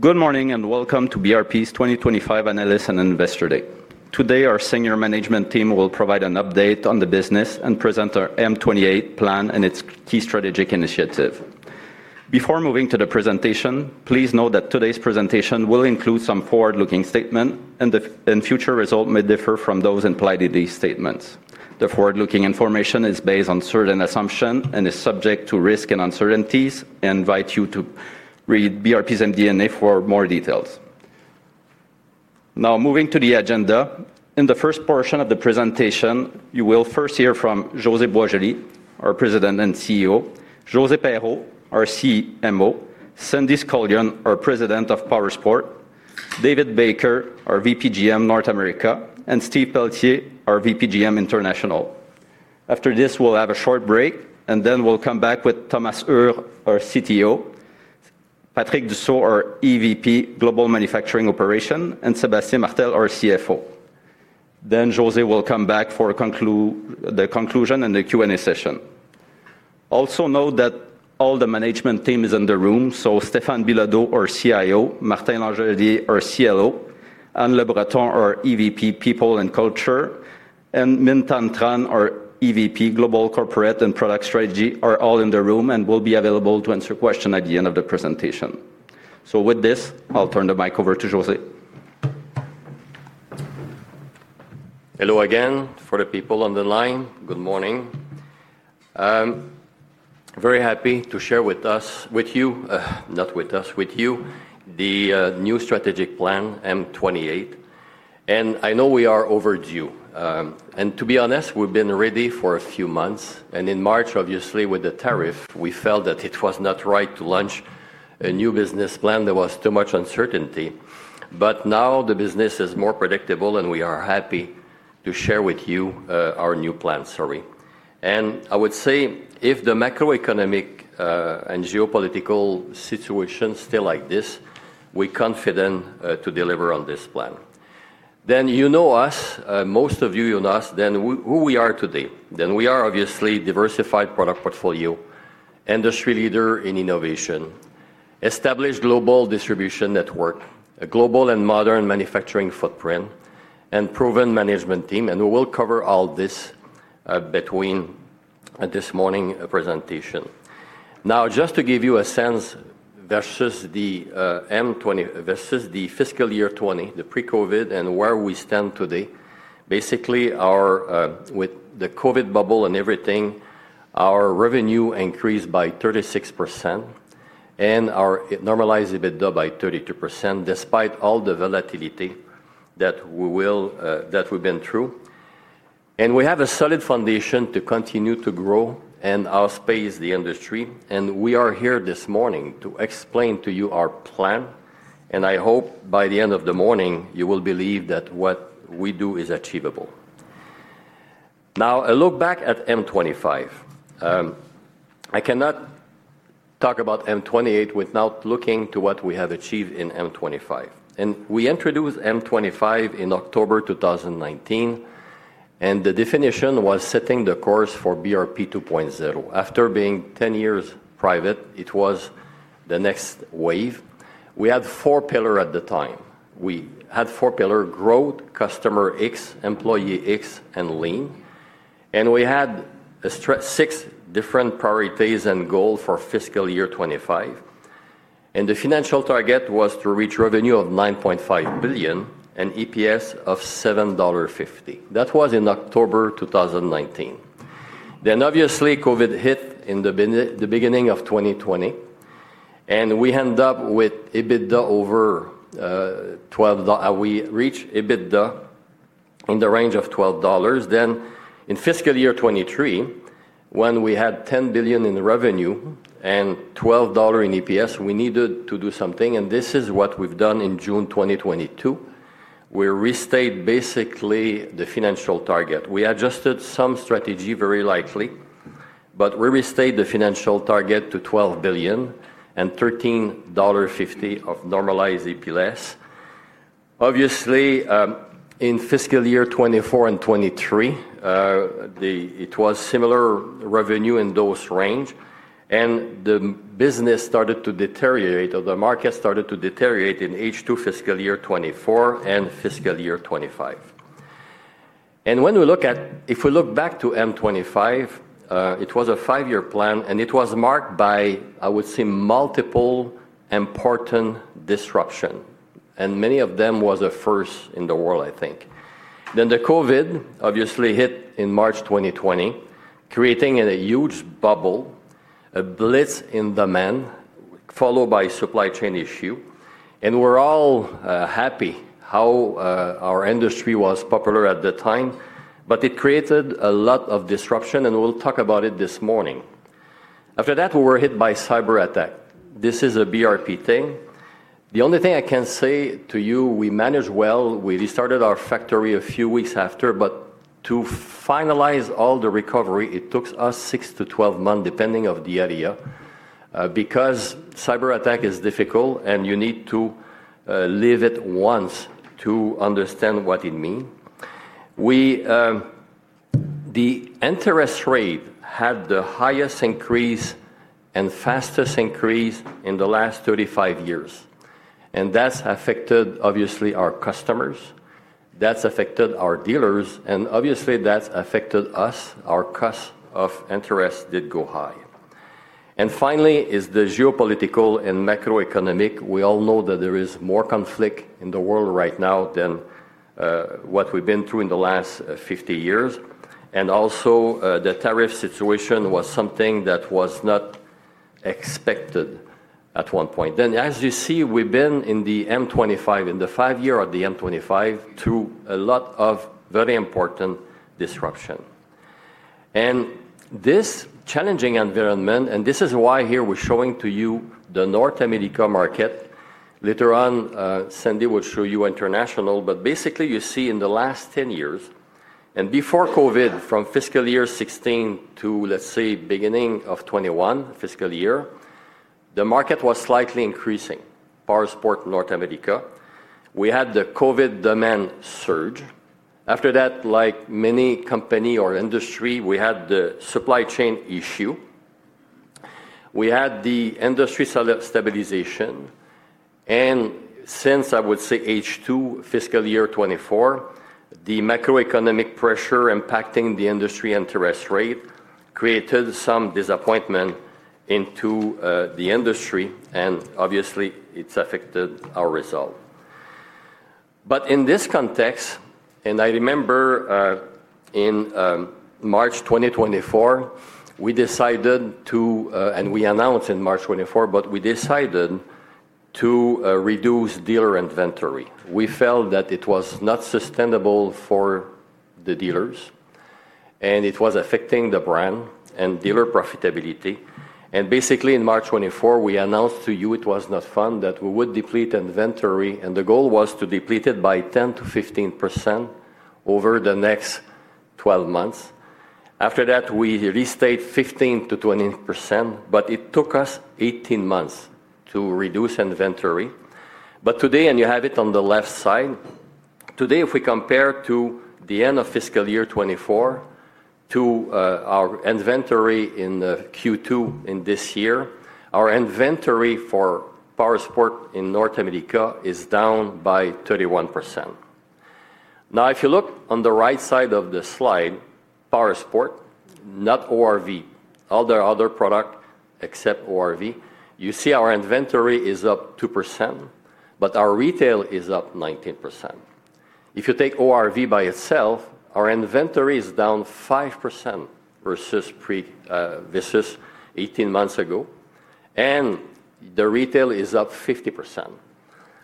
Good morning and welcome to BRP's 2025 Analyst and Investor Day. Today our senior management team will provide an update on the business and present our M28 plan and its key strategic initiative. Before moving to the presentation, please note that today's presentation will include some forward-looking statements and future results may differ from those implied in these statements. The forward-looking information is based on certain assumptions and is subject to risks and uncertainties and I invite you to read BRP's MD&A for more details. Now moving to the agenda. In the first portion of the presentation you will first hear from José Boisjoli, our President and CEO, Josee Perreault, our CMO, Sandy Scullion, our President of Powersports, David Baker, our VPGM North America, and Steve Pelletier, our VPGM International. After this we'll have a short break and then we'll come back with Thomas Uhr, our CTO, Patrick Dussault, our EVP Global Manufacturing, and Sébastien Martel, our CFO. Then José will come back for the conclusion and the Q&A session. Also note that all the management team. Is in the room. Stéphane Bilodeau, our CIO, Martin Langelier, our CLO, Anne Le Breton, our EVP People and Culture, and Minh Thanh Tran, our EVP Global Corporate and Product Strategy, are all in the room and will be available to answer questions at the end of the presentation. With this, I'll turn the mic over to José. Hello again for the people on the line. Good morning. Very happy to share with you the new strategic plan M28 and I know we are overdue and to be honest, we've been ready for a few months and in March, obviously with the tariff, we felt that it was not right to launch a new business plan. There was too much uncertainty. Now the business is more predictable and we are happy to share with you our new plan. Sorry. I would say if the macroeconomic and geopolitical situation stay like this, we are confident to deliver on this plan. You know us, most of you, you know us. Who we are today, we are obviously diversified product portfolio, industry leader in innovation, established global distribution network, a global and modern manufacturing footprint and proven management team. We will cover all this between this morning presentation. Now just to give you a sense versus the fiscal year 2020, the pre-COVID and where we stand. Basically with the COVID bubble and everything, our revenue increased by 36% and our normalized EBITDA by 32%. Despite all the volatility that we've been through, we have a solid foundation to continue to grow in our space, the industry. We are here this morning to explain to you our plan. I hope by the end of the morning you will believe that what we do is achievable. Now, a look back at M25. I cannot talk about M28 without looking to what we have achieved in M25. We introduced M25 in October 2019 and the definition was setting the course for BRP 2.0. After being 10 years from private, it was the next wave. We had four pillars at the time. We had four pillars: Growth, Customer X, Employee X and Lean. We had six different priorities and goal for fiscal year 2025. The financial target was to reach revenue of $9.5 billion and EPS of $7.5. That was in October 2019. Obviously COVID hit in the beginning of 2020 and we end up with EBITDA over $12. We reach EBITDA in the range of $12. In fiscal year 2023 when we had $10 billion in revenue and $12 in EPS, we needed to do something. This is what we've done in June 2022, we restate basically the financial target. We adjusted some strategy very lightly, but we restate the financial target to $12 billion and $13.5 of normalized EPS. Less obviously, in fiscal year 2024 and 2023 it was similar revenue in those range and the business started to deteriorate or the market started to deteriorate in H2 fiscal year 2024 and fiscal year 2025. If we look back to M25, it was a five year plan and it was marked by, I would see, multiple important disruption. Many of them was a first in the world, I think. The COVID obviously hit in March 2020, creating a huge bubble, a blitz in demand followed by supply chain issue. We were all happy how our industry was popular at the time, but it created a lot of disruption and we'll talk about it this morning. After that, we were hit by cyberattack. This is a BRP thing. The only thing I can say to you, we managed well. We restarted our factory a few weeks after. To finalize all the recovery, it took us 6-12 months depending on the area. Because cyberattack is difficult and you need to live it once to understand what it mean. The interest rate had the highest increase and fastest increase in the last 35 years. That's affected obviously our customers, that's affected our dealers and obviously that's affected us. Our cost of interest did go high. Finally is the geopolitical and macroeconomic. We all know that there is more conflict in the world right now than what we've been through in the last 50 years. Also, the tariff situation was something that was not expected at one point. As you see, we've been in the M25, in the five year of the M25, to a lot of the very important disruption and this challenging environment. This is why here we're showing to you the North America market. Later on, Sandy will show you international. Basically, you see in the last 10 years and before COVID, from fiscal year 2016 to let's say beginning of 2021 fiscal year, the market was slightly increasing. Powersports North America, we had the COVID demand surge. After that, like many company or industry, we had the supply chain issue, we had the industry stabilization. Since, I would say, H2 fiscal year 2024, the macroeconomic pressure impacting the industry interest rate created some disappointment into the industry. Obviously, it's affected our result. In this context, and I remember in March 2024, we decided to, and we announced in March 2024, but we decided to reduce dealer inventory. We felt that it was not sustainable for the dealers and it was affecting the brand and deliver profitability. Basically, in March 24th, we announced to you it was not fun that we would deplete inventory. The goal was to deplete it by 10%-15% over the next 12 months. After that, we restate 15%-20%. It took us 18 months to reduce inventory. Today, and you have it on the left side today, if we compare the end of fiscal year 2024 to our inventory in Q2 in this year, our inventory for Powersports in North America is down by 31%. If you look on the right side of the slide, Powersports, not ORV, all the other products except ORV, you see our inventory is up 2% but our retail is up 19%. If you take ORV by itself, our inventory is down 5% versus 18 months ago and the retail is up 50%.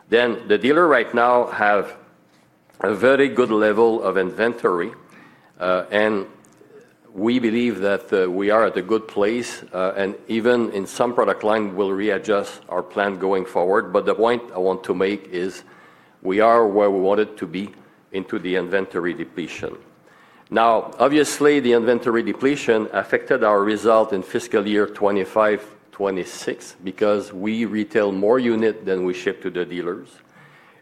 The dealer right now have a very good level of inventory. We believe that we are at a good place. In some product lines, we'll readjust our plan going forward. The point I want to make is we are where we wanted to be in the inventory depletion. Obviously, the inventory depletion affected our result in fiscal year 2025-2026 because we retail more units than we ship to the dealers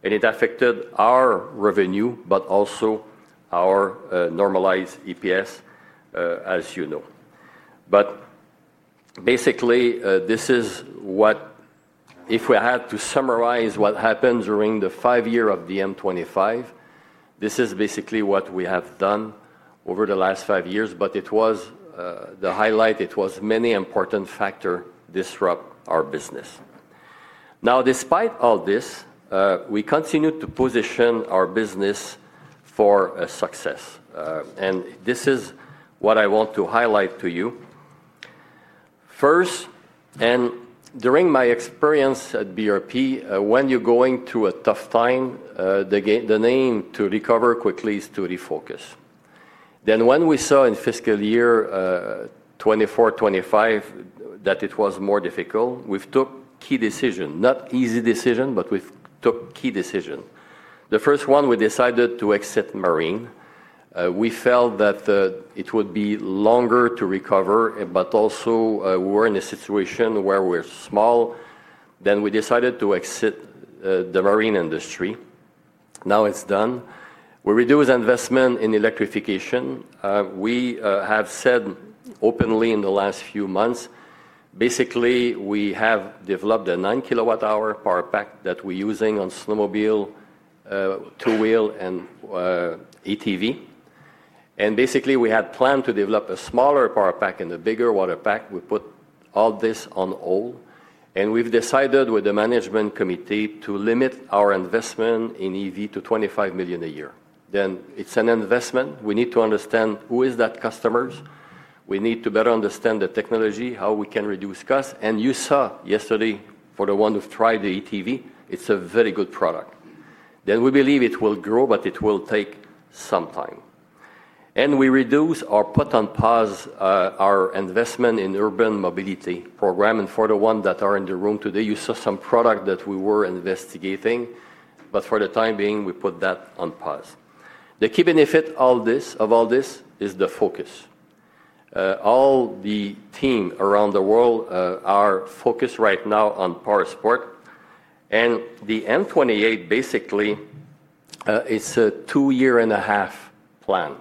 and it affected our revenue, but also our normalized EPS as you know. Basically, if we had to summarize what happened during the five years of the M25, this is basically what we have done over the last five years. It was the highlight. There were many important factors that disrupted our business. Despite all this, we continue to position our business for success. This is what I want to highlight to you first and during my experience at BRP. When you're going through a tough time, the name to recover quickly is to refocus. When we saw in fiscal year 2024-2025 that it was more difficult, we took key decisions. Not easy decisions, but we took key decisions. The first one, we decided to exit marine. We felt that it would be longer to recover. We were in a situation where we're small. We decided to exit the marine industry. Now it's done. We reduced investment in electrification. We have said openly in the last few months, basically we have developed a 9 kWh power pack that we're using on snowmobile, two wheel, and ATV. We had planned to develop a smaller power pack and a bigger water pack. We put all this on hold and we've decided with the management committee to limit our investment in EV to $25 million a year. It's an investment. We need to understand who is that customer. We need to better understand the technology, how we can reduce costs. You saw yesterday, for the one who's tried the ATV, it's a very good product. We believe it will grow, but it will take some time. We reduce or put on pause our investment in urban mobility program. For the one that are in the room today, you saw some product that we were investigating. For the time being we put that on pause. The key benefit of all this is the focus. All the team around the world are focused right now on powersports and the M28. Basically it's a two year and a half plan.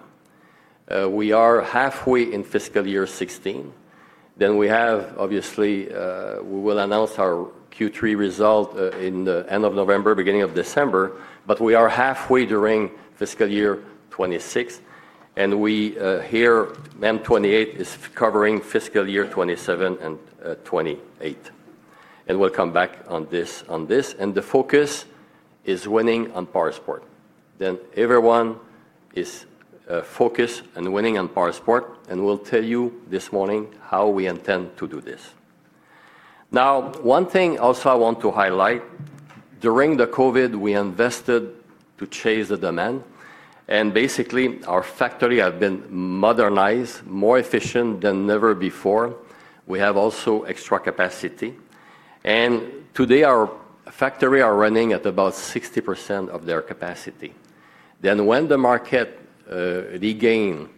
We are halfway in fiscal year 2016. We will announce our Q3 result at the end of November, beginning of December. We are halfway during fiscal year 2026. Here M28 is covering fiscal year 2027 and 2028. We'll come back on this. The focus is winning on powersports. Everyone is focused on winning on powersports. We'll tell you this morning how we intend to do this. One thing also I want to highlight, during COVID we invested to chase the demand and basically our factory has been modernized, more efficient than ever before. We have also extra capacity and today our factory is running at about 60% of their capacity. When the market regains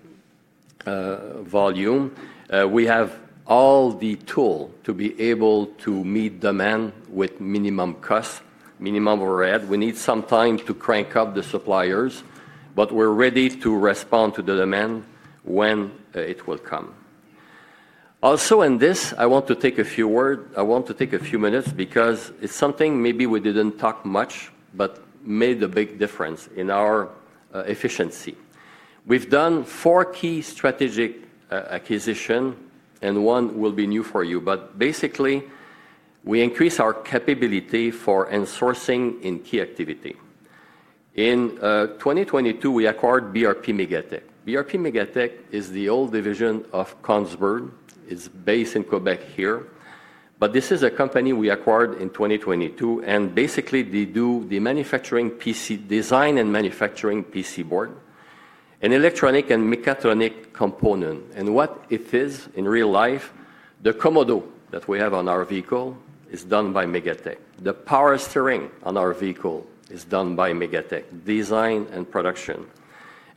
volume we have all the tools to be able to meet demand with minimum costs, minimum overhead. We need some time to crank up the suppliers but we're ready to respond to the demand when it will come. Also in this I want to take a few minutes because it's something maybe we didn't talk much, but made a big difference in our efficiency. We've done four key strategic acquisitions and one will be new for you. Basically we increase our capability for end sourcing in key activity. In 2022 we acquired BRP Megatech. BRP Megatech is the old division of Kongsberg. It's based in Quebec here. This is a company we acquired in 2022. Basically they do the manufacturing PC design and manufacturing PC board, and electronic and mechatronic component and what it is in real life. The [Komodo] that we have on our vehicle is done by Megatech. The power steering on our vehicle is done by Megatech design and production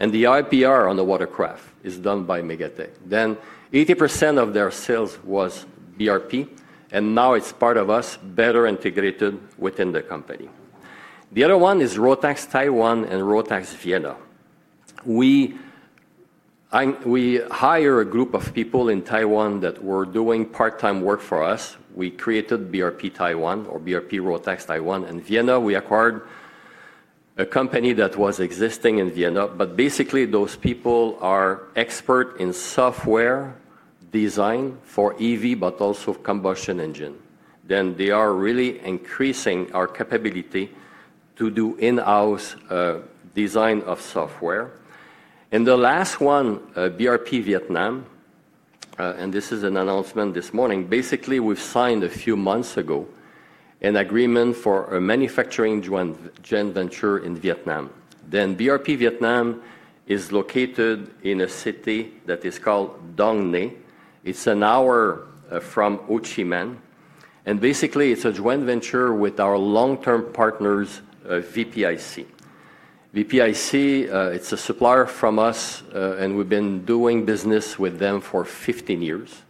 and the IPR on the watercraft is done by Megatech. 80% of their sales was BRP and now it's part of us, better integrated within the company. The other one is Rotax Taiwan and Rotax Vienna. We hire a group of people in Taiwan that were doing part time work for us. Working. We created BRP Taiwan or BRP Rotax Taiwan in Vienna. We acquired a company that was existing in Vienna. Basically, those people are expert in software design for EV but also combustion engine. They are really increasing our capability to do in-house design of software. The last one, BRP Vietnam. This is an announcement this morning. We signed a few months ago an agreement for a manufacturing joint venture in Vietnam. BRP Vietnam is located in a city that is called Dong [Hới]. It's an hour from Ho Chi Minh. Basically, it's a joint venture with our long-term partners VPIC. VPIC is a supplier for us and we've been doing business with them for 15 years.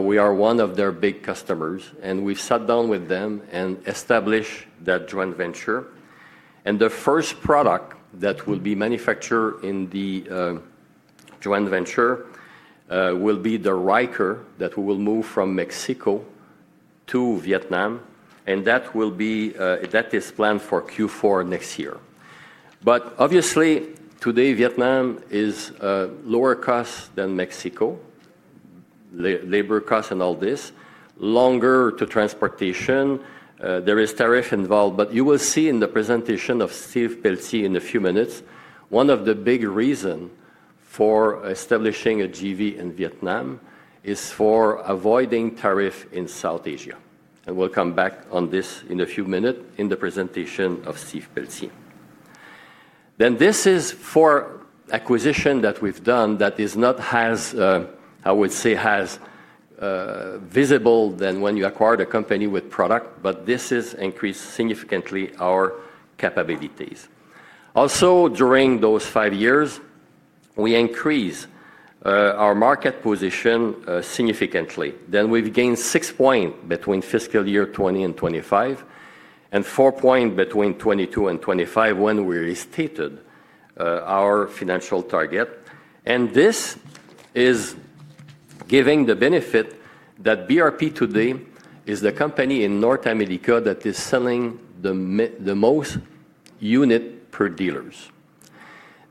We are one of their big customers and we've sat down with them and established that joint venture. The first product that will be manufactured in the joint venture will be the Ryker that will move from Mexico to Vietnam. That is planned for Q4 next year. Obviously, today Vietnam is lower cost than Mexico. Labor costs and all this, longer to transportation. There is tariff involved. You will see in the presentation of Steve Pelletier in a few minutes. One of the big reasons for establishing a joint venture in Vietnam is for avoiding tariff in South Asia. We'll come back on this in a few minutes in the presentation of Steve Pelletier. This is for acquisition that we've done that is not, I would say, as visible as when you acquired a company with product. This has increased significantly our capabilities. Also, during those five years we increased our market position significantly. We've gained 6 points between fiscal year 2020 and 2025 and 4 points between 2022 and 2025 when we restated our financial target. This is giving the benefit that BRP today is the company in North America that is selling the most unit per dealers.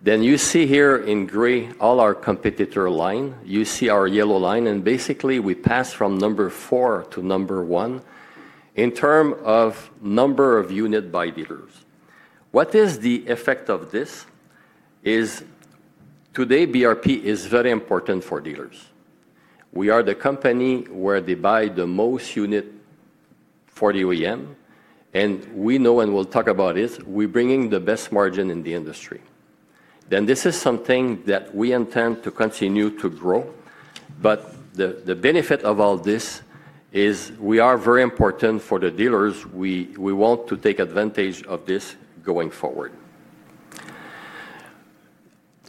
You see here in gray all our competitor line, you see our yellow line and basically we pass from number four to number one in terms of number of unit by dealers. The effect of this is today BRP is very important for dealers. We are the company where they buy the most unit for the OEM. We know and we'll talk about this, we're bringing the best margin in the industry. This is something that we intend to continue to grow. The benefit of all this is we are very important for the dealers. We want to take advantage of this going forward.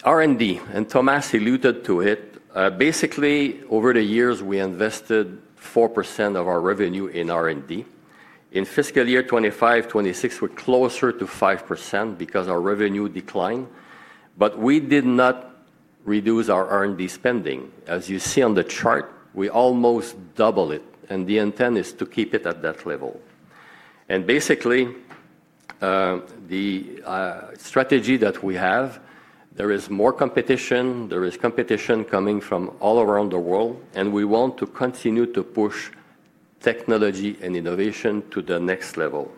R&D, and Thomas alluded to it, basically over the years we invested 4% of our revenue in R&D. In fiscal year 2025-2026, we're closer to 5% because our revenue declined, but we did not reduce our R&D spending. As you see on the chart, we almost double it, and the intent is to keep it at that level. Basically, the strategy that we have is there is more competition, there is competition coming from all around the world, and we want to continue to push technology and innovation to the next level.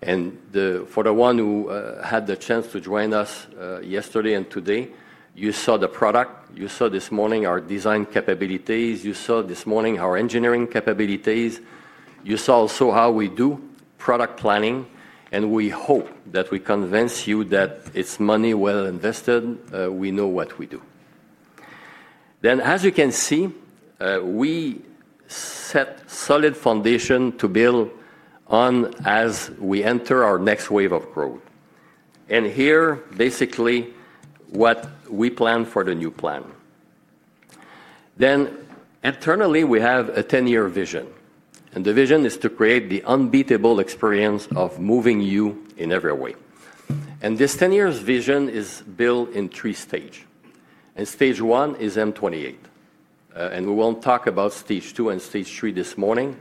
For the ones who had the chance to join us yesterday and today, you saw the product, you saw this morning our design capabilities, you saw this morning our engineering capabilities, you saw also how we do product planning, and we hope that we convince you that it's money well invested. We know what we do. As you can see, we set solid foundation to build on as we enter our next wave of growth. Here, basically, is what we plan for the new plan. Internally, we have a 10-year vision, and the vision is to create the unbeatable experience of moving you in every way. This 10-year vision is built in three stages. Stage one is M28, and we won't talk about stage two and stage three this morning.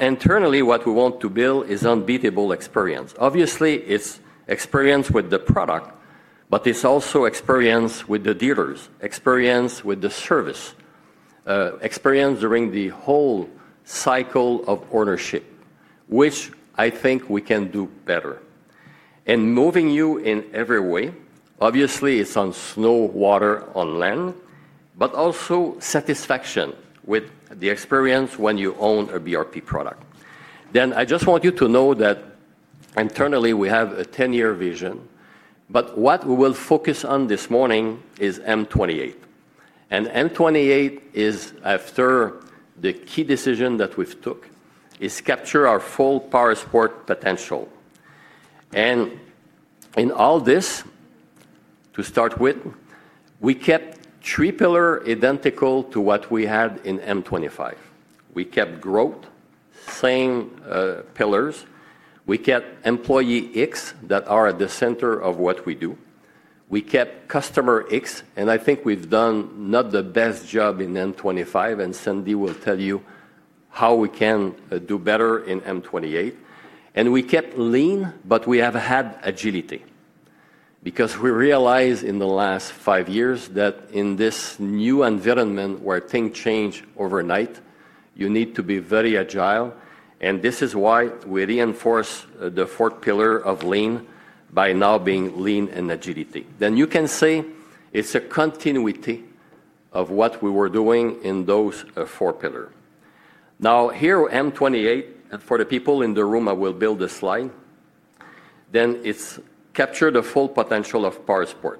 Internally, what we want to build is unbeatable experience. Obviously, it's experience with the product, but it's also experience with the dealers, experience with the service, experience during the whole cycle of ownership, which I think we can do better. Moving you in every way, obviously, it's on snow, water, on land, but also satisfaction with the experience when you own a BRP product. I just want you to know that internally we have a 10-year vision. What we will focus on this morning is M28, and M28 is after the key decision that we've took, is capture our full powersports potential. In all this, to start with, we kept three pillars identical to what we had in M25. We kept growth, same pillars, we kept employee X that are at the center of what we do, we kept customer X, and I think we've done not the best job in M25. Sandy will tell you how we can do better in M28. We kept lean, but we have had agility because we realize in the last five years that in this new environment where things change overnight, you need to be very agile. This is why we reinforce the fourth pillar of lean by now being lean and agility. You can say it's a continuity of what we were doing in those four pillars. Now here, M28, for the people in the room, I will build a slide. Then it's capture the full potential of powersport.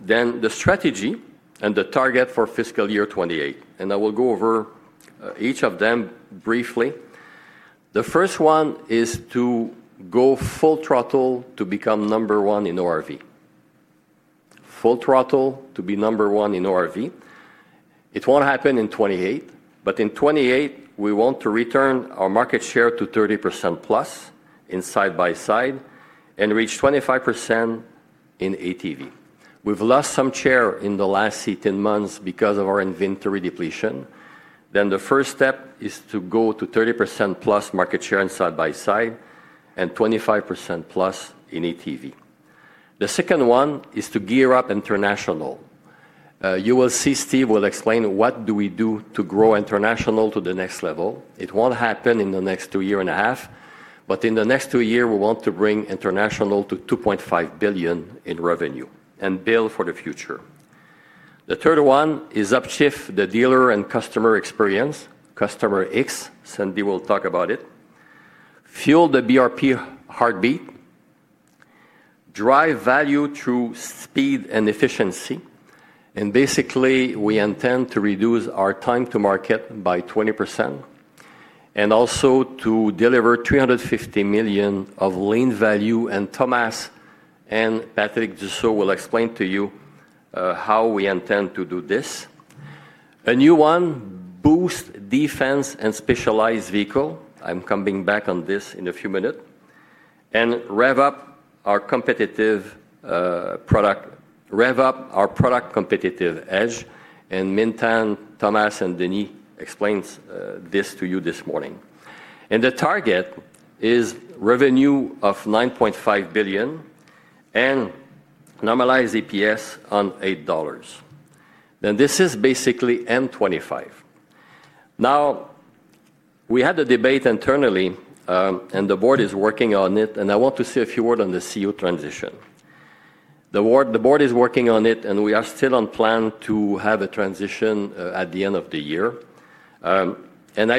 Then the strategy and the target for fiscal year 2028. I will go over each of them briefly. The first one is to go full throttle to become number one in ORV. Full throttle to be number one in ORV. It won't happen in 2028, but in 2028 we want to return our market share to 30%+ in side-by-side and reach 25% in ATV. We've lost some share in the last 18 months because of our inventory depletion. The first step is to go to 30%+ market share side-by-side and 25%+ in ATV. The second one is to gear up International. You will see. Steve will explain what we do to grow International to the next level. It won't happen in the next two years and a half, but in the next two years we want to bring International to $2.5 billion in revenue and build for the future. The third one is Upshift. The dealer and customer experience. Customer X. Sandy will talk about it. Fuel the BRP heartbeat, drive value through speed and efficiency. Basically, we intend to reduce our time to market by 20% and also to deliver $350 million of lean value. Thomas and Patrick Dussault will explain to you how we intend to do this. A new one, boost defense and specialized vehicle. I'm coming back on this in a few minutes. Rev up our product competitive edge. Minh Thanh, Thomas, and Denys explain this to you this morning. The target is revenue of $9.5 billion and normalized EPS of $8. This is basically M25. We had a debate internally and the board is working on it. I want to say a few words on the CEO transition. The board is working on it and we are still on plan to have a transition at the end of the year. I've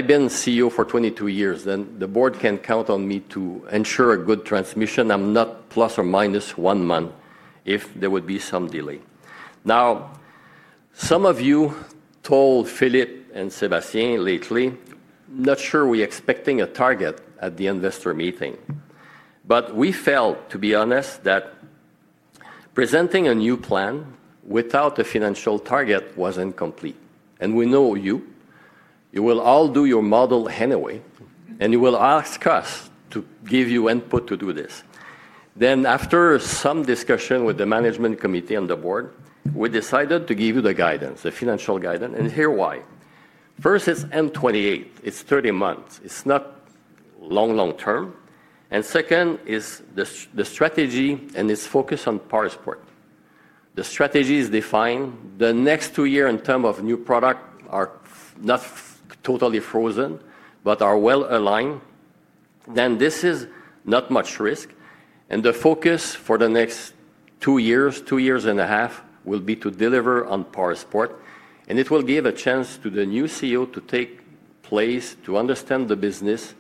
been CEO for 22 years and the board can count on me to ensure a good transmission. I'm not plus or minus one month if there would be some delay. Some of you told Philippe and Sébastien lately not sure we expecting a target at the investor meeting. We felt, to be honest, that presenting a new plan without a financial target was incomplete. We know you, you will all do your model anyway and you will ask us to give you input to do this. After some discussion with the management committee and the board, we decided to give you the guidance, the financial guidance. Here is why. First is M28. It's 30 months, it's not long term. Second is the strategy and its focus on powersport. The strategy is defined. The next two years in terms of new product are not totally frozen, but are well aligned. There is not much risk. The focus for the next two years, two years and a half, will be to deliver on powersports. It will give a chance to the new CEO to take place, to understand the business,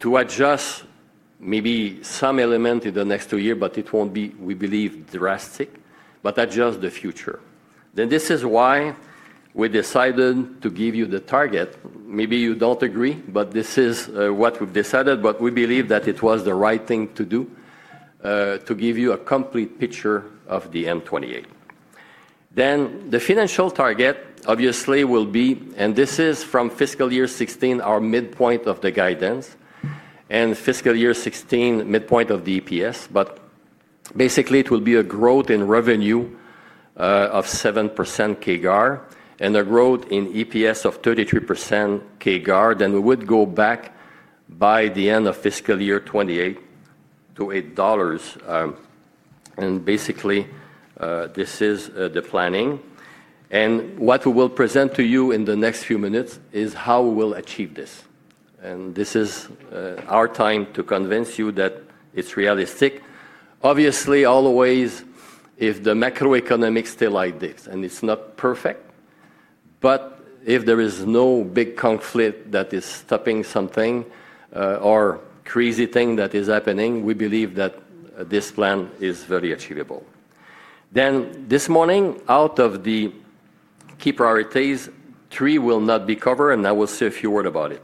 to adjust maybe some element in the next two years, but it won't be, we believe, drastic, but adjust the future. This is why we decided to give you the target. Maybe you don't agree, but this is what we've decided. We believe that it was the right thing to do to give you a complete picture of the M28. The financial target obviously will be, and this is from fiscal year 2016, our midpoint of the guidance and fiscal year 2016, midpoint of the EPS. Basically, it will be a growth in revenue of 7% CAGR and a growth in EPS of 33% CAGR. We would go back by the end of fiscal year 2028 to $8. Basically, this is the planning and what we will present to you in the next few minutes is how we'll achieve this. This is our time to convince you that it's realistic. Obviously, always if the macroeconomic stay like this and it's not perfect, but if there is no big conflict that is stopping something or crazy thing that is happening, we believe that this plan is very achievable. This morning, out of the key priorities, three will not be covered. I will say a few words about it.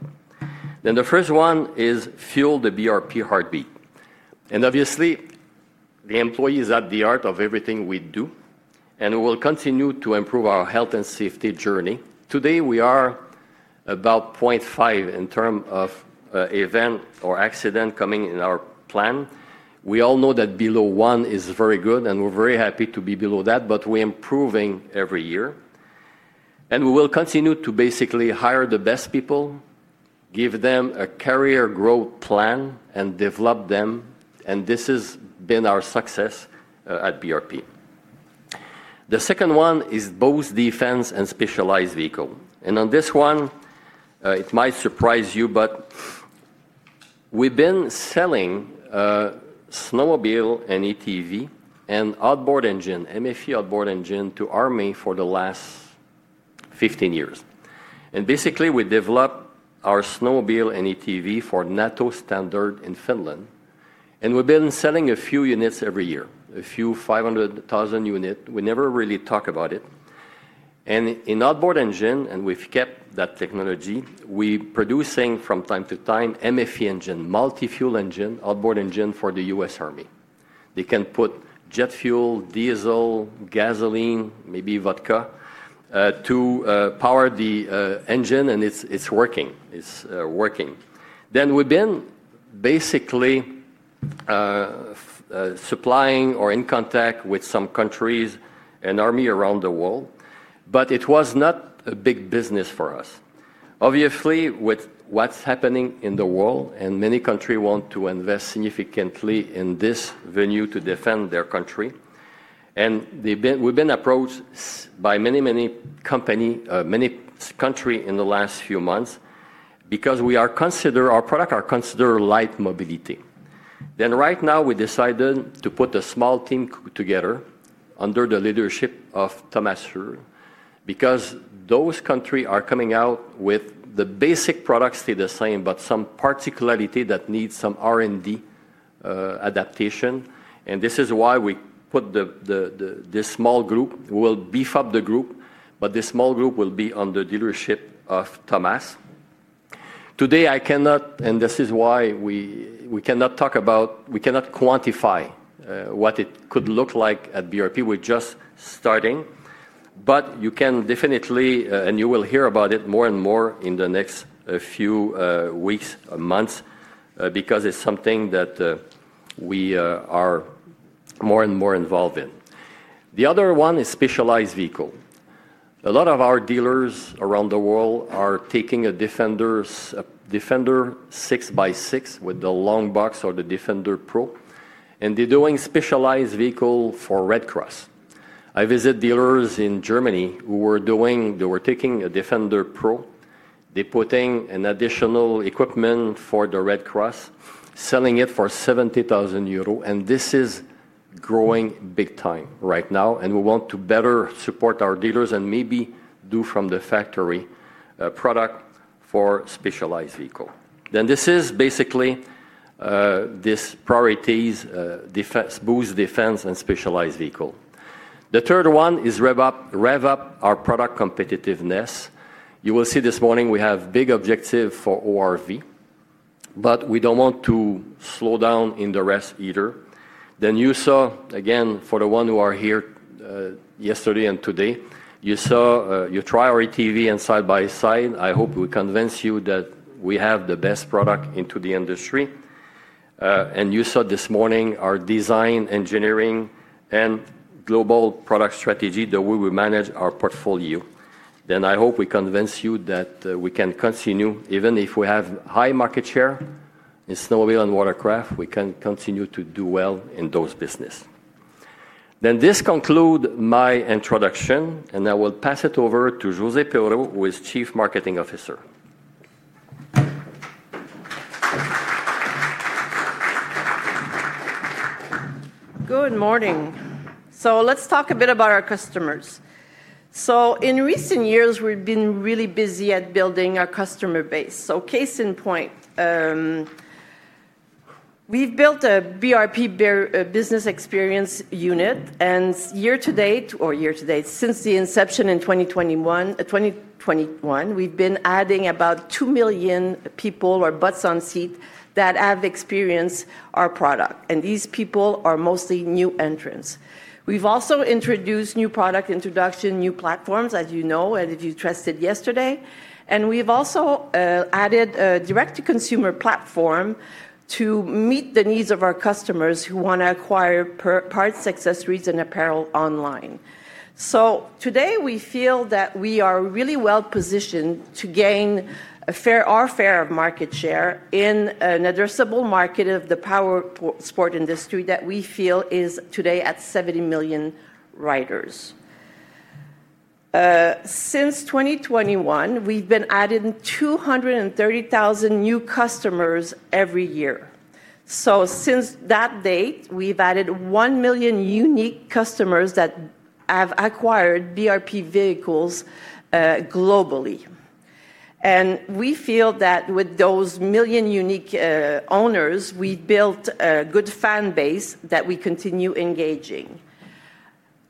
The first one is fuel the BRP heartbeat. Obviously, the employee is at the heart of everything we do. We'll continue to improve our health and safety journey. Today we are about 0.5 in terms of event or accident coming in our plan. We all know that below one is very good and we're very happy to be below that. We're improving every year and we will continue to basically hire the best people, give them a career growth plan, and develop them. This has been our success at BRP. The second one is both defense and specialized vehicle. On this one, it might surprise you, but we've been selling snowmobile and ATV and outboard engine, MFE outboard engine, to army for the last 15 years. Basically, we develop our snowmobile and ATV for NATO standard in Finland. We've been selling a few units every year, a few 500,000 unit. We never really talk about it. In outboard engine, we've kept that technology. We are producing from time to time MFE engine, multi fuel engine, outboard engine for the U.S. Army. They can put jet fuel, diesel, gasoline, maybe vodka to power the engine. It's working. It's working. We've been basically supplying or in contact with some countries and army around the world. It was not a big business for us obviously with what's happening in the world. Many countries want to invest significantly in this venue to defend their country. We've been approached by many, many companies, many countries in the last few months because we are considered. Our products are considered light mobility. Right now we decided to put a small team together under the leadership of Thomas Uhr because those countries are coming out with the basic products stay the same but some particularity that needs some R&D adaptation. This is why we put this small group. We'll beef up the group. This small group will be on the leadership of Thomas. Today I cannot, and this is why we cannot talk about, we cannot quantify what it could look like at BRP. We're just starting but you can definitely and you will hear about it more and more in the next few weeks, months because it's something that we are more and more involved in. The other one is specialized vehicle. A lot of our dealers around the world are taking a Defender, Defender 6x6 with the long box or the Defender PRO and they're doing specialized vehicle for Red Cross. I visit dealers in Germany who were doing, they were taking a Defender PRO. They put in additional equipment for the Red Cross selling it for 70,000 euros. This is growing big time right now. We want to better support our dealers and maybe do from the factory product for specialized vehicle. This is basically these priorities: boost defense and specialized vehicle. The third one is rev up our product competitiveness. You will see this morning we have big objective for ORV but we don't want to slow down in the rest either. You saw again for the ones who are here yesterday and today you saw you try our ATV and side-by-side. I hope we convince you that we have the best product in the industry and you saw this morning our design, engineering and global product strategy, the way we manage our portfolio. I hope we convince you that we can continue even if we have high market share in snowmobile and watercraft, we can continue to do well in those business. This concludes my introduction and I will pass it over to Josee Perreault who is Chief Marketing Officer. Good morning. Let's talk a bit about our customers. In recent years we've been really busy at building our customer base. Case in point, we've built a BRP business experience unit and year to date, or year to date since the inception in 2021, we've been adding about 2 million people, or butts on seat, that have experience. These people are mostly new entrants. We've also introduced new product introduction, new platforms as you know, and if you trusted yesterday. We've also added a direct-to-consumer platform to meet the needs of our customers who want to acquire parts, accessories, and apparel online. Today we feel that we are really well positioned to gain our fair market share in an addressable market of the powersports industry that we feel is today at 70 million riders. Since 2021, we've been adding 230,000 new customers every year. Since that date we've added 1 million unique customers that have acquired BRP vehicles globally. We feel that with those million unique owners we've built a good fan base that we continue engaging.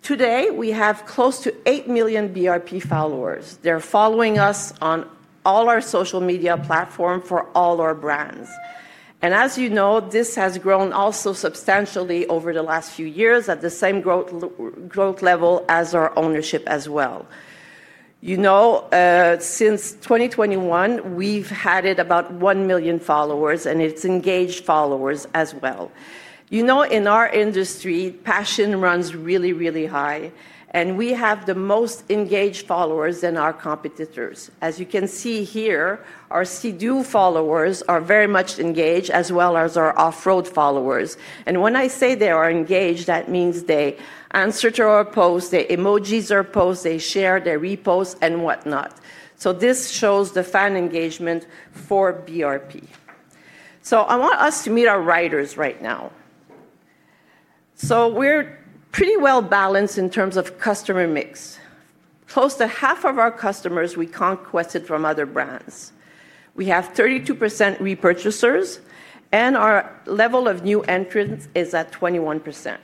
Today we have close to 8 million BRP followers. They're following us on all our social media platforms for all our brands. As you know, this has grown also substantially over the last few years at the same growth level as our ownership as well. Since 2021 we've added about 1 million followers and it's engaged followers as well. In our industry, passion runs really and we have the most engaged followers than our competitors. As you can see here, our Sea-Doo followers are very much engaged as well as our off-road followers. When I say they are engaged, that means they answer to our posts, they emoji our posts, they share, they repost and whatnot. This shows the fan engagement for BRP. I want us to meet our riders right now. We're pretty well balanced in terms of customer mix. Close to half of our customers we conquested from other brands. We have 32% repurchasers and our level of new entrants is at 21%.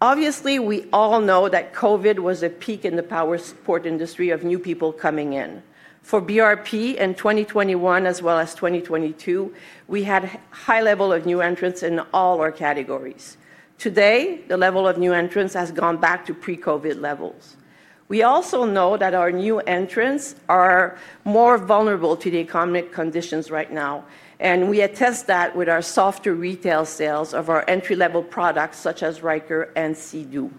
Obviously we all know that COVID was a peak in the powersports industry of new people coming in for BRP. In 2021 as well as 2022, we had high levels of new entrants in all our categories. Today the level of new entrants has gone back to pre-COVID levels. We also know that our new entrants are more vulnerable to the economic conditions right now. We attest that with our softer retail sales of our entry-level products such as Ryker and Sea-Doo.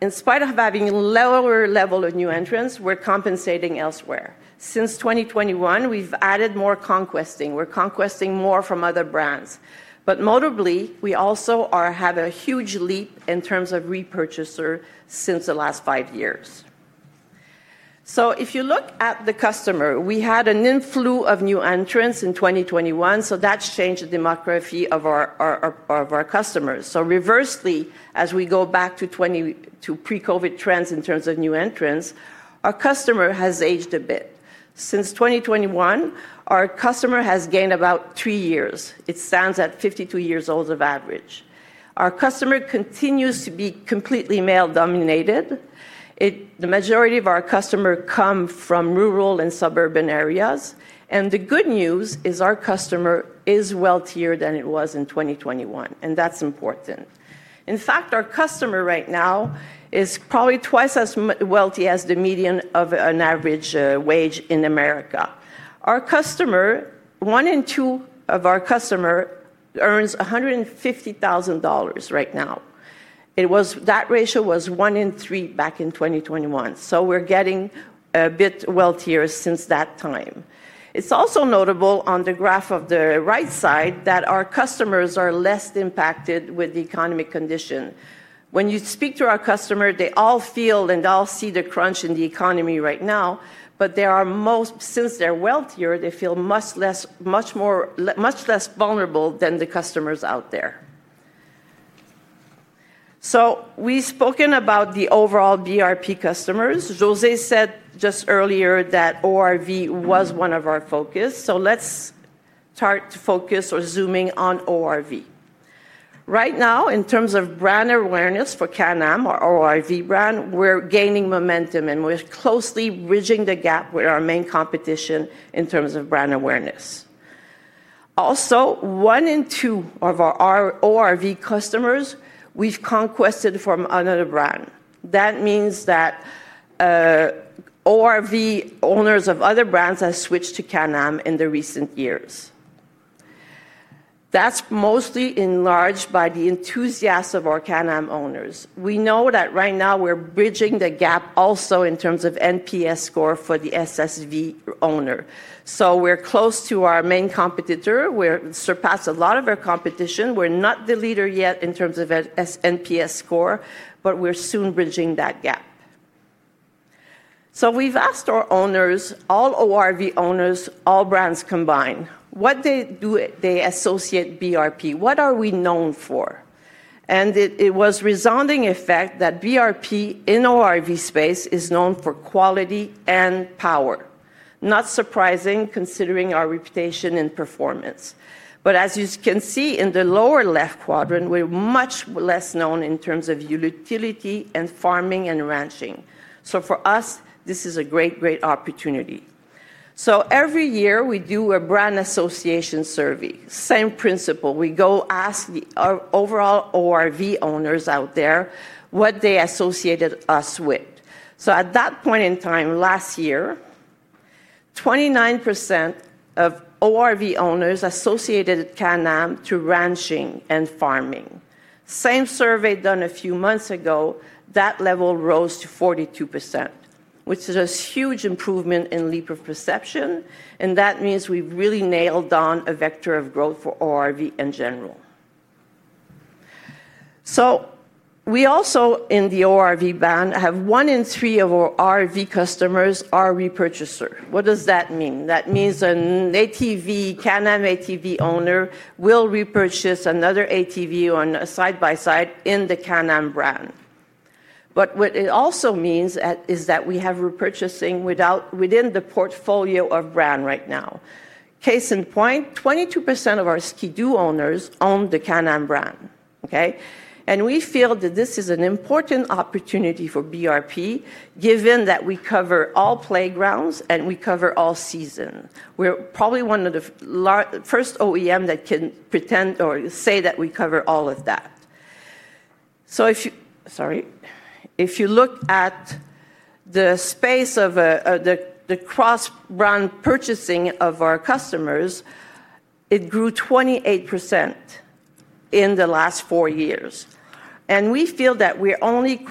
In spite of having lower level of new entrants, we're compensating elsewhere. Since 2021 we've added more conquesting, we're conquesting more from other brands. Notably, we also have a huge leap in terms of repurchaser since the last five years. If you look at the customer, we had an influence of new entrants in 2021. That's changed the demography of our customers. Reversely, as we go back to pre-COVID trends in terms of new entrants, our customer has aged a bit since 2021. Our customer has gained about three years. It stands at 52 years old. Our customer continues to be completely male dominated. The majority of our customers come from rural and suburban areas. The good news is our customer is wealthier than it was in 2021 and that's important. In fact, our customer right now is probably twice as wealthy as the median of an average wage in America. One in two of our customer earns $150,000 right now. That ratio was one in three back in 2021. We're getting a bit wealthier since that time. It's also notable on the graph on the right side that our customers are less impacted with the economic condition. When you speak to our customer, they all feel and all see the crunch in the economy right now. Since they're wealthier, they feel much less vulnerable than the customers out there. We've spoken about the overall BRP customers. José said just earlier that ORV was one of our focus. Let's start to focus or zooming on ORV right now. In terms of brand awareness for Can-Am or ORV brand, we're gaining momentum and we're closely bridging the gap with our main competition in terms of brand awareness. Also, 1 in 2 of our ORV customers we've conquested from another brand. That means that ORV owners of other brands have switched to Can-Am in the recent years. That's mostly enlarged by the enthusiasts of our Can-Am owners. We know that right now we're bridging the gap also in terms of NPS score for the SSV owner. We're close to our main competitor. We're surpassing a lot of our competition. We're not the leader yet in terms of SNPS score, but we're soon bridging that gap. We've asked our owners, all ORV owners, all brands combined, what do they associate BRP? What are we known for? It was resounding effect that BRP in ORV space is known for quality and power. Not surprising considering our reputation in performance. As you can see in the lower left quadrant, we're much less known in terms of utility and farming and ranching. For us this is a great, great opportunity. Every year we do a brand association survey. Same principle. We go ask the overall ORV owners out there what they associated us with. At that point in time last year, 29% of ORV owners associated Can-Am to ranching and farming. Same survey done a few months ago, that level rose to 42%, which is a huge improvement in leap of perception. That means we really nailed down a vector of growth for ORV in general. In the ORV band, 1 in 3 of our ORV customers are repurchasers. What does that mean? That means a Can-Am ATV owner will repurchase another ATV or a side-by-side in the Can-Am brand. What it also means is that we have repurchasing within the portfolio of brand right now. Case in point, 22% of our Ski-Doo owners own the Can-Am brand. We feel that this is an important opportunity for BRP given that we cover all playgrounds and we cover all seasons. Probably one of the first OEMs that can pretend or say that we cover all of that. If you look at the space of the cross brand purchasing of our customers, it grew 28% in the last four years. We feel that we're only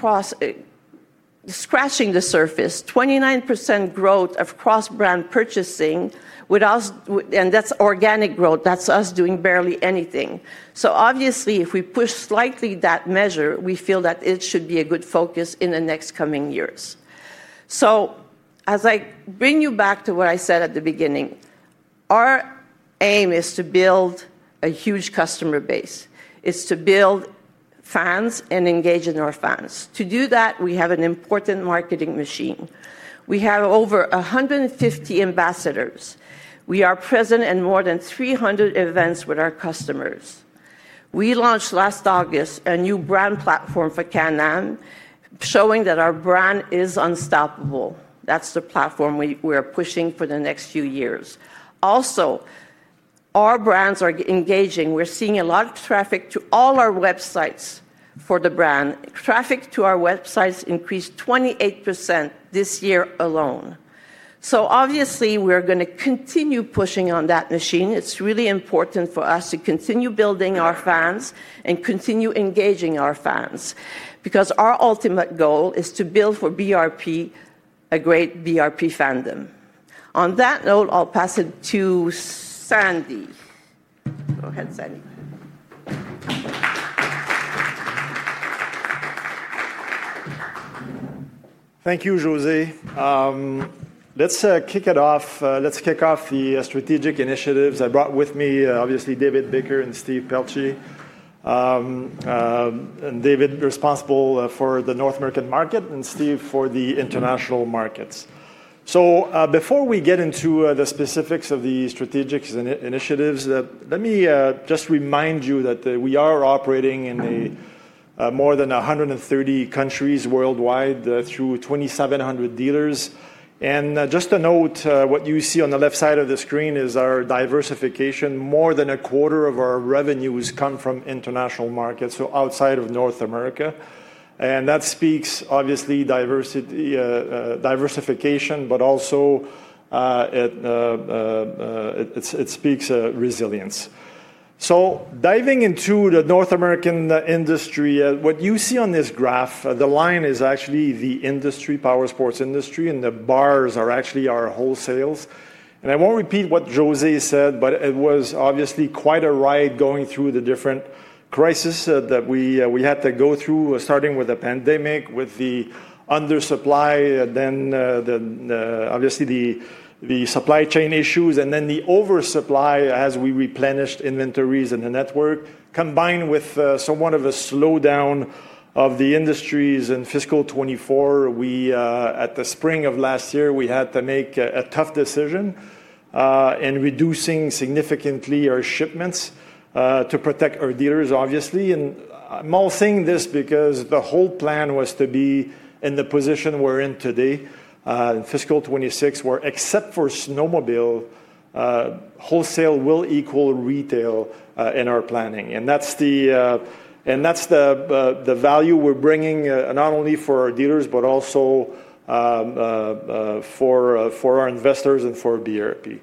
scratching the surface. 29% growth of cross brand purchasing and that's organic growth. That's us doing barely anything. Obviously, if we push slightly that measure, we feel that it should be a good focus in the next coming years. As I bring you back to what I said at the beginning, our aim is to build a huge customer base, to build fans and engage in our fans. To do that we have an important marketing machine. We have over 150 ambassadors. We are present in more than 300 events with our customers. We launched last August a new brand platform for Can-Am showing that our brand is unstoppable. That's the platform we are pushing for the next few years. Also, our brands are engaging. We're seeing a lot of traffic to all our websites for the brand. Traffic to our websites increased 28% this year alone. Obviously, we're going to continue pushing on that machine. It's really important for us to continue building our fans and continue engaging our fans because our ultimate goal is to build for BRP a great BRP fandom. On that note, I'll pass it to Sandy. Go ahead, Sandy. Thank you, Josee. Let's kick it off. Let's kick off the strategic initiatives. I brought with me obviously David Baker and Steve Pelletier and David responsible for the North American market and Steve for the international markets. Before we get into the specifics of the strategic initiatives, let me just remind you that we are operating in more than 130 countries worldwide through 2,700 dealers. Just a note, what you see on the left side of the screen is our diversification. More than a quarter of our revenues come from international markets, so outside of North America. That speaks obviously to diversity, diversification, but also it speaks resilience. Diving into the North American industry, what you see on this graph, the line is actually the industry, powersports industry, and the bars are actually our wholesales. I won't repeat what Josee said, but it was obviously quite a ride going through the different crises that we had to go through, starting with the pandemic with the undersupply, then obviously the supply chain issues and then the oversupply as we replenished inventories in the network, combined with somewhat of a slowdown of the industries in fiscal 2024. At the spring of last year, we had to make a tough decision and reduce significantly our shipments to protect our dealers. I'm saying this because the whole plan was to be in the position we're in today in fiscal 2026, where except for snowmobile, wholesale will equal retail in our planning. That's the value we're bringing, not only for our dealers, but also for our investors and for BRP.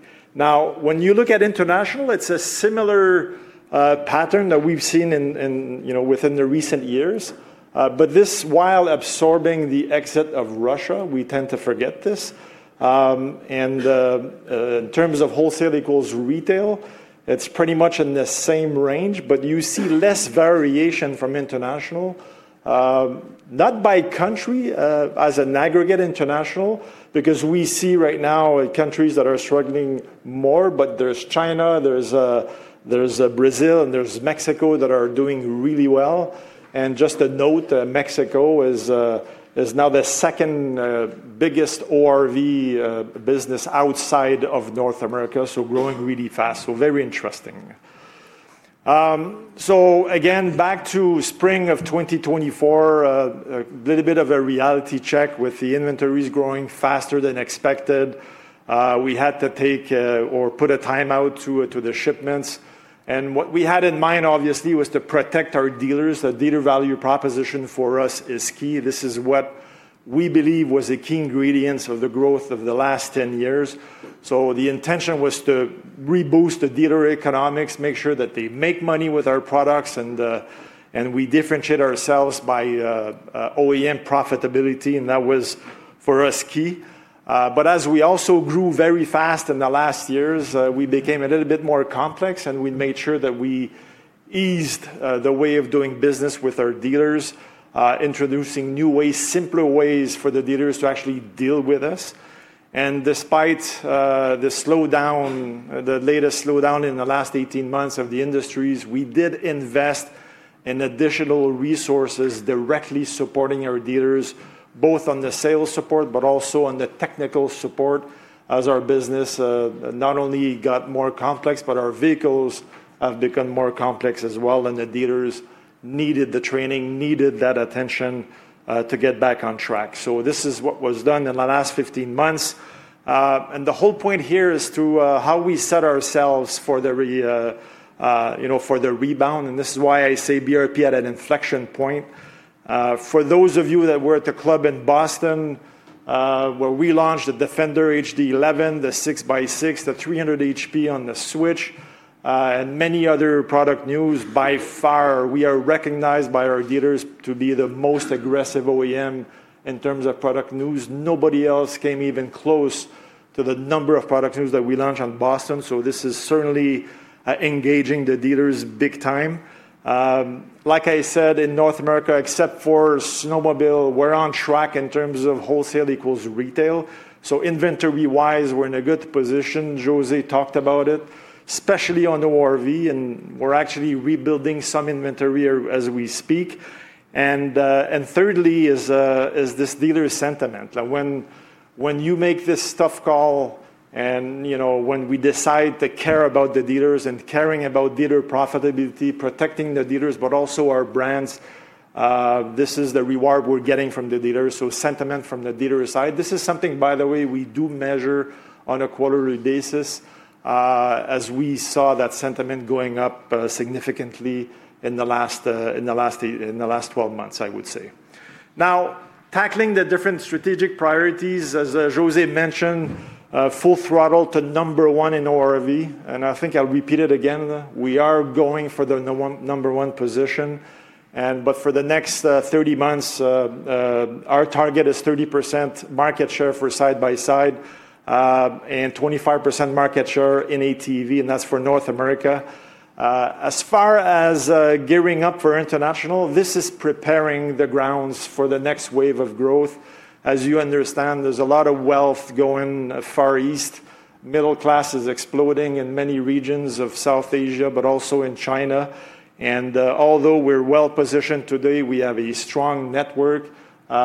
When you look at international, it's a similar pattern that we've seen within the recent years. This, while absorbing the exit of Russia, we tend to forget this. In terms of wholesale equals retail, it's pretty much in the same range, but you see less variation from international, not by country, as an aggregate international, because we see right now countries that are struggling more, but there's China, there's Brazil, and there's Mexico that are doing really well. Just a note, Mexico is now the second biggest ORV business outside of North America, so growing really fast. Very interesting. Back to spring of 2024, a little bit of a reality check. With the inventories growing faster than expected, we had to take or put a timeout to the shipments. What we had in mind, obviously, was to protect our dealers. The dealer value proposition for us is key. This is what we believe was the key ingredient of the growth of the last 10 years. The intention was to reboost the dealer economics, make sure that they make money with our products, and we differentiate ourselves by OEM profitability. That was, for us, key. As we also grew very fast in the last years, we became a little bit more complex. We made sure that we eased the way of doing business with our dealers, introducing new ways, simpler ways for the dealers to actually deal with us. Despite the slowdown, the latest slowdown in the last 18 months of the industries, we did invest in additional resources directly supporting our dealers, both on the sales support, but also on the technical support. As our business not only got more complex, but our vehicles have become more complex as well. The dealers needed the training, needed that attention to get back on track. This is what was done in the last 15 months. The whole point here is how we set ourselves for the, you know, for the rebound. This is why I say BRP at an inflection point. For those of you that were at the club in Boston where we launched the Defender HD11, the 6x6, the 300 hp on the Switch, and many other product news, by far, we are recognized by our dealers to be the most aggressive OEM in terms of product news. Nobody else came even close to the number of product news that we launched in Boston. This is certainly engaging the dealers big time. Like I said, in North America, except for snowmobile, we're on track in terms of wholesale equals retail. Inventory wise, we're in a good position. Josee talked about it, especially on ORV, and we're actually rebuilding some inventory as we speak. Thirdly, is this dealer sentiment. When you make this tough call and when we decide to care about the dealers and caring about dealer profitability, protecting the dealers, but also our brands, this is the reward we're getting from the dealers. Sentiment from the dealer side, this is something, by the way, we do measure on a quarterly basis as we saw that sentiment going up significantly in the last 12 months. I would say now tackling the different strategic priorities, as Josee mentioned, full throttle to number one in ORV. I think I'll repeat it again, we are going for the number one position, but for the next 30 months, our target is 30% market share for side-by-side and 25% market share in ATV. That's for North America. As far as gearing up for international, this is preparing the grounds for the next wave of growth. As you understand, there's a lot of wealth going far East. Middle class is exploding in many regions of South Asia, but also in China. Although we're well positioned today, we have a strong network.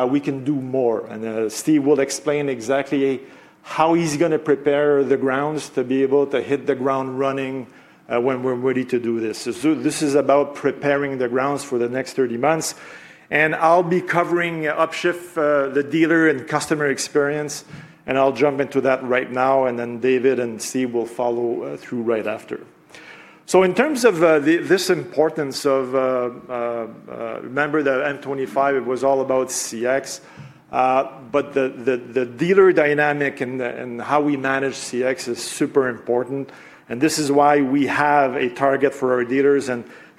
We can do more. Steve will explain exactly how he's going to prepare the grounds to be able to hit the ground running when we're ready to do this. This is about preparing the grounds for the next 30 months. I'll be covering upshift, the dealer and customer experience, and I'll jump into that right now. David and Steve will follow through right after. In terms of this importance, remember the M25, it was all about CX, but the dealer dynamic and how we manage CX is super important. This is why we have a target for our dealers.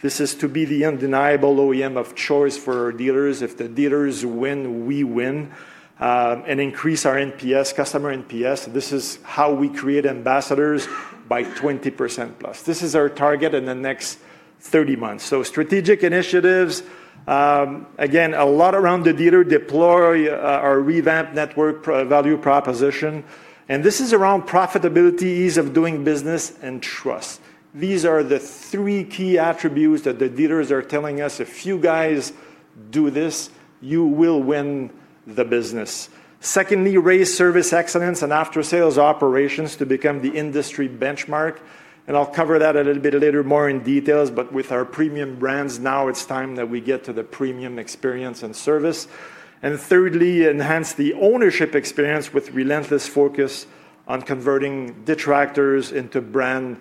This is to be the undeniable OEM of choice for dealers. If the dealers win, we win and increase our customer NPS. This is how we create ambassadors by 20%+. This is our target in the next 30 months. Strategic initiatives again, a lot around the dealer. Deploy our revamped network value proposition. This is around profitability, ease of doing business, and trust. These are the three key attributes that the dealers are telling us. If you guys do this, you will win the business. Secondly, raise service excellence and after sales operations to become the industry benchmark. I'll cover that a little bit later, more in detail. With our premium brands, now it's time that we get to the premium experience and service. Thirdly, enhance the ownership experience with relentless focus on converting detractors into brand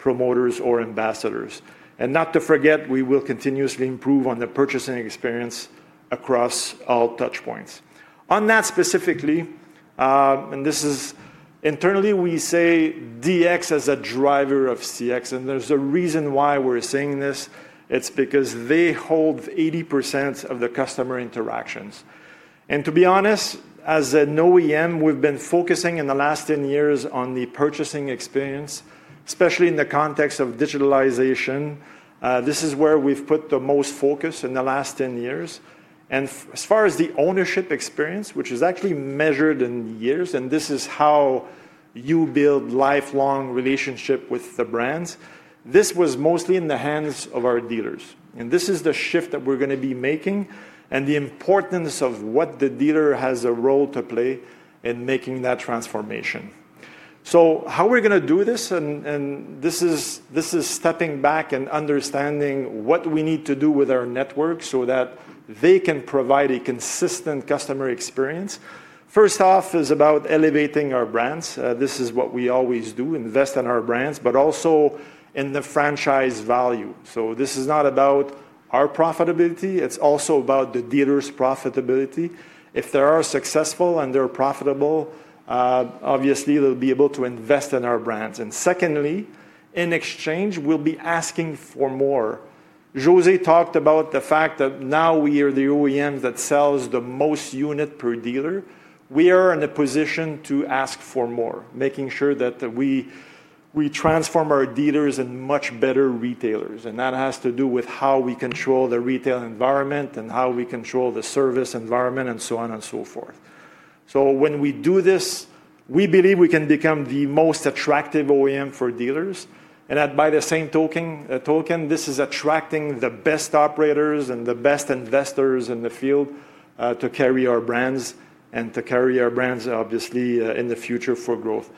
promoters or ambassadors. Not to forget, we will continuously improve on the purchasing experience across all touchpoints. On that specifically, and this is internally, we say DX as a driver of CX. There's a reason why we're saying this. It's because they hold 80% of the customer interactions. To be honest, as an OEM, we've been focusing in the last 10 years on the purchasing experience, especially in the context of digitalization. This is where we've put the most focus in the last 10 years. As far as the ownership experience, which is actually measured in years and this is how you build lifelong relationships with the brands, this was mostly in the hands of our dealers. This is the shift that we're going to be making and the importance of what the dealer has a role to play in making that transformation. How we're going to do this, and this is stepping back and understanding what we need to do with our network so that they can provide a consistent customer experience. First off is about elevating our brands. This is what we always do, invest in our brands, but also in the franchise value. This is not about our profitability, it's also about the dealers' profitability. If they are successful and they're profitable, obviously they'll be able to invest in our brands. Secondly, in exchange we'll be asking for more. José talked about the fact that now we are the OEMs that sells the most unit per dealer. We are in a position to ask for more, making sure that we transform our dealers into much better retailers. That has to do with how we control the retail environment and how we control the service environment and so on and so forth. When we do this, we believe we can become the most attractive OEM for dealers. By the same token, this is attracting the best operators and the best investors in the field to carry our brands and to carry our brands obviously in the future for growth.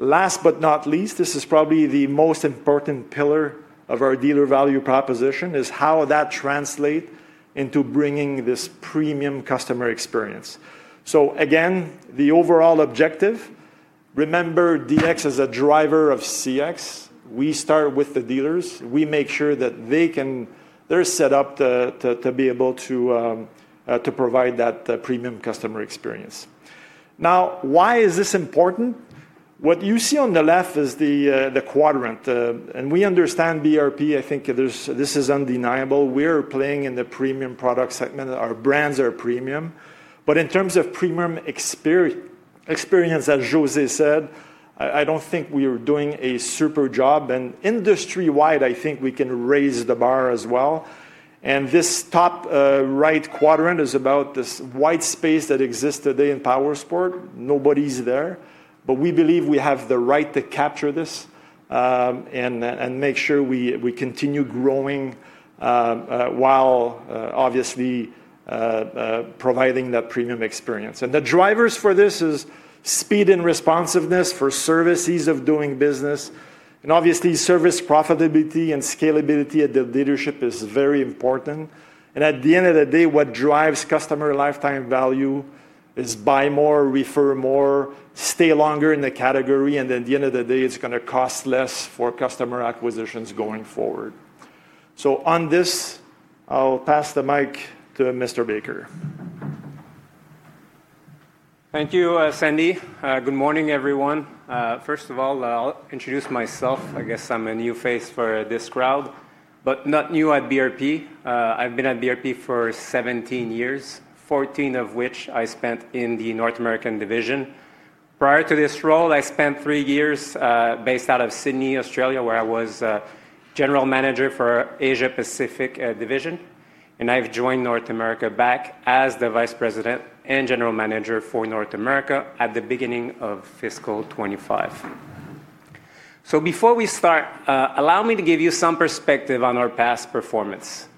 Last but not least, this is probably the most important pillar of our dealer value proposition, how that translates into bringing this premium customer experience. Again, the overall objective, remember DX is a driver of CX. We start with the dealers, we make sure that they're set up to be able to provide that premium customer experience. Now why is this important? What you see on the left is the quadrant and we understand BRP. I think this is undeniable. We're playing in the premium product segment. Our brands are premium. In terms of premium experience, as Josee said, I don't think we are doing a super job. Industry wide I think we can raise the bar as well. This top right quadrant is about this white space that exists today in powersports. Nobody's there but we believe we have the right to capture this and make sure we continue growing while obviously providing that premium experience. The drivers for this are speed and responsiveness for services of doing business. Obviously, service profitability and scalability at the dealership is very important. At the end of the day, what drives customer lifetime value is buy more, refer more, stay longer in the category. At the end of the day, it's going to cost less for customer acquisitions going forward. On this, I'll pass the mic to Mr. Baker. Thank you, Sandy. Good morning everyone. First of all, I'll introduce myself. I guess I'm a new face for this crowd, but not new at BRP. I've been at BRP for 17 years, 14 of which I spent in the North American division. Prior to this role I spent three years based out of Sydney, Australia where I was General Manager for Asia-Pacific division. I've joined North America back as the Vice President and General Manager for North America at the beginning of fiscal 2025. Before we start, allow me to give you some perspective on our past performance.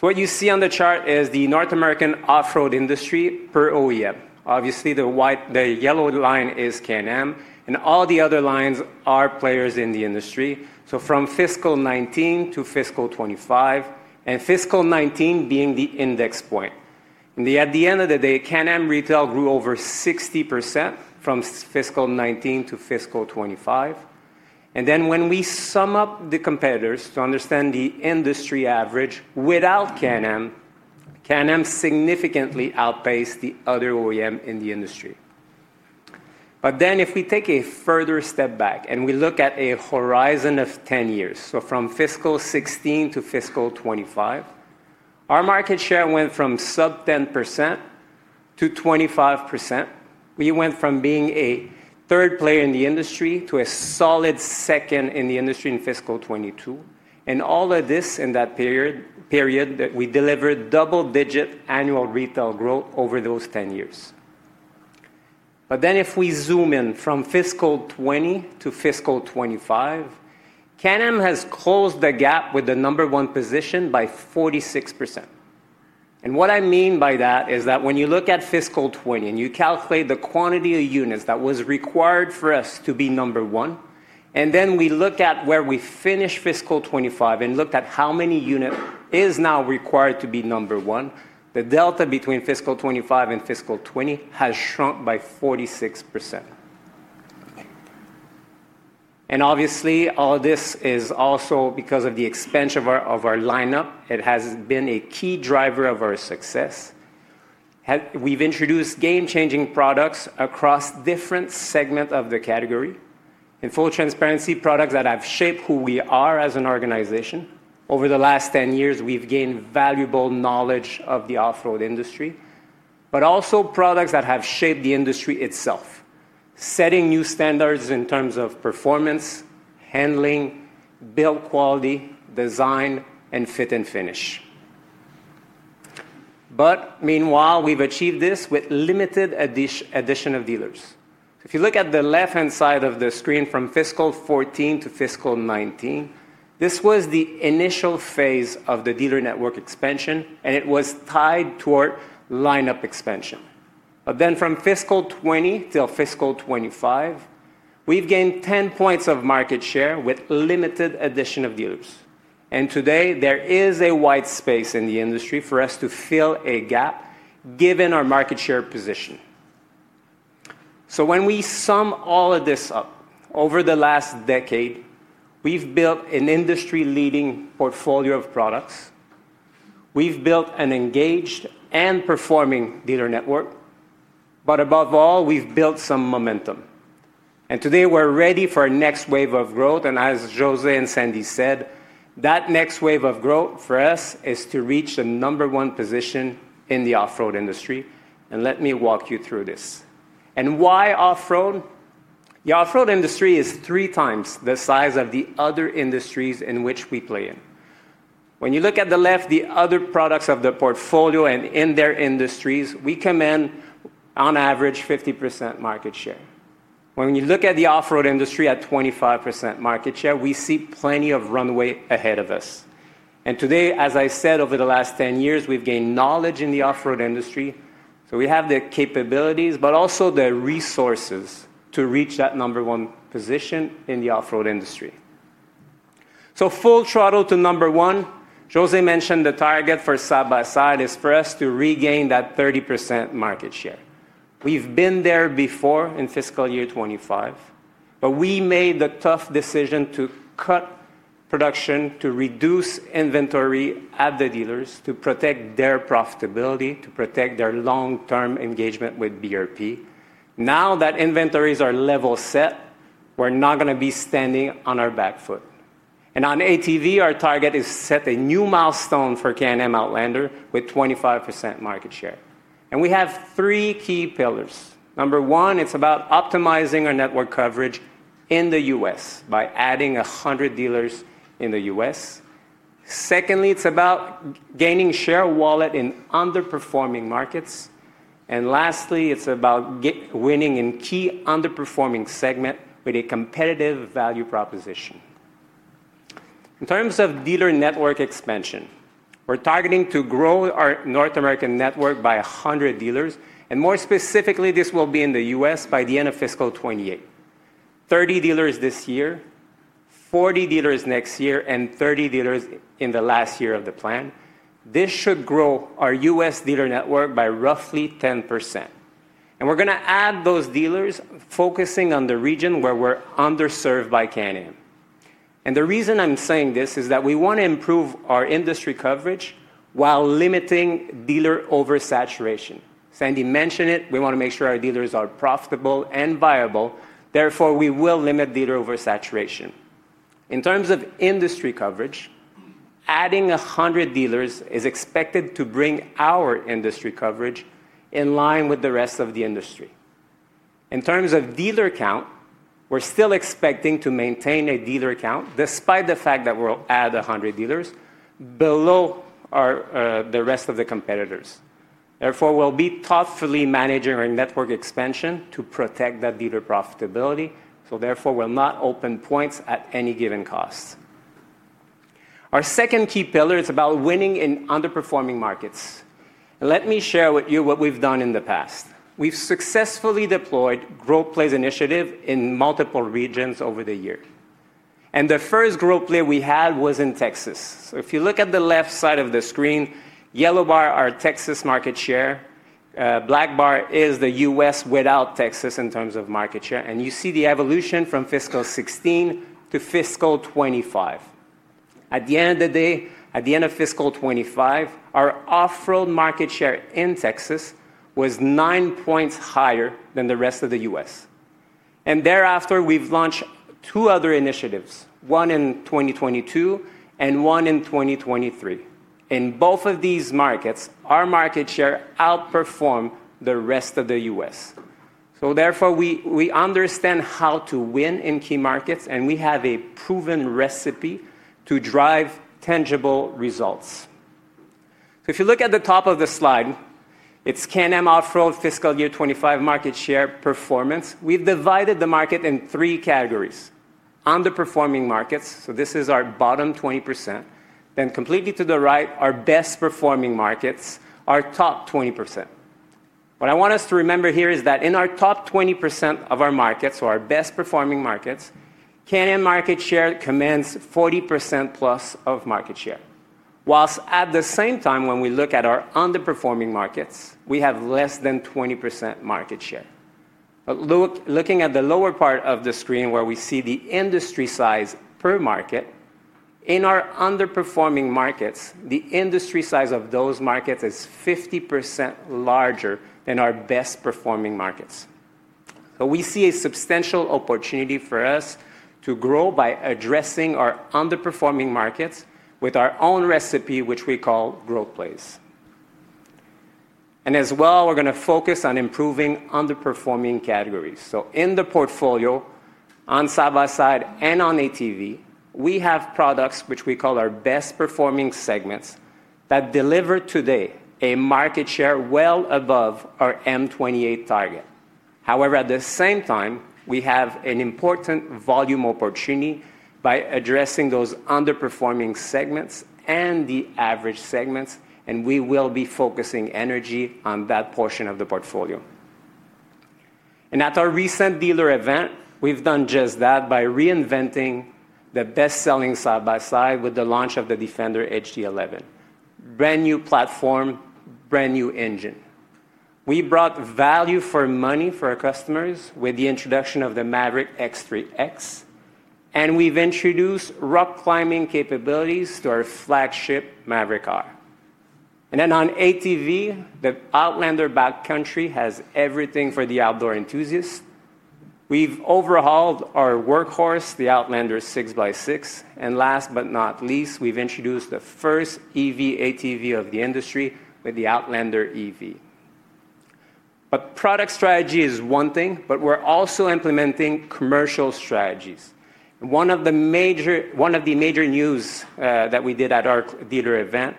What you see on the chart is the North American off-road industry per OEM. Obviously, the white, the yellow line is Can-Am and all the other lines are players in the industry. From fiscal 2019 to fiscal 2025, and fiscal 2019 being the index point, at the end of the day, Can-Am retail grew over 60% from fiscal 2019 to fiscal 2025. When we sum up the competitors to understand the industry average, without Can-Am, Can-Am significantly outpaced the other OEM in the industry. If we take a further step back and we look at a horizon of 10 years, from fiscal 2016 to fiscal 2025 our market share went from sub 10% to 25%. We went from being a third player in the industry to a solid second in the industry in fiscal 2022. All of this in that period that we delivered double-digit annual retail growth over those 10 years. If we zoom in from fiscal 2020 to fiscal 2025, Can-Am has closed the gap with the number one position by 46%. What I mean by that is that when you look at fiscal 2020 and you calculate the quantity of units that was required for us to be number one, and then we look at where we finish fiscal 2025 and looked at how many units is now required to be number one, the delta between fiscal 2025 and fiscal 2020 has shrunk by 46%. Obviously, all this is also because of the expansion of our lineup. It has been a key driver of our success. We've introduced game-changing products across different segments of the category in full transparency. Products that have shaped who we are as an organization. Over the last 10 years we've gained valuable knowledge of the off-road industry, but also products that have shaped the industry itself, setting new standards in terms of performance, handling, build quality, design, and fit and finish. Meanwhile, we've achieved this with limited edition of dealers. If you look at the left hand side of the screen, from fiscal 2014 to fiscal 2019, this was the initial phase of the dealer network expansion and it was tied toward lineup expansion. From fiscal 2020 till fiscal 2025, we've gained 10 points of market share with limited addition of dealers. Today there is a white space in the industry for us to fill a gap given our market share position. When we sum all of this up, over the last decade we've built an industry-leading portfolio of products, we've built an engaged and performing dealer network. Above all, we've built some momentum and today we're ready for a next wave of growth. As José and Sandy said, that next wave of growth for us is to reach the number one position in the off-road industry. Let me walk you through this and why off-road. The off-road industry is three times the size of the other industries in which we play. When you look at the left, the other products of the portfolio and in their industries we come in on average 50% market share. When you look at the off-road industry at 25% market share, we see plenty of runway ahead of us. Today, as I said, over the last 10 years we've gained knowledge in the off-road industry. We have the capabilities but also the resources to reach that number one position in the off-road industry. Full throttle to number one. José mentioned the target for side-by-sides is for us to regain that 30% market share. We've been there before in fiscal year 2025. We made the tough decision to cut production to reduce inventory at the dealers to protect their profitability, to protect their long-term engagement with BRP. Now that inventories are level set, we're not going to be standing on our back foot, and on ATV our target is set a new milestone for Can-Am Outlander with 25% market share and we have three key pillars. Number one, it's about optimizing our network coverage in the U.S. by adding 100 dealers in the U.S. Secondly, it's about gaining share of wallet in underperforming markets. Lastly, it's about winning in key underperforming segments with a competitive value proposition. In terms of dealer network expansion, we're targeting to grow our North American network by 100 dealers and more specifically this will be in the U.S. by the end of fiscal 2028. 30 dealers this year, 40 dealers next year, and 30 dealers in the last year of the plan. This should grow our U.S. dealer network by roughly 10%, and we're going to add those dealers focusing on the region where we're underserved by Can-Am. The reason I'm saying this is that we want to improve our industry coverage while limiting dealer oversaturation. Sandy mentioned it. We want to make sure our dealers are profitable and viable. Therefore, we will limit dealer oversaturation in terms of industry coverage. Adding 100 dealers is expected to bring our industry coverage in line with the rest of the industry. In terms of dealer count, we're still expecting to maintain a dealer count despite the fact that we'll add 100 dealers below the rest of the competitors. Therefore, we'll be thoughtfully managing our network expansion to protect that dealer profitability. Therefore, we will not open points at any given cost. Our second key pillar is about winning in underperforming markets. Let me share with you what we've done in the past. We've successfully deployed grow plays initiative in multiple regions over the years. The first growth play we had was in Texas. If you look at the left side of the screen, yellow bar, our Texas market share, black bar is the U.S. without Texas in terms of market share. You see the evolution from fiscal 2016 to fiscal 2025. At the end of fiscal 2025, our off-road market share in Texas was 9 points higher than the rest of the U.S., and thereafter we've launched two other initiatives, one in 2022 and one in 2023. In both of these markets, our market share outperformed the rest of the U.S. We understand how to win in key markets, and we have a proven recipe to drive tangible results. If you look at the top of the slide, it's Can-Am Off-Road, fiscal year 2025 market share performance. We've divided the market in three categories: underperforming markets, so this is our bottom 20%; then completely to the right, our best performing markets, our top 20%. What I want us to remember here is that in our top 20% of our markets, or our best performing markets, Can-Am market share commands 40%+ of market share, whilst at the same time, when we look at our underperforming markets, we have less than 20% market share. Looking at the lower part of the screen, where we see the industry size per market, in our underperforming markets, the industry size of those markets is 50% larger. In our best performing markets, we see a substantial opportunity for us to grow by addressing our underperforming markets with our own recipe, which we call growthplace. We are also going to focus on improving underperforming categories. In the portfolio on side-by-side and on ATV, we have products which we call our best performing segments that deliver today a market share well above our M28 target. However, at the same time, we have an important volume opportunity by addressing those underperforming segments and the average segments, and we will be focusing energy on that portion of the portfolio. At our recent dealer event, we've done just that by reinventing the best selling side-by-side with the launch of the Defender HD11. Brand new platform, brand new engine. We brought value for money for our customers with the introduction of the Maverick X3, and we've introduced rock climbing capabilities to our flagship Maverick R. On ATV, the Outlander Backcountry has everything for the outdoor enthusiasts. We've overhauled our workhorse, the Outlander MAX 6x6. Last but not least, we've introduced the first EV ATV of the industry with the Outlander EV. Product strategy is one thing, but we're also implementing commercial strategies. One of the major news that we did at our dealer event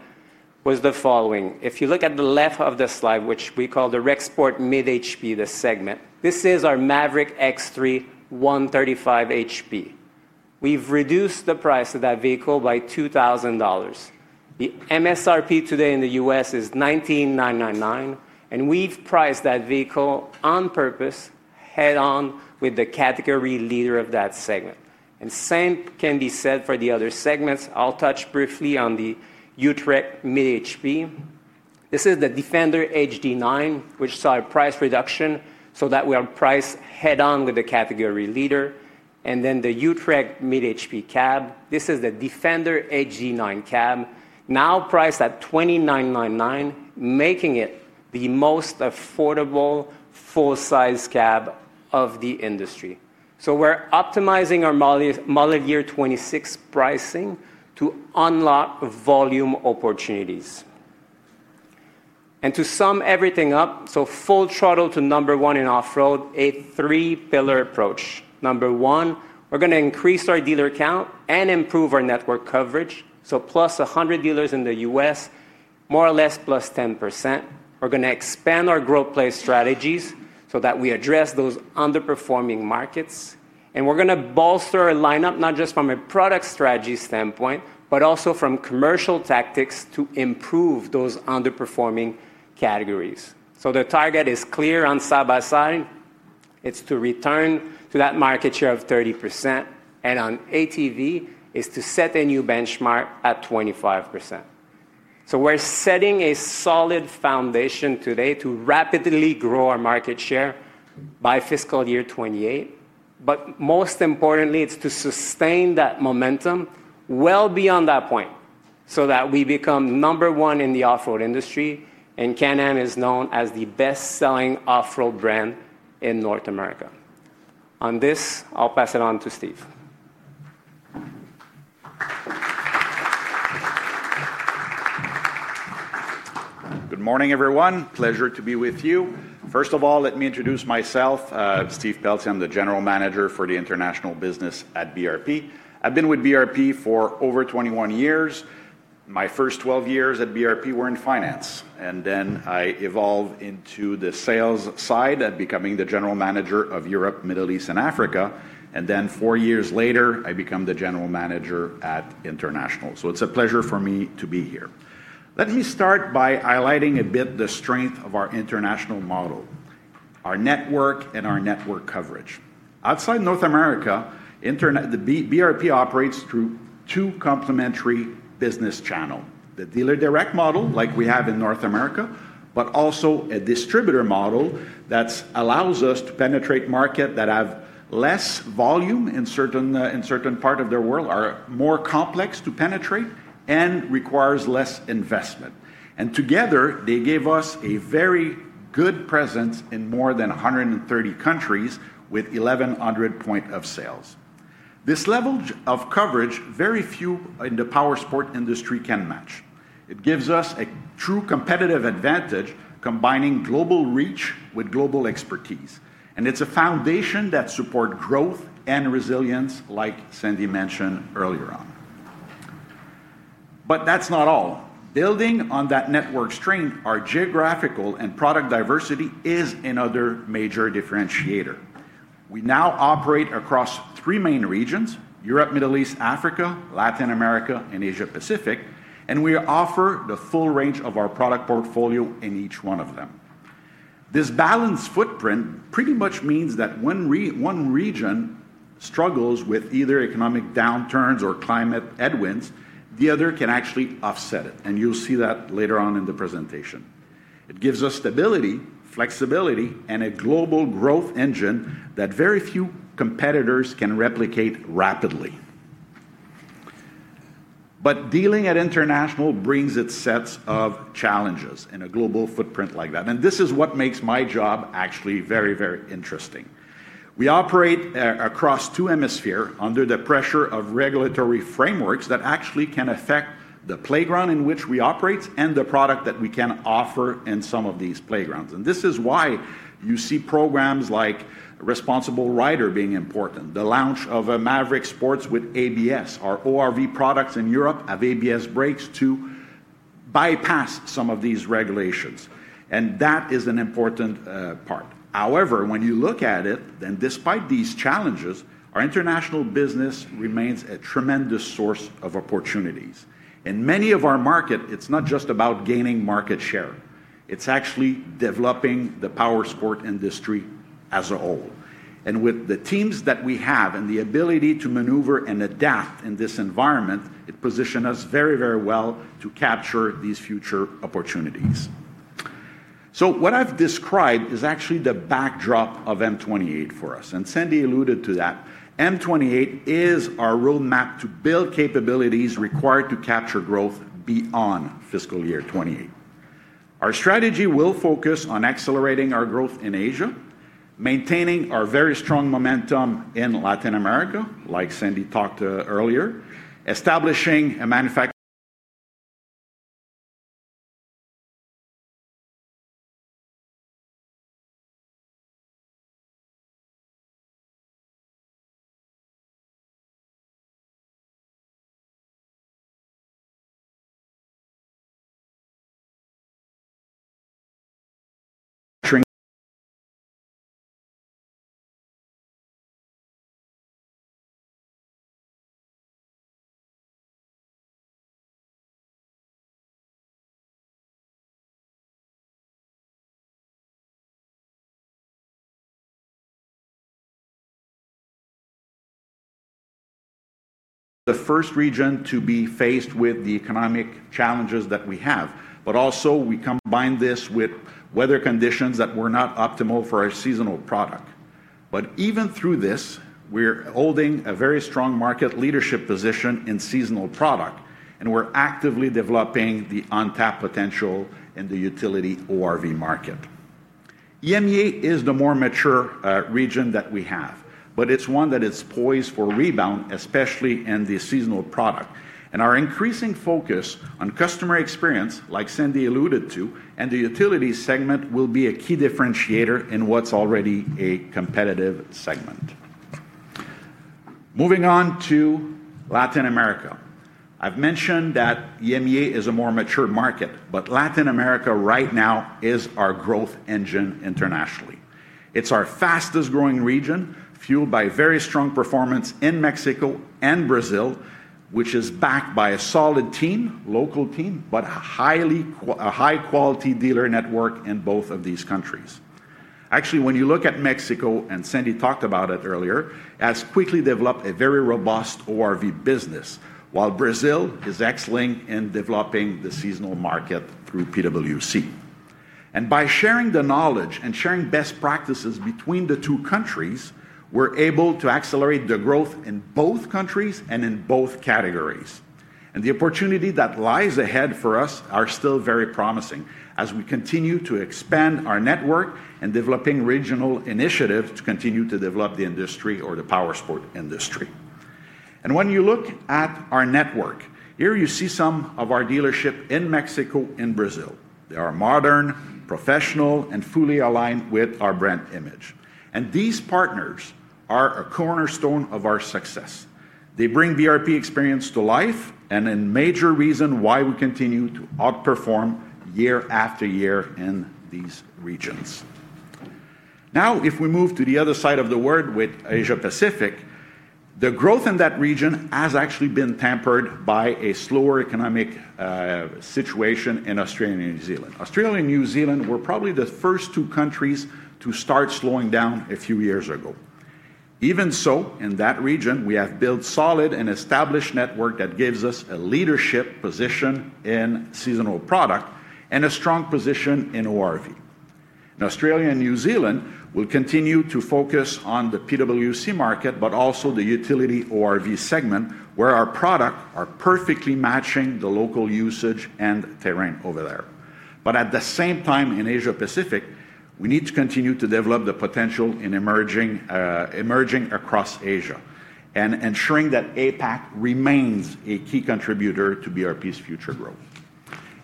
was the following. If you look at the left of the slide, which we call the [Rexport] Mid HP segment, this is our Maverick X3, 135 hp. We've reduced the price of that vehicle by $2,000. The MSRP today in the U.S. is $19,999, and we've priced that vehicle on purpose head on with the category leader of that segment. The same can be said for the other segments. I'll touch briefly on the [Utrecht] Mid HP. This is the Defender HD9, which saw a price reduction so that we are priced head on with the category leader. The Utrecht Mid HP CAB, this is the Defender HD9 CAB, now priced at $29,999, making it the most affordable full size cab of the industry. We're optimizing our model year 2026 pricing to unlock volume opportunities. To sum everything up, full throttle to number one in Off-Road, a three pillar approach. Number one, we're going to increase our dealer count and improve our network coverage, so +100 dealers in the U.S., more or less +10%. We're going to expand our growth play strategies so that we address those underperforming markets, and we're going to bolster our lineup not just from a product strategy standpoint, but also from commercial tactics to improve those underperforming categories. The target is clear: on side-by-sides, it's to return to that market share of 30%, and on ATV, it's to set a new benchmark at 25%. We're setting a solid foundation today to rapidly grow our market share by fiscal year 2028. Most importantly, it's to sustain that momentum well beyond that point so that we become number one in the off-road industry, and Can-Am is known as the best-selling off-road brand in North America. On this, I'll pass it on to Steve. Good morning everyone. Pleasure to be with you. First of all, let me introduce myself, Steve Pelletier. I'm the General Manager for the International business at BRP. I've been with BRP for over 21 years. My first 12 years at BRP were in finance and then I evolved into the sales side at becoming the General Manager of Europe, Middle East and Africa. Four years later I become the General Manager at International. It's a pleasure for me to be here. Let me start by highlighting a bit the strength of our international model, our network and our network coverage outside North America. BRP operates through two complementary business channels. The dealer direct model like we have in North America, but also a distributor model that allows us to penetrate markets that have less volume in certain parts of the world, are more complex to penetrate and require less investment. Together they gave us a very good presence in more than 130 countries with 1,100 points of sale. This level of coverage very few in the powersports industry can match. It gives us a true competitive advantage, combining global reach with global expertise. It's a foundation that supports growth and resilience, like Sandy mentioned earlier on. Building on that network strength, our geographical and product diversity is another major differentiator. We now operate across three main regions: Europe, Middle East, Africa, Latin America and Asia-Pacific. We offer the full range of our product portfolio in each one of them. This balanced footprint pretty much means that if one region struggles with either economic downturns or climate headwinds, the other can actually offset it. You'll see that later on in the presentation. It gives us stability, flexibility and a global growth engine that very few competitors can replicate rapidly. Dealing at International brings its sets of challenges in a global footprint like that. This is what makes my job actually very, very interesting. We operate across two hemispheres under the pressure of regulatory frameworks that actually can affect the playground in which we operate and the product that we can offer in some of these playgrounds. This is why you see programs like Responsible Rider being important. The launch of Maverick Sport with ABS. Our ORV products in Europe have ABS brakes to bypass some of these regulations. That is an important part. However, when you look at it then, despite these challenges, our international business remains a tremendous source of opportunities in many of our markets. It's not just about gaining market share. It's actually developing the powersports industry as a whole. With the teams that we have and the ability to maneuver and adapt in this environment, it positions us very, very well to capture these future opportunities. What I've described is actually the backdrop of M28 for us. Sandy alluded to that. M28 is our roadmap to build capabilities required to capture growth beyond fiscal year 2028. Our strategy will focus on accelerating our growth in Asia, maintaining our very strong momentum in Latin America. Like Sandy talked earlier, establishing a manufacturing. The first region to be faced with the economic challenges that we have, but also we combine this with weather conditions that were not optimal for our seasonal product. Even through this, we're holding a very strong market leadership position in seasonal product, and we're actively developing the untapped potential in the utility ORV market. EMEA is the more mature region that we have, but it's one that is poised for rebound, especially in the seasonal product, and our increasing focus on customer experience, like Sandy alluded to. The utilities segment will be a key differentiator in what's already a competitive segment. Moving on to Latin America, I've mentioned that EMEA is a more mature market, but Latin America right now is our growth engine internationally. It's our fastest growing region, fueled by very strong performance in Mexico and Brazil, which is backed by a solid team, local team, and a high quality dealer network in both of these countries. Actually, when you look at Mexico, and Sandy talked about it earlier, has quickly developed a very robust ORV business, while Brazil is excelling in developing the seasonal market through [PwC], and by sharing the knowledge and sharing best practices between the two countries, we're able to accelerate the growth in both countries and in both categories. The opportunity that lies ahead for us is still very promising as we continue to expand our network and develop regional initiatives to continue to develop the industry or the powersports industry. When you look at our network here, you see some of our dealerships in Mexico and Brazil. They are modern, professional, and fully aligned with our brand image. These partners are a cornerstone of our success. They bring BRP experience to life and are a major reason why we continue to outperform year after year in these regions. Now if we move to the other side of the world with Asia-Pacific, the growth in that region has actually been tempered by a slower economic situation in Australia and New Zealand. Australia and New Zealand were probably the first two countries to start slowing down a few years ago. Even so, in that region we have built a solid and established network that gives us a leadership position in seasonal product and a strong position in ORV. Australia and New Zealand will continue to focus on the PwC market, but also the utility ORV segment where our products are perfectly matching the local usage and terrain over there. At the same time, in Asia-Pacific we need to continue to develop the potential in emerging across Asia and ensuring that APAC remains a key contributor. To BRP's future growth.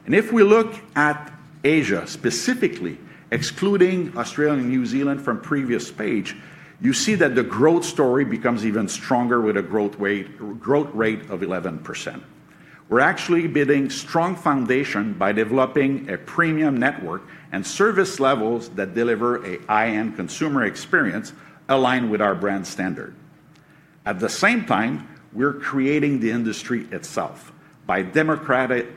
If we look at Asia specifically, excluding Australia and New Zealand from the previous page, you see that the growth story becomes even stronger. With a growth rate of 11%, we're actually building a strong foundation by developing a premium network and service levels that deliver a high-end consumer experience aligned with our brand standard. At the same time, we're creating the industry itself by democratizing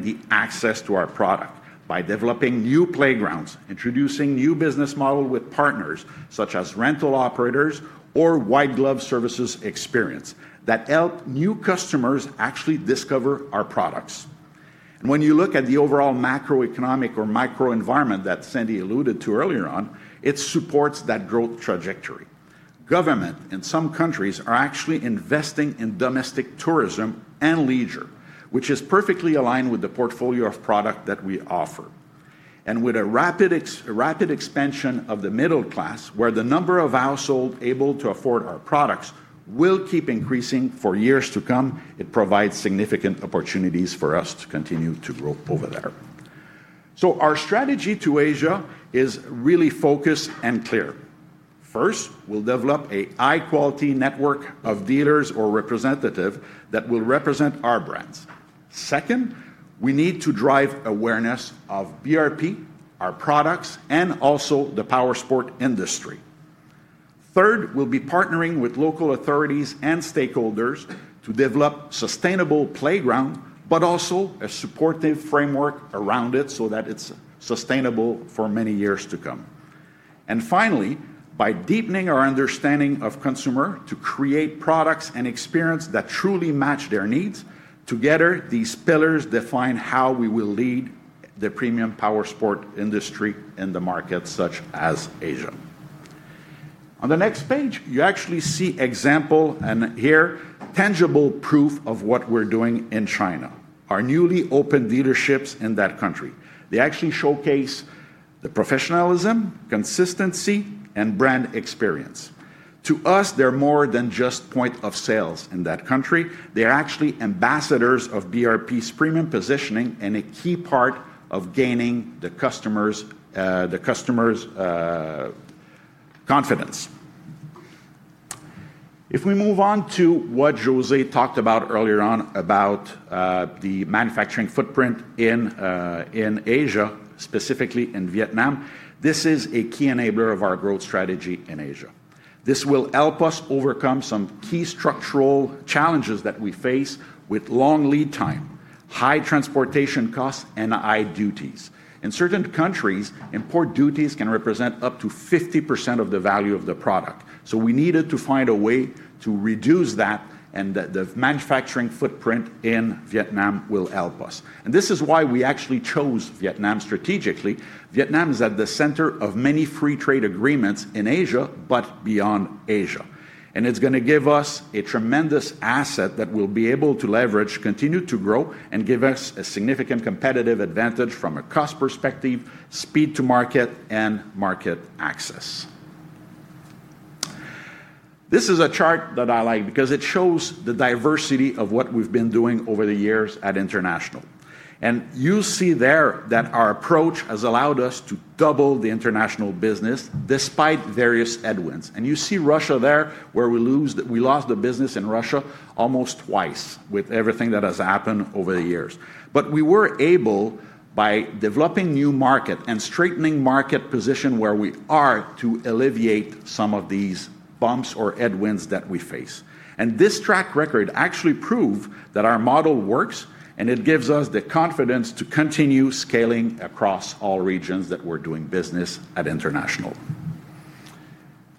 the access to our product by developing new playgrounds, introducing new business models with partners such as rental operators or white glove services experience that help new customers actually discover our products. When you look at the overall macroeconomic or micro environment that Sandy alluded to earlier on, it supports that growth trajectory. Government in some countries are actually investing in domestic tourism and leisure, which is perfectly aligned with the portfolio of product that we offer. With a rapid expansion of the middle class, where the number of households able to afford our products will keep increasing for years to come, it provides significant opportunities for us to continue to grow over there. Our strategy to Asia is really focused and clear. First, we'll develop a high-quality network of dealers or representatives that will represent our brands. Second, we need to drive awareness of BRP, our products, and also the powersports industry. Third, we'll be partnering with local authorities and stakeholders to develop sustainable playgrounds but also a supportive framework around it so that it's sustainable for many years to come. Finally, by deepening our understanding of consumers to create products and experiences that truly match their needs. Together, these pillars define how we will lead the premium powersports industry in markets such as Asia. On the next page, you actually see examples and here tangible proof of what we're doing in China, our newly opened dealerships in that country. They actually showcase the professionalism, consistency, and brand experience. To us, they're more than just points of sale in that country. They're actually ambassadors of BRP's premium positioning and a key part of gaining the customer's confidence. If we move on to what José talked about earlier on, about the manufacturing footprint in Asia, specifically in Vietnam, this is a key enabler of our growth strategy in Asia. This will help us overcome some key structural challenges that we face with long lead time, high transportation costs, and AI duties. In certain countries, import duties can represent up to 50% of the value of the product. We needed to find a way to reduce that, and the manufacturing footprint in Vietnam will help us. This is why we actually chose Vietnam strategically. Vietnam is at the center of many free trade agreements in Asia and beyond Asia. It's going to give us a tremendous asset that we'll be able to leverage, continue to grow, and give us a significant competitive advantage from a cost perspective, speed to market, and market access. This is a chart that I like because it shows the diversity of what we've been doing over the years at International. You see there that our approach has allowed us to double the international business despite various headwinds. You see Russia there, where we lost the business in Russia almost twice with everything that has happened over the years. We were able, by developing new markets and strengthening market position where we are, to alleviate some of these bumps or headwinds that we face. This track record actually proves that our model works, and it gives us the confidence to continue scaling across all regions that we're doing business at International.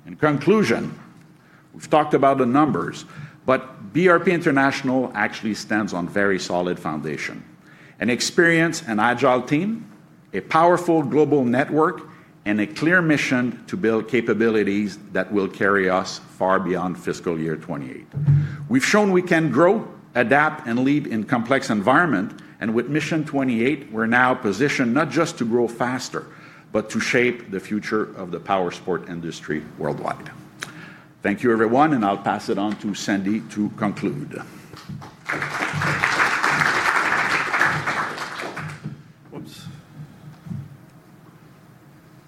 In conclusion, we've talked about the numbers, but BRP International actually stands on very solid foundation, an experienced and agile team, a powerful global network, and a clear mission to build capabilities that will carry us far beyond fiscal year 2028. We've shown we can grow, adapt, and lead in complex environments, and with Mission 28 we're now positioned not just to grow faster, but to shape the future of the powersports industry worldwide. Thank you everyone, and I'll pass it on to Sandy to conclude.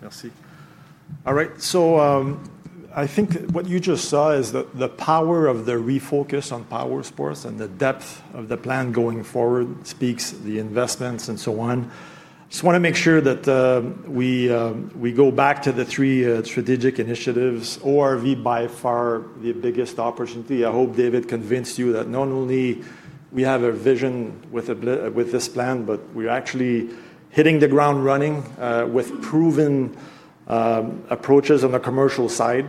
Merci. All right, so I think what you just saw is that the power of the refocus on powersports and the depth of the plan going forward speaks to the investments and so on. Just want to make sure that we go back to the three strategic initiatives. ORV by far the biggest opportunity. I hope David convinced you that not only do we have a vision with this plan, but we are actually hitting the ground running with proven approaches on the commercial side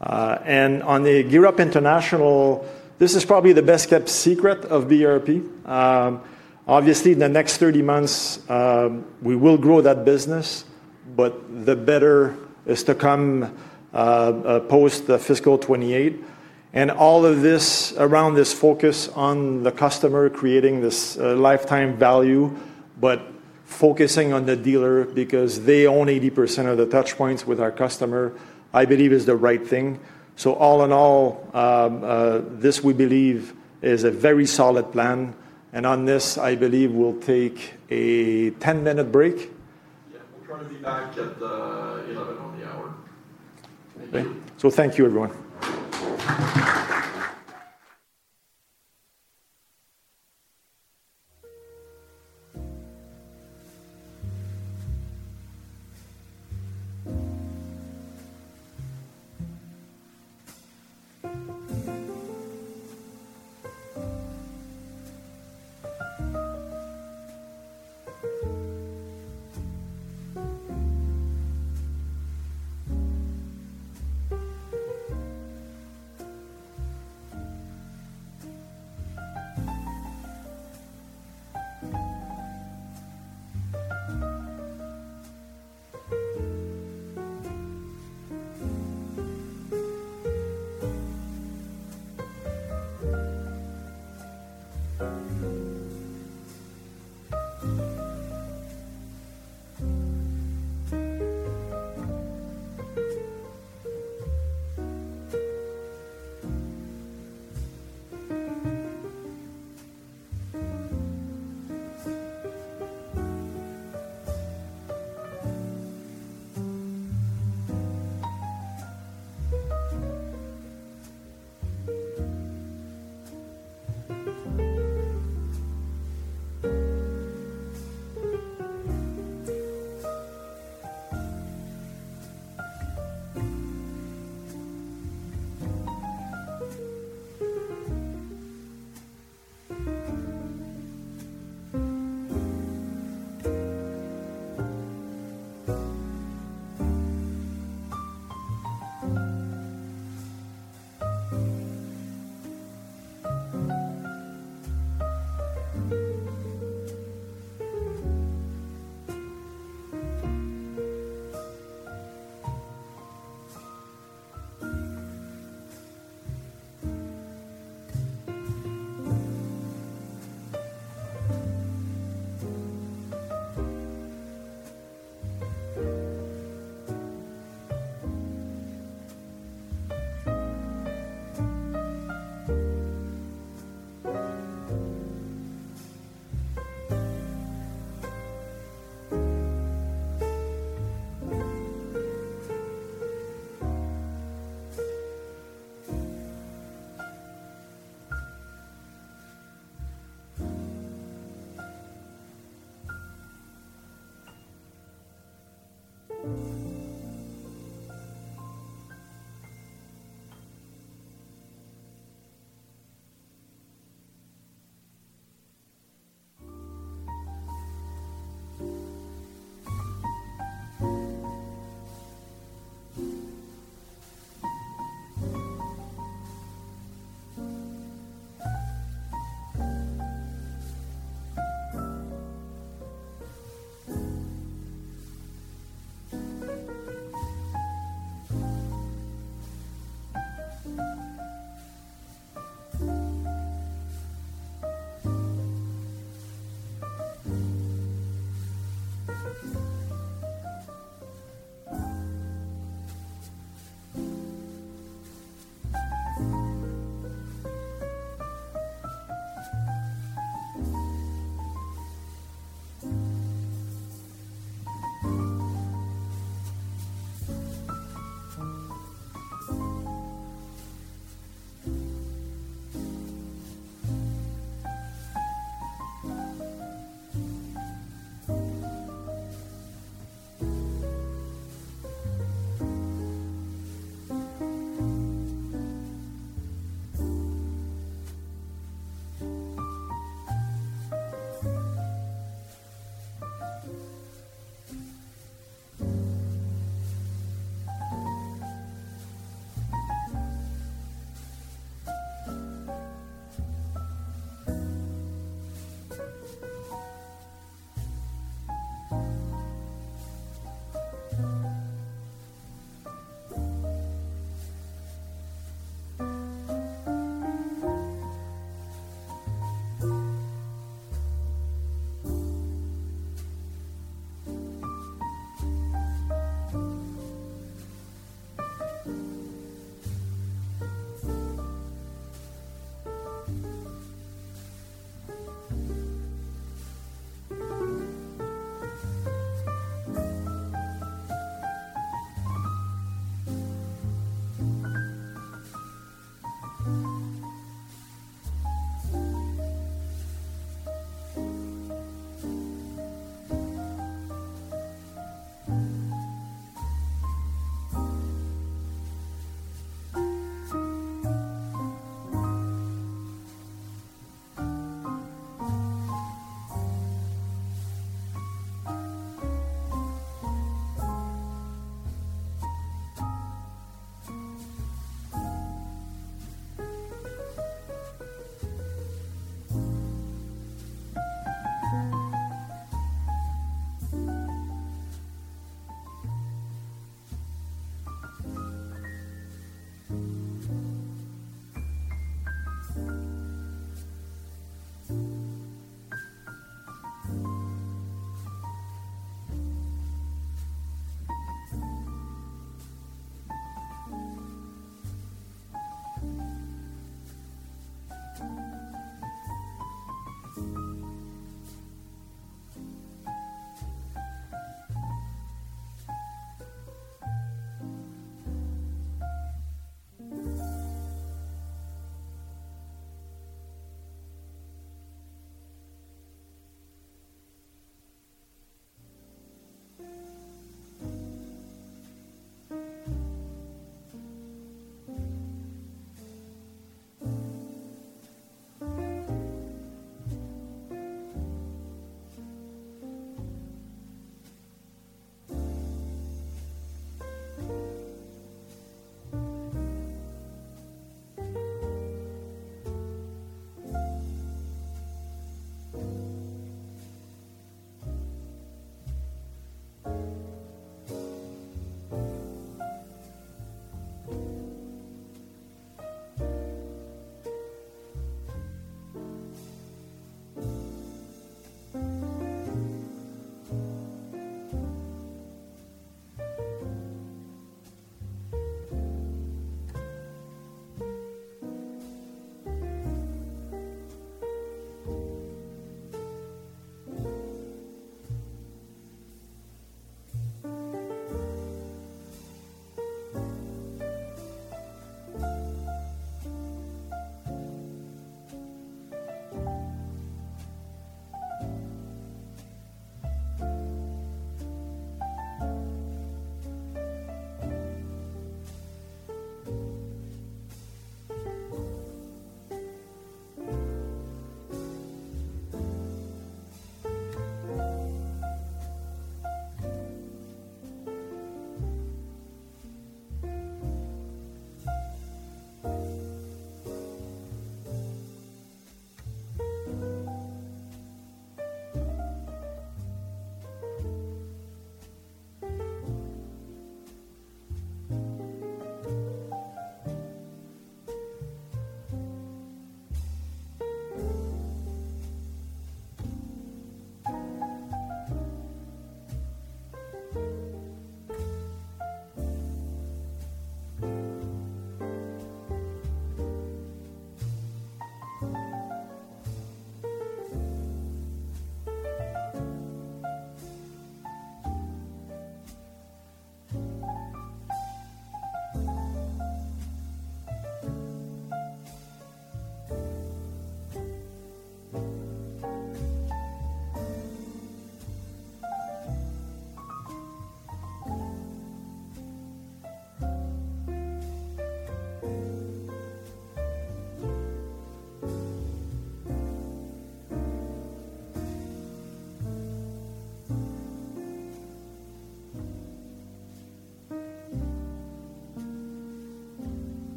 and on the Europe international. This is probably the best kept secret of BRP. Obviously, in the next 30 months we will grow that business. The better is to come post fiscal 2028, and all of this around this focus on the customer, creating this lifetime value but focusing on the dealer because they own 80% of the touch points with our customer, I believe is the right thing. All in all, this we believe is a very solid plan. On this, I believe we'll take a 10 minute break. Thank you everyone.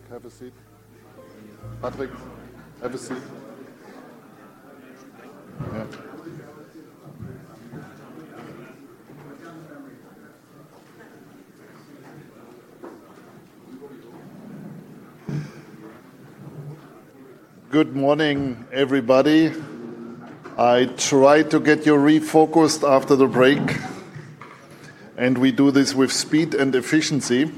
Patrick, have a seat. Good morning everybody. I try to get you refocused after the break and we do this with speed and efficiency.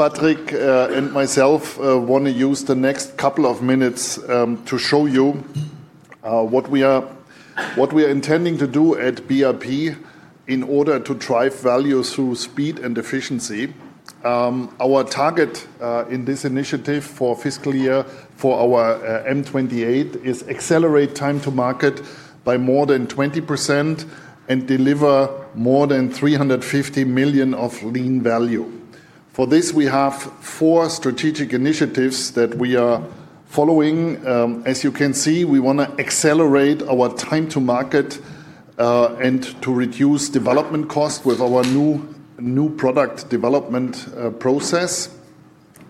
Patrick and myself want to use the next couple of minutes to show you what we are intending to do at BRP in order to drive value through speed and efficiency. Our target in this initiative for fiscal year for our M28 strategic plan is accelerate time to market by more than 20% and deliver more than $350 million of lean value. For this we have four strategic initiatives that we are following. As you can see, we want to accelerate our time to market and to reduce development costs with our new new product development process.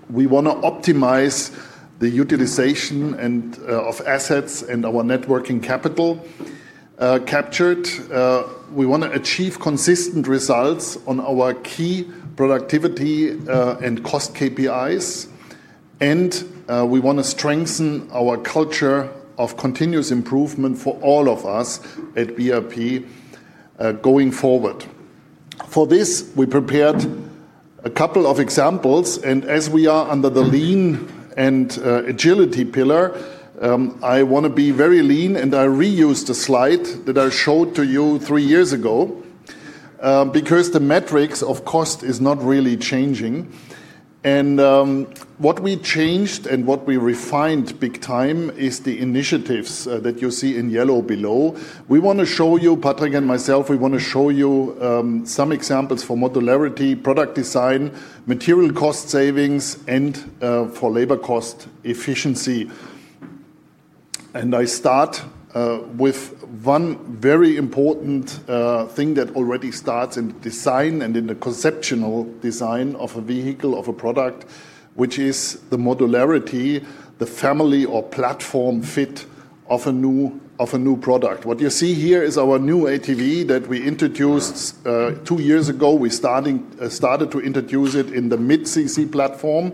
We want to optimize the utilization of assets and our networking capital captured. We want to achieve consistent results on our key productivity and cost KPIs and we want to strengthen our culture of continuous improvement for all of us at BRP going forward. For this we prepared a couple of examples and as we are under the lean and agility pillar, I want to be very lean and I reuse the slide that I showed to you three years ago, because the metrics of cost is not really changing. What we changed and what we refined big time is the initiatives that you see in yellow below. We want to show you, Patrick and myself, we want to show you some examples for modularity, product design material cost savings and for labor cost efficiency. I start with one very important thing that already starts in design and in the conceptual design of a vehicle, of a product, which is the modularity, the family or platform fit of a new product. What you see here is our new ATV that we introduced two years ago. We started to introduce it in the mid CC platform.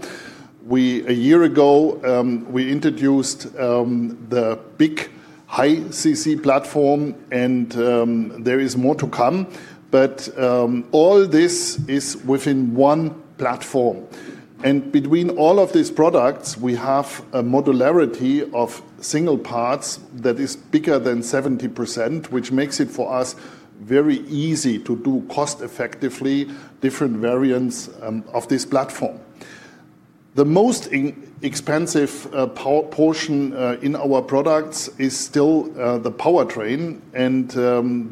A year ago, we introduced the big high CC platform. There is more to come. All this is within one platform. Between all of these products we have a modularity of single parts that is bigger than 70%, which makes it for us very easy to do cost effectively. Different variants of this platform. The most expensive portion in our products is still the powertrain.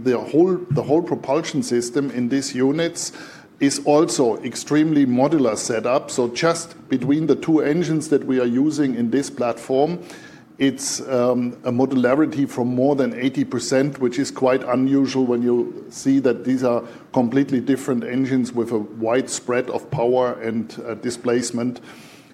The whole propulsion system in these units is also extremely modular setup. Just between the two engines that we are using in this platform, and it's a modularity from more than 80%, which is quite unusual when you see that these are completely different engines with a wide spread of power and displacement.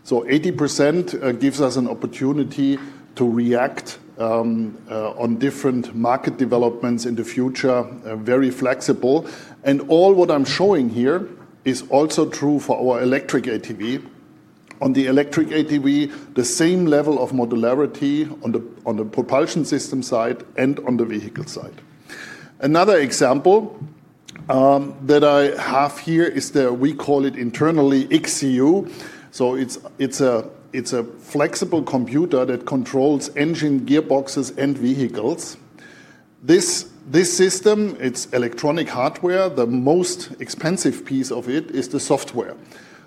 80% gives us an opportunity to react on different market developments in the future. Very flexible. All what I'm showing here is also true for our electric ATV. On the electric ATV, the same level of modularity on the propulsion system side and on the vehicle side. Another example that I have here is the, we call it internally XCU. It's a flexible computer that controls engine, gearboxes, and vehicles. This system, it's electronic hardware. The most expensive piece of it is the software.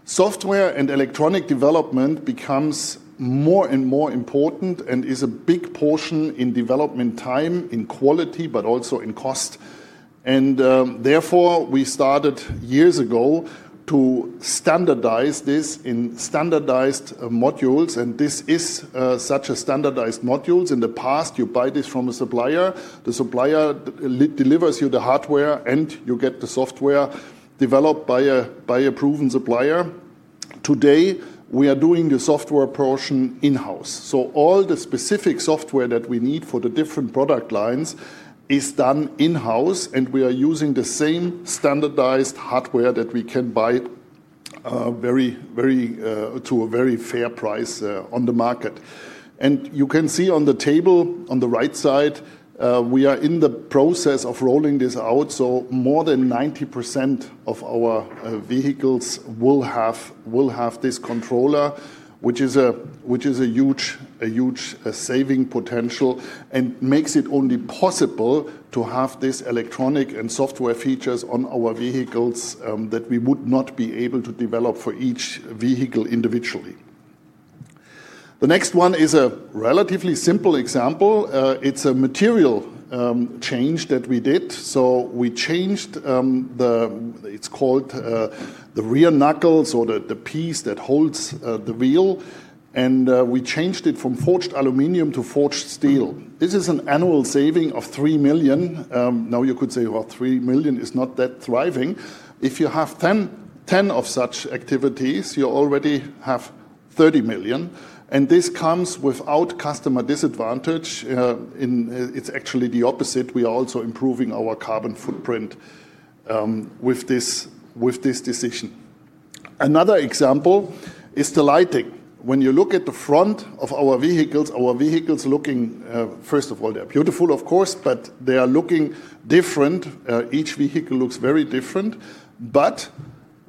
Software and electronic development becomes more and more important and is a big portion in development time, in quality, but also in cost. Therefore, we started years ago to standardize this in standardized modules. This is such a standardized module. In the past, you buy this from a supplier, the supplier delivers you the hardware and you get the software, so developed by a proven supplier. Today we are doing the software portion in house. All the specific software that we need for the different product lines is done in house. We are using the same standardized hardware that we can buy to a very fair price on the market. You can see on the table on the right side, we are in the process of rolling this out. More than 90% of our vehicles will have this controller, which is a huge saving potential and makes it only possible to have this electronic and software features on our vehicles that we would not be able to develop for each vehicle individually. The next one is a relatively simple example. It's a material change that we did. We changed, it's called the rear knuckles or the piece that holds the wheel, and we changed it from forged aluminum to forged steel. This is an annual saving of $3 million. You could say $3 million is not that thriving. If you have 10 of such activities, you already have $30 million. This comes without customer disadvantage. It's actually the opposite. We are also improving our carbon footprint with this decision. Another example is the lighting. When you look at the front of our vehicles, our vehicles looking, first of all, they're beautiful, of course, but they are looking different. Each vehicle looks very different.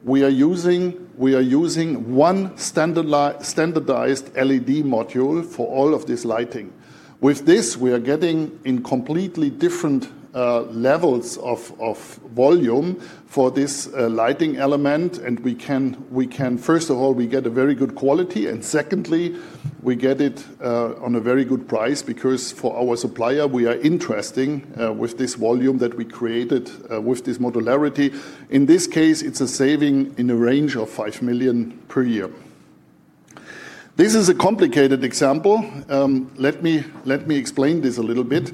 We are using one standardized LED module for all of this lighting. With this, we are getting in completely different levels of volume for this lighting element. First of all, we get a very good quality. Secondly, we get it at a very good price because for our supplier we are interesting with this volume that we created with this modularity. In this case, it's a saving in a range of $5 million per year. This is a complicated example. Let me explain this a little bit.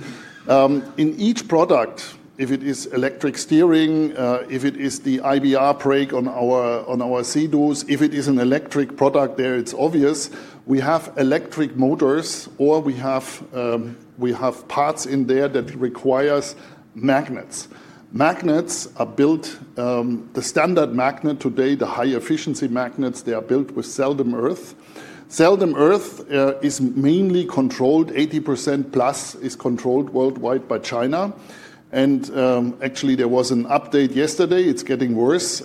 In each product, if it is electric steering, if it is the iBR brake on our Sea-Doo, if it is an electric product there, it's obvious we have electric motors or we have parts in there that require magnets. Magnets are built—the standard magnet today, the high efficiency magnets—they are built with rare earth, which is mainly controlled, 80%+ is controlled worldwide by China. Actually, there was an update yesterday, it's getting worse.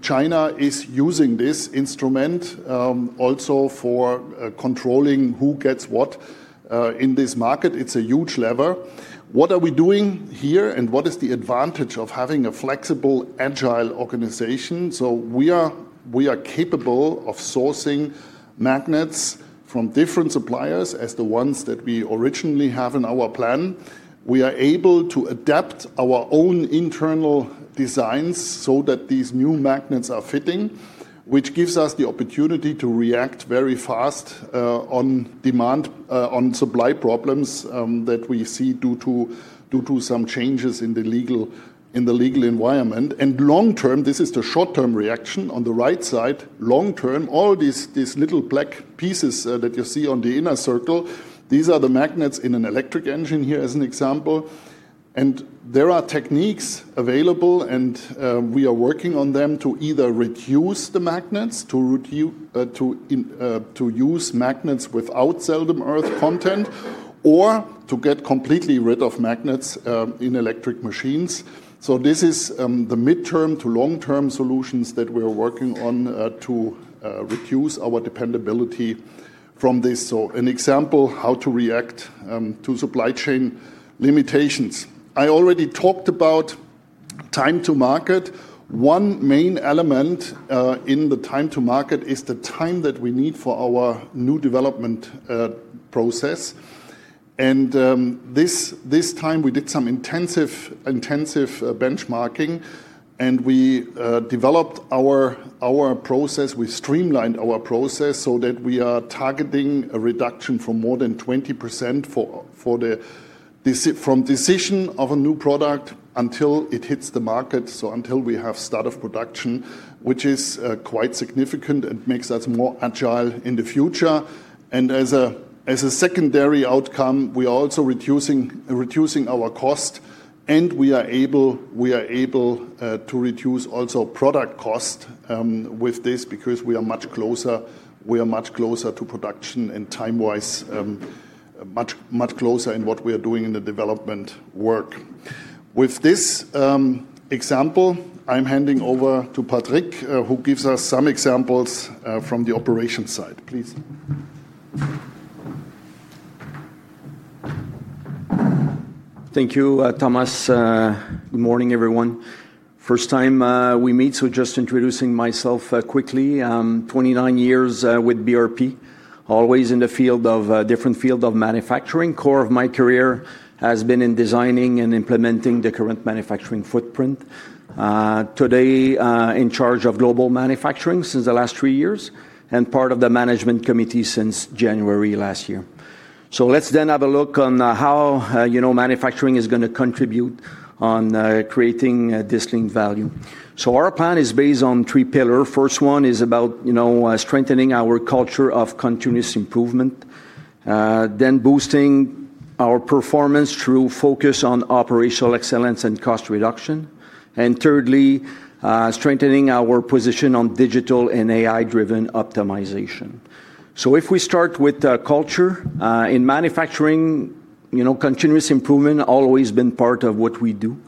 China is using this instrument also for controlling who gets what in this market. It's a huge lever. What are we doing here and what is the advantage of having a flexible, agile organization? We are capable of sourcing magnets from different suppliers as the ones that we originally have in our plan. We are able to adapt our own internal designs so that these new magnets are fitting, which gives us the opportunity to react very fast on supply problems that we see due to some changes in the legal environment. Long term, this is the short-term reaction on the right side. Long term, all these little black pieces that you see on the inner circle, these are the magnets in an electric engine here as an example. There are techniques available and we are working on them to either reduce the magnets, to use magnets without rare earth content, or to get completely rid of magnets in electric machines. These are the mid-term to long-term solutions that we are working on to reduce our dependability from this. This is an example of how to react to supply chain limitations. I already talked about time to market. One main element in the time to market is the time that we need for our new development process. This time we did some intensive benchmarking and we developed our process, we streamlined our process so that we are targeting a reduction of more than 20% from decision of a new product until it hits the market. Until we have start of production, which is quite significant and makes us more agile in the future, and as a secondary outcome, we are also reducing our cost and we are able to reduce also product cost with this because we are much closer, we are much closer to production and time wise much closer in what we are doing in the development work. With this example, I am handing over to Patrick who gives us some examples from the operations side, please. Thank you, Thomas. Good morning, everyone. First time we meet, so just introducing myself quickly. Twenty-nine years with BRP, always in the field of different field of manufacturing. Core of my career has been in designing and implementing the current manufacturing footprint. Today in charge of global manufacturing since the last three years and part of the management committee since January last year. Let's then have a look on how manufacturing is going to contribute on creating this linked value. Our plan is based on three pillars. First one is about strengthening our culture of continuous improvement. Then boosting our performance through focus on operational excellence and cost reduction. Thirdly, strengthening our position on digital and AI-driven optimization. If we start with culture in manufacturing, you know, continuous improvement always been part of what we do.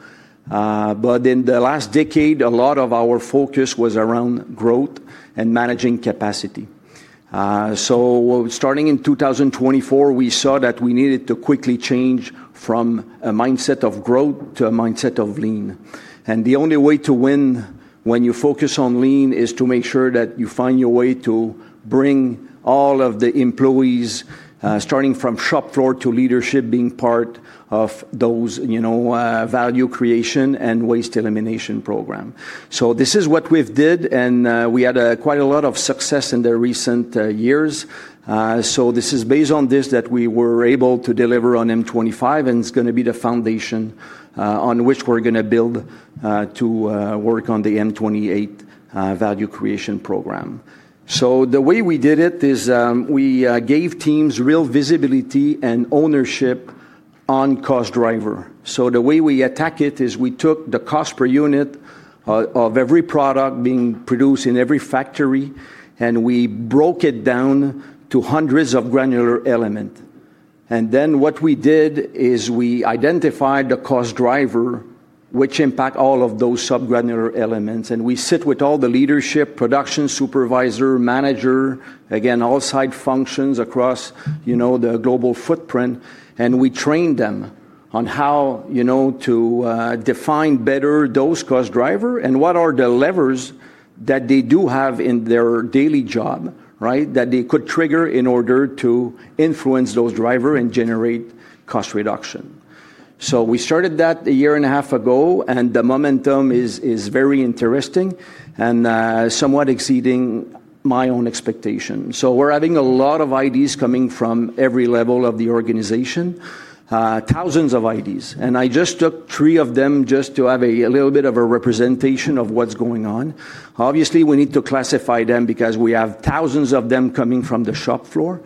In the last decade a lot of our focus was around growth and managing capacity. Starting in 2024 we saw that we needed to quickly change from a mindset of growth to a mindset of lean. The only way to win when you focus on lean is to make sure that you find your way to bring all of the employees, starting from shop floor to leadership, being part of those value creation and waste elimination program. This is what we've did and we had quite a lot of success in the recent years. This is based on this that we were able to deliver on M25 and it's going to be the foundation on which we're going to build to work on the M28 value creation program. The way we did it is we gave teams real visibility and ownership on cost driver so the way we attack it is we took the cost per unit of every product being produced in every factory and we broke it down to hundreds of granular elements. Then what we did is we identified the cost driver which impact all of those sub granular elements. We sit with all the leadership, production supervisor, manager, again, all side functions across, you know, the global footprint. We train them on how, you know, to define better those cost driver and what are the levers that they do have in their daily job that they could trigger in order to influence those drivers and generate cost reduction. We started that a year and a half ago and the momentum is very interesting and somewhat exceeding my own expectations. We're having a lot of IDs coming from every level of the organization, thousands of IDs, and I just took three of them to have a little bit of a representation of what's going on. Obviously, we need to classify them because we have thousands of them coming from the shop floor,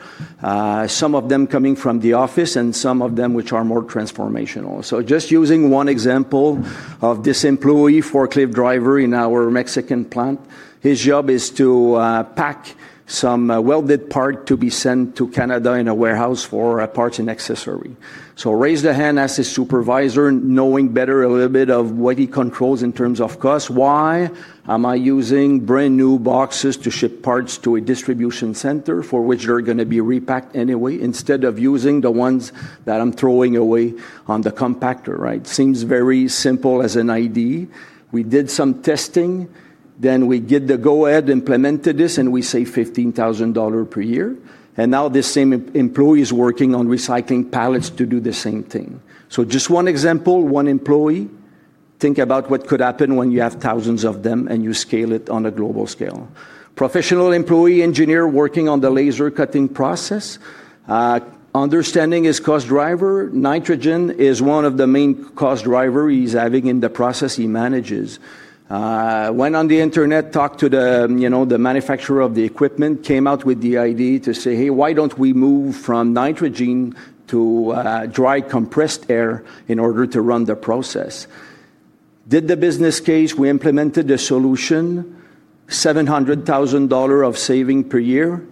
some of them coming from the office, and some of them which are more transformational. Just using one example of this employee forklift driver in our Mexican plant, his job is to pack some welded part to be sent to Canada in a warehouse for a parts and accessory. He raised the hand as his supervisor, knowing better a little bit of what he controls in terms of cost. Why am I using brand new boxes to ship parts to a distribution center for which they're going to be repacked anyway, instead of using the ones that I'm throwing away on the compactor, right? Seems very simple as an idea. We did some testing, then we did the go ahead, implemented this, and we saved $15,000 per year. Now this same employee is working on recycling pallets to do the same thing. Just one example, one employee, think about what could happen when you have thousands of them and you scale it on a global scale. Professional employee, engineer working on the laser cutting process, understanding his cost driver. Nitrogen is one of the main cost drivers he's having in the process. He manages, went on the Internet, talked to the manufacturer of the equipment, came out with the idea to say, hey, why don't we move from nitrogen to dry compressed air in order to run the process? Did the business case, we implemented the solution. $700,000 of saving per year,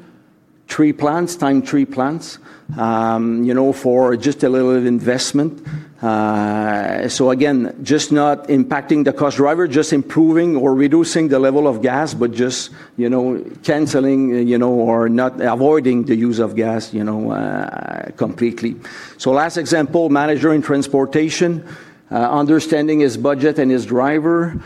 three plants times three plants, you know, for just a little investment. Again, just not impacting the cost driver, just improving or reducing the level of gas, but just, you know, canceling, you know, or not avoiding the use of gas, you know, completely. Last example, manager in transportation. Understanding his budget and his driver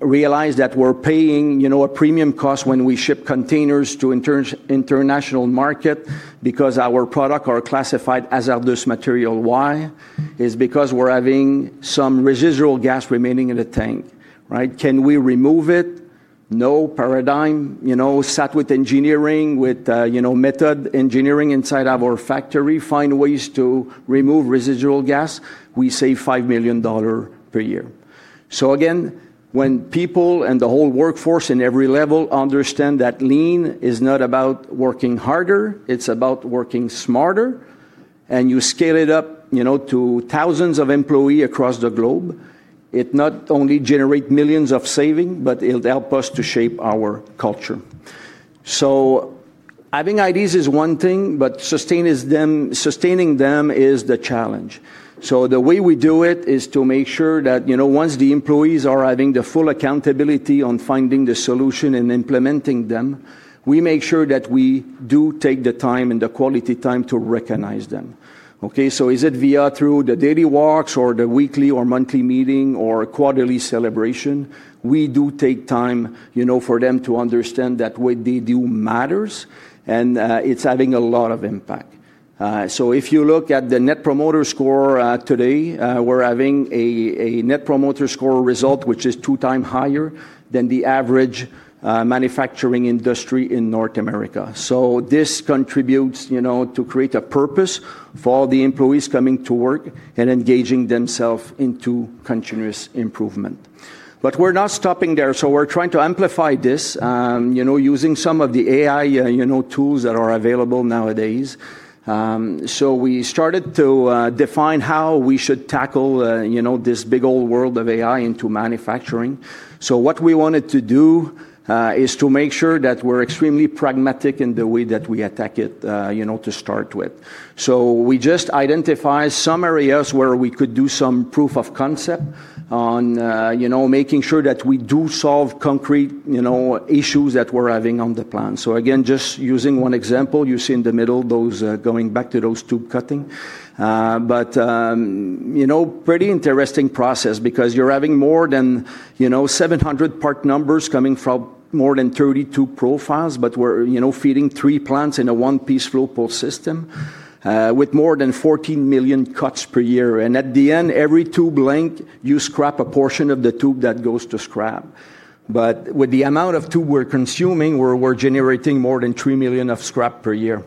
realize that we're paying a premium cost when we ship containers to international market because our product are classified as [hazzard] material. Why is because we're having some residual gas remaining in the tank, right. Can we remove it? No. Paradigm. Start with engineering, with method engineering inside our factory. Find ways to remove residual gas. We save $5 million per year. When people and the whole workforce at every level understand that lean is not about working harder, it's about working smarter. You scale it up to thousands of employees across the globe, it not only generates millions of saving, but it'll help us to shape our culture. Having ideas is one thing, but sustaining them is the challenge. The way we do it is to make sure that once the employees are having the full accountability on finding the solution and implementing them, we make sure that we do take the time and the quality time to recognize them. Is it via the daily walks or the weekly or monthly meeting or quarterly celebration, we do take time for them to understand that what they do matters. It's having a lot of impact. If you look at the net promoter score, today we're having a net promoter score result which is two times higher than the average manufacturing industry in North America. This contributes to create a purpose for the employees coming to work and engaging themselves into continuous improvement. We're not stopping there. We're trying to amplify this using some of the AI tools that are available nowadays. We started to define how we should tackle this big old world of AI into manufacturing. What we wanted to do is to make sure that we're extremely pragmatic in the way that we attack it to start with. We just identify some areas where we could do some proof of concept on making sure that we do solve concrete issues that we're having on the plan. Using one example you see in the middle, going back to those tube cutting, it's a pretty interesting process because you're having more than 700 part numbers coming from more than 32 profiles. We're feeding three plants in a one piece flowpole system with more than 14 million cuts per year. At the end, every tube length you scrap a portion of the tube that goes to scrap. With the amount of tube we're consuming, we're generating more than $3 million of scrap per year.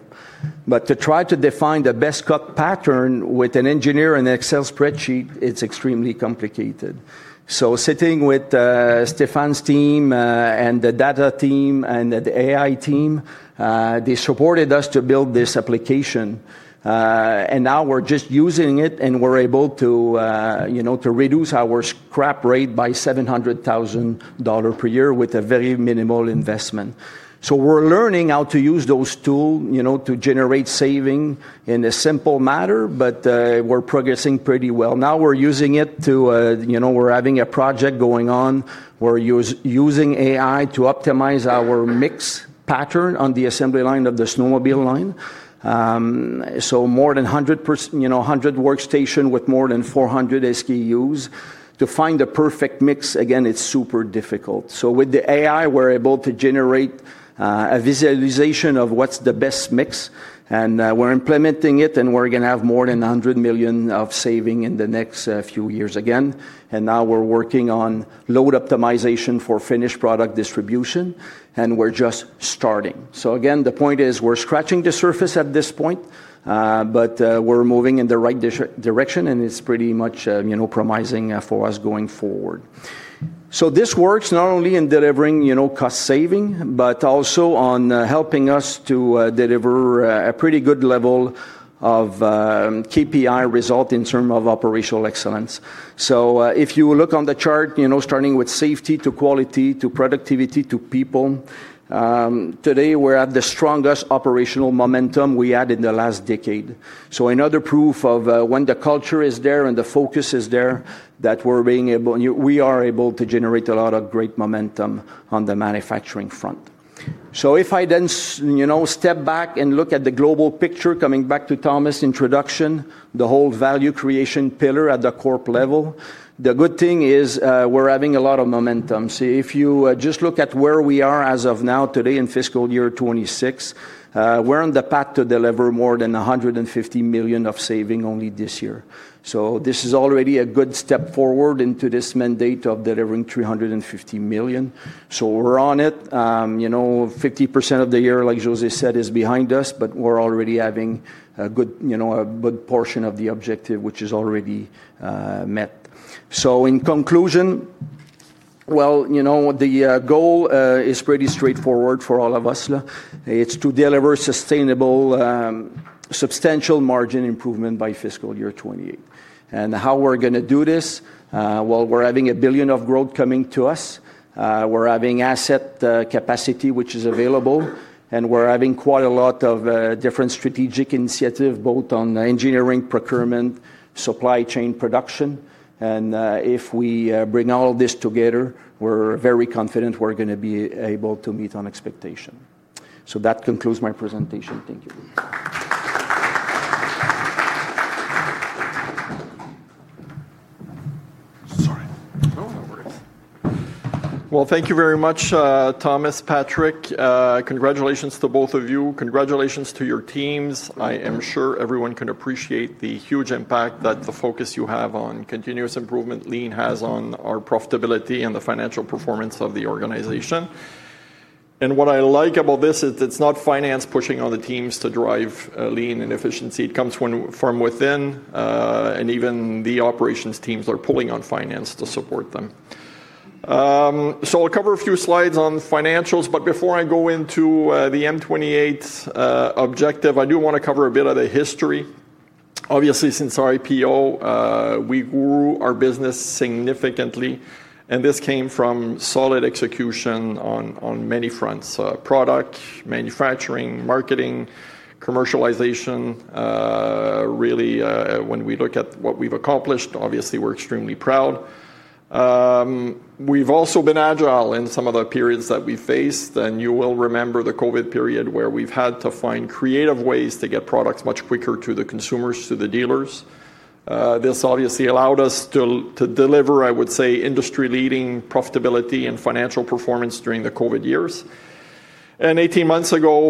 To try to define the best cut pattern with an engineer and Excel spreadsheet, it's extremely complicated. Sitting with Stefan's team and the data team and the AI team, they supported us to build this application and now we're just using it and we're able to reduce our scrap rate by $700,000 per year with a very minimal investment. We're learning how to use those tools to generate saving in a simple matter. We're progressing pretty well now. We're having a project going on. We're using AI to optimize our mix pattern on the assembly line of the snowmobile line. More than 100 workstations with more than 400 SKUs to find a perfect mix. It's super difficult. With the AI, we're able to generate a visualization of what's the best mix and we're implementing it and we're going to have more than $100 million of saving in the next few years. Now we're working on load optimization for finished product distribution and we're just starting. The point is we're scratching the surface at this point, but we're moving in the right direction and it's pretty much promising for us going forward. This works not only in delivering cost saving, but also on helping us to deliver a pretty good level of KPI result in terms of operational excellence. If you look on the chart starting with safety, to quality, to productivity, to people, today we're at the strongest operational momentum we had in the last decade. Another proof of when the culture is there and the focus is there that we're being able, we are able to generate a lot of great momentum on the manufacturing front. If I then step back and look at the global picture, coming back to Thomas' introduction, the whole value creation pillar at the corporate level, the good thing is we're having a lot of momentum. If you just look at where we are as of now, today in fiscal year 2026, we're on the path to deliver more than $150 million of saving only this year. This is already a good step forward into this mandate of delivering $350 million. We're on it. You know, 50% of the year, like José said, is behind us, but we're already having a good, you know, a good portion of the objective which is already met. In conclusion, the goal is pretty straightforward for all of us. It's to deliver sustainable, substantial margin improvement by fiscal year 2028. How we're going to do this, we're having $1 billion of growth coming to us, we're having asset capacity which is available, and we're having quite a lot of different strategic incentives both on engineering, procurement, supply chain, and production. If we bring all this together, we're very confident we're going to be able to meet on expectations. That concludes my presentation. Thank you. Thank you very much. Thomas, Patrick. Congratulations to both of you. Congratulations to your teams. I am sure everyone can appreciate the huge impact that the focus you have on continuous improvement lean has on our profitability and the financial performance of the organization. What I like about this is it's not finance pushing on the teams to drive lean and efficiency. It comes from within. Even the operations teams are pulling on finance to support them. I'll cover a few slides on financials, but before I go into the M28 objective, I do want to cover a bit of the history. Obviously since IPO we grew our business significantly and this came from solid execution on many fronts. Product manufacturing, marketing, commercialization. Really when we look at what we've accomplished, obviously we're extremely proud. We've also been agile in some of the periods that we faced and you will remember the COVID period where we've had to find creative ways to get products much quicker to the consumers, to the dealership. This obviously allowed us to deliver, I would say, industry leading profitability and financial performance. During the COVID years and 18 months ago,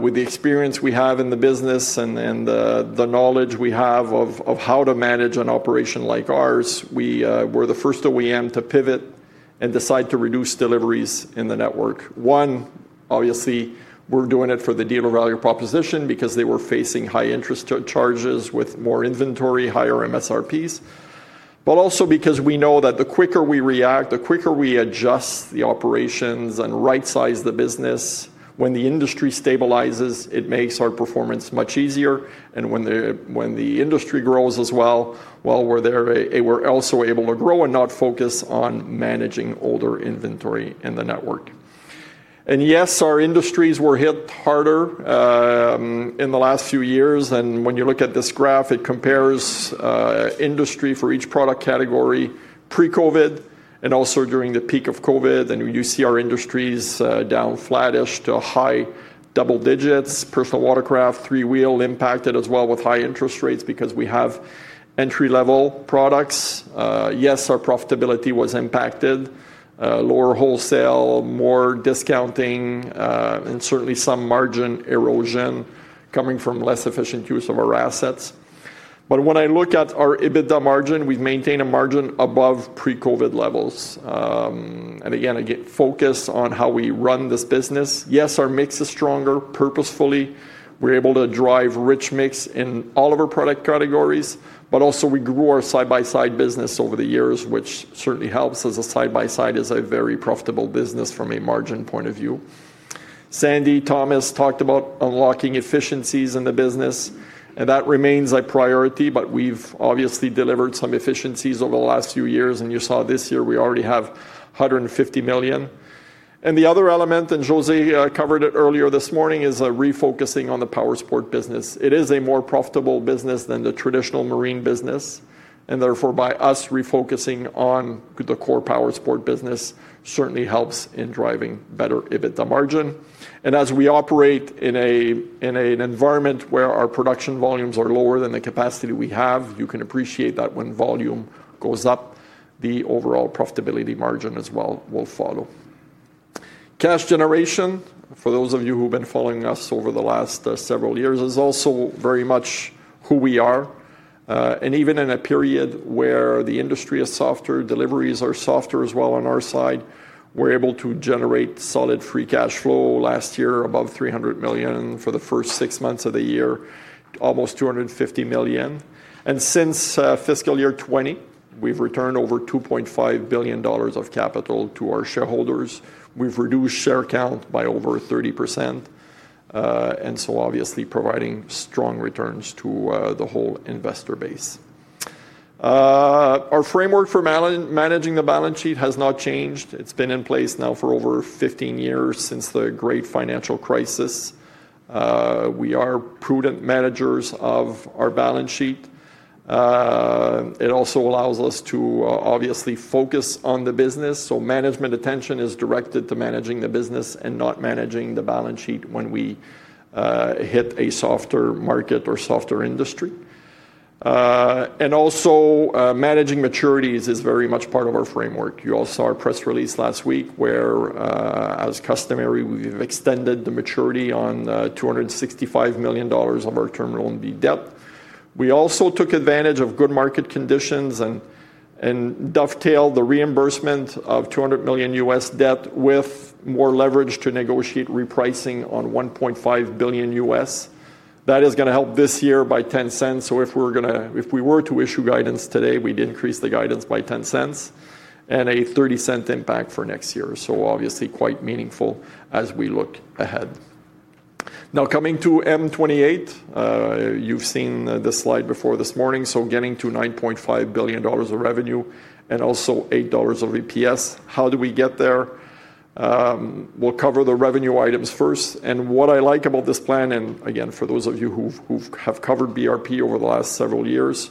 with the experience we have in the business and the knowledge we have of how to manage an operation like ours, we were the first OEM to pivot and decide to reduce deliveries in the network. One, obviously we're doing it for the dealer value proposition because they were facing high interest charges which with more inventory, higher MSRPs. Also because we know that the quicker we react, the quicker we adjust the operations and right size the business. When the industry stabilizes, it makes our performance much easier and when the industry grows as well, we're also able to grow and not focus on managing older inventory in the network. Yes, our industries were hit harder in the last few years. When you look at this graph it compares industry for each product category pre-COVID and also during the peak of COVID. We do see our industries down flattish to high double digits. Personal watercraft, three wheel impacted as well with high interest rates because we have entry level products. Yes, our profitability was impacted, lower wholesale, more discounting and certainly some margin erosion coming from less efficient use of our assets. When I look at our EBITDA margin, we've maintained a margin above pre-COVID levels and again focus on how we run this business. Yes, our mix is stronger. Purposefully we're able to drive rich mix in all of our product categories. We grew our side-by-side business over the years, which certainly helps as a side-by-side is a very profitable business from a margin point of view. Sandy Scullion talked about unlocking efficiencies in the business and that remains a priority. We've obviously delivered some efficiencies over the last few years and you saw this year we already have $150 million. The other element, and José Boisjoli covered it earlier this morning, is refocusing on the powersports business. It is a more profitable business than the traditional marine business and therefore by us refocusing on the core powersports business it certainly helps in driving better EBITDA margin. As we operate in an environment where our production volumes are lower than the capacity we have, you can appreciate that when volume goes up, the overall profitability margin as well will follow. Cash generation, for those of you who've been following us over the last several years, is also very much who we are. Even in a period where the industry is softer, deliveries are softer as well. On our side we're able to generate solid free cash flow last year above $300 million for the first six months of the year, almost $250 million. Since fiscal year 2020, we've returned over $2.5 billion of capital to our shareholders. We've reduced share count by over 30% and obviously providing strong returns to the whole investor base. Our framework for managing the balance sheet has not changed. It's been in place now for over 15 years since the great financial crisis. We are prudent managers of our balance sheet. It also allows us to focus on the business. Management attention is directed to managing the business and not managing the balance sheet. When we hit a softer market or softer industry, managing maturities is very much part of our framework. You all saw our press release last week where, as customary, we've extended the maturity on $265 million of our term loan B debt. We also took advantage of good market conditions and dovetailed the reimbursement of $200 million U.S. debt with more leverage to negotiate repricing on $1.5 billion U.S. that is going to help this year by $0.10. If we were to issue guidance today, we'd increase the guidance by $0.10 and a $0.30 impact for next year. This is quite meaningful as we look ahead. Now coming to M28, you've seen the slide before this morning. Getting to $9.5 billion of revenue and also $8 of EPS. How do we get there? We'll cover the revenue items first. What I like about this plan, and again for those of you who have covered BRP over the last several years,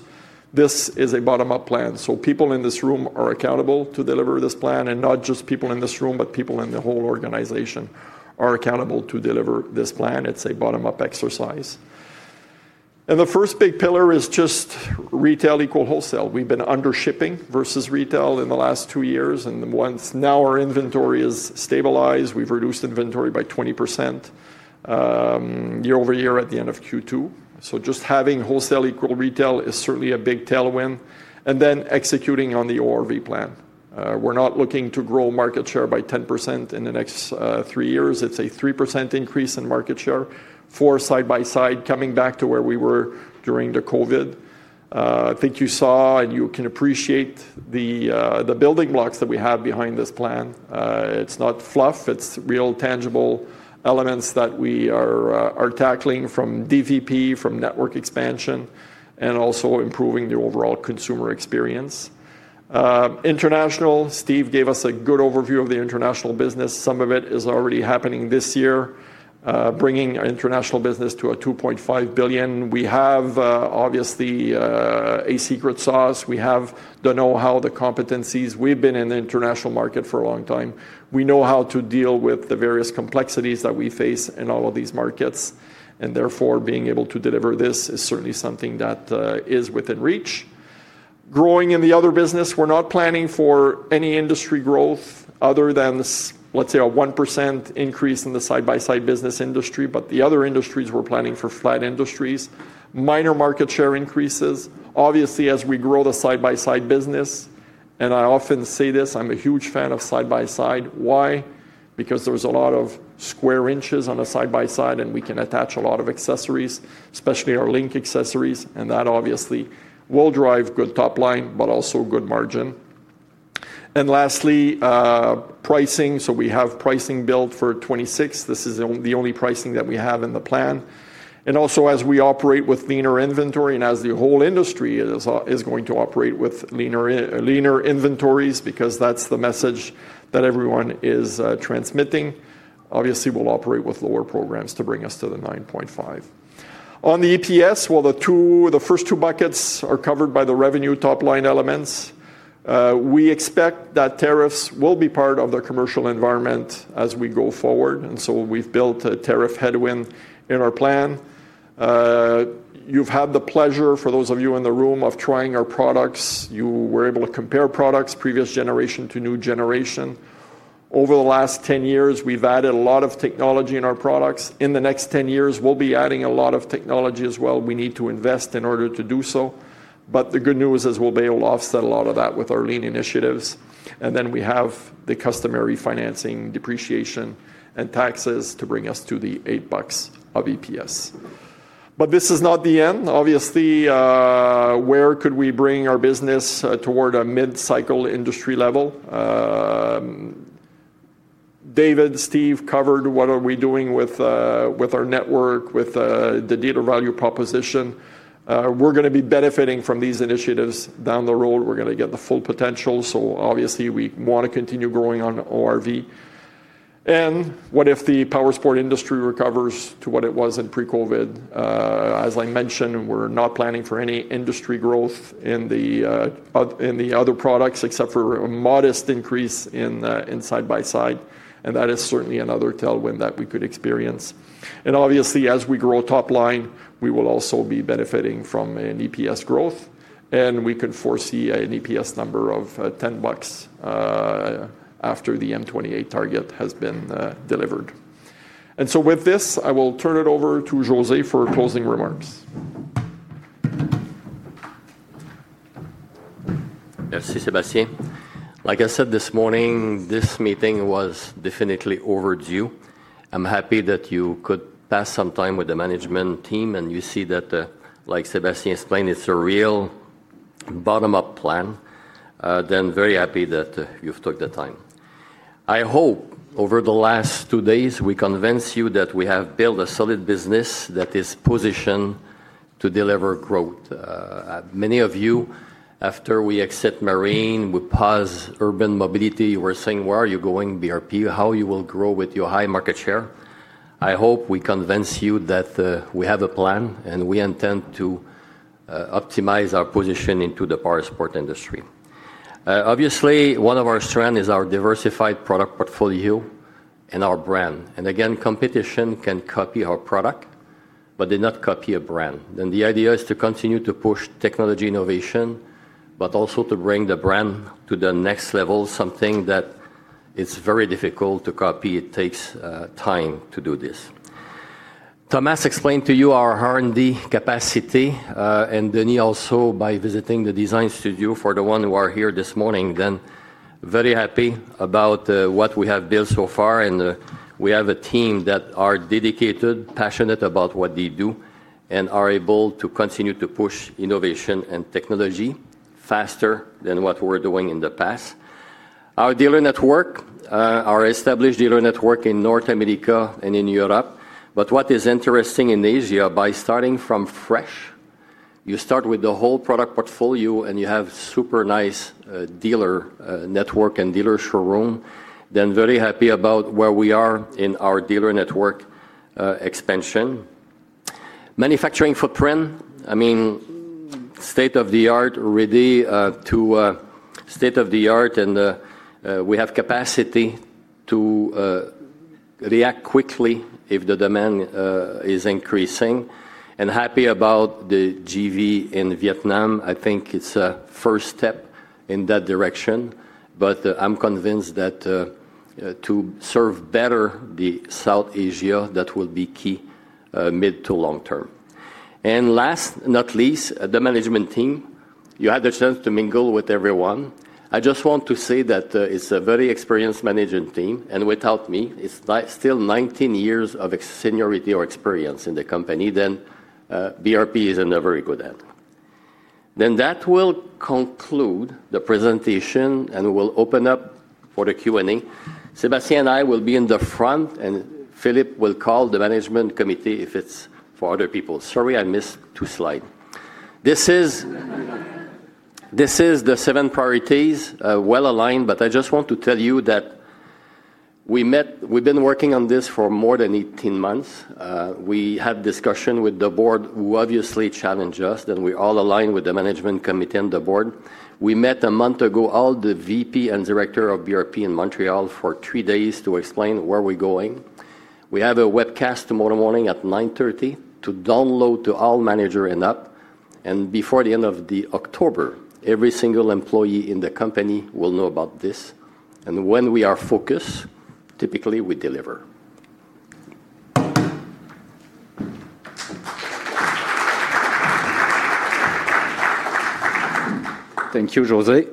this is a bottom up plan. People in this room are accountable to deliver this plan. Not just people in this room, but people in the whole organization are accountable to deliver this plan. It's a bottom up exercise and the first big pillar is just retail equal wholesale. We've been under shipping versus retail in the last two years and now our inventory is stabilized. We've reduced inventory by 20% year-over-year at the end of Q2. Just having wholesale equal retail is certainly a big tailwind. Executing on the ORV plan, we're not looking to grow market share by 10% in the next three years. It's a 3% increase in market share for side-by-sides. Coming back to where we were during COVID, I think you saw and you can appreciate the building blocks that we have behind this plan. It's not fluff, it's real tangible elements that we are tackling from DVP, from network expansion and also improving the overall consumer experience. International. Steve gave us a good overview of the international business. Some of it is already happening this year, bringing international business to $2.5 billion. We have obviously a secret sauce. We have the know-how, the competencies. We've been in the international market for a long time. We know how to deal with the various complexities that we face in all of these markets and therefore being able to deliver this is certainly something that is within reach. Growing in the other business. We're not planning for any industry growth other than let's say a 1% increase in the side-by-side business industry. The other industries we're planning for flat industries, minor market share increases obviously as we grow the side-by-side business. I often say this, I'm a huge fan of side-by-side. Why? Because there's a lot of square inches on a side-by-side and we can attach a lot of accessories, especially our LinQ accessories, and that obviously will drive good top line but also good margin. Lastly, pricing. We have pricing built for 2026. This is the only pricing that we have in the plan. Also, as we operate with leaner inventory and as the whole industry is going to operate with leaner inventories, because that's the message that everyone is transmitting, obviously we'll operate with lower programs to bring us to the $9.50. On the EPS the first two buckets are covered by the revenue top line elements. We expect that tariffs will be part of the commercial environment as we go forward, and we've built a tariff headwind in our plan. You've had the pleasure, for those of you in the room, of trying our products. You were able to compare products, previous generation to new generation. Over the last 10 years, we've added a lot of technology in our products. In the next 10 years, we'll be adding a lot of technology as well. We need to invest in order to do so. The good news is we'll be able to offset a lot of that with our lean initiatives. Then we have the customary financing, depreciation, and taxes to bring us to the $8.00 of EPS. This is not the end, obviously. Where could we bring our business toward a mid-cycle industry level? David, Steve covered what we are doing with our network, with the dealer value proposition. We're going to be benefiting from these initiatives down the road. We're going to get the full potential. Obviously, we want to continue growing on ORV, and what if the powersports industry recovers to what it was in pre-COVID? As I mentioned, we're not planning for any industry growth in the other products except for a modest increase in side-by-side, and that is certainly another tailwind that we could experience. Obviously, as we grow top line, we will also be benefiting from an EPS growth, and we could foresee an EPS number of $10.00 after the M28 target has been delivered. With this, I will turn it over to Jos for closing remarks. Sébastien, like I said this morning, this meeting was definitely overdue. I'm happy that you could pass some time with the management team and you see that like Sébastien explained, it's a real bottom up plan. I'm very happy that you took the time. I hope over the last two days we convinced you that we have built a solid business that is positioned to deliver growth. Many of you, after we exited Marine and we paused urban mobility, were saying where are you going BRP, how will you grow with your high market share. I hope we convinced you that we have a plan and we intend to optimize our position in the powersports industry. Obviously, one of our strengths is our diversified product portfolio and our brand. Competition can copy our product but they cannot copy a brand. The idea is to continue to push technology innovation but also to bring the brand to the next level, something that is very difficult to copy. It takes time to do this. Thomas explained to you our R&D capacity and Denys also by visiting the design studio for the ones who were here this morning. I'm very happy about what we have built so far. We have a team that is dedicated, passionate about what they do, and able to continue to push innovation and technology faster than what we were doing in the past. Our dealer network, our established dealer network in North America and in Europe. What is interesting in Asia, by starting from fresh, you start with the whole product portfolio and you have a super nice dealer network and dealer showroom. I'm very happy about where we are in our dealer network expansion and manufacturing footprint. I mean state of the art, ready to state of the art, and we have capacity to react quickly if the demand is increasing. I'm happy about the JV in Vietnam. I think it's a first step in that direction. I'm convinced that to serve better South Asia that will be key mid to long term. Last, not least, the management team. You had a chance to mingle with everyone. I just want to say that it's a very experienced management team, and without me it's still 19 years of seniority or experience in the company. BRP is in very good hands. That will conclude the presentation and we'll open up for the Q&A. Sébastien and I will be in the front and Philippe will call the management committee if it's for other people. Sorry, I missed two slides. This is the seven priorities well aligned. I just want to tell you that we met. We've been working on this for more than 18 months. We had discussion with the board, who obviously challenged us. Then we all aligned with the management committee and the board. We met a month ago, all the VP and Director of BRP in Montreal for three days to explain where we go in. We have a webcast tomorrow morning at 9:30 A.M. to download to all manager and app. Before the end of October, every single employee in the company will know about this. When we are focused, typically we deliver. Thank you, José.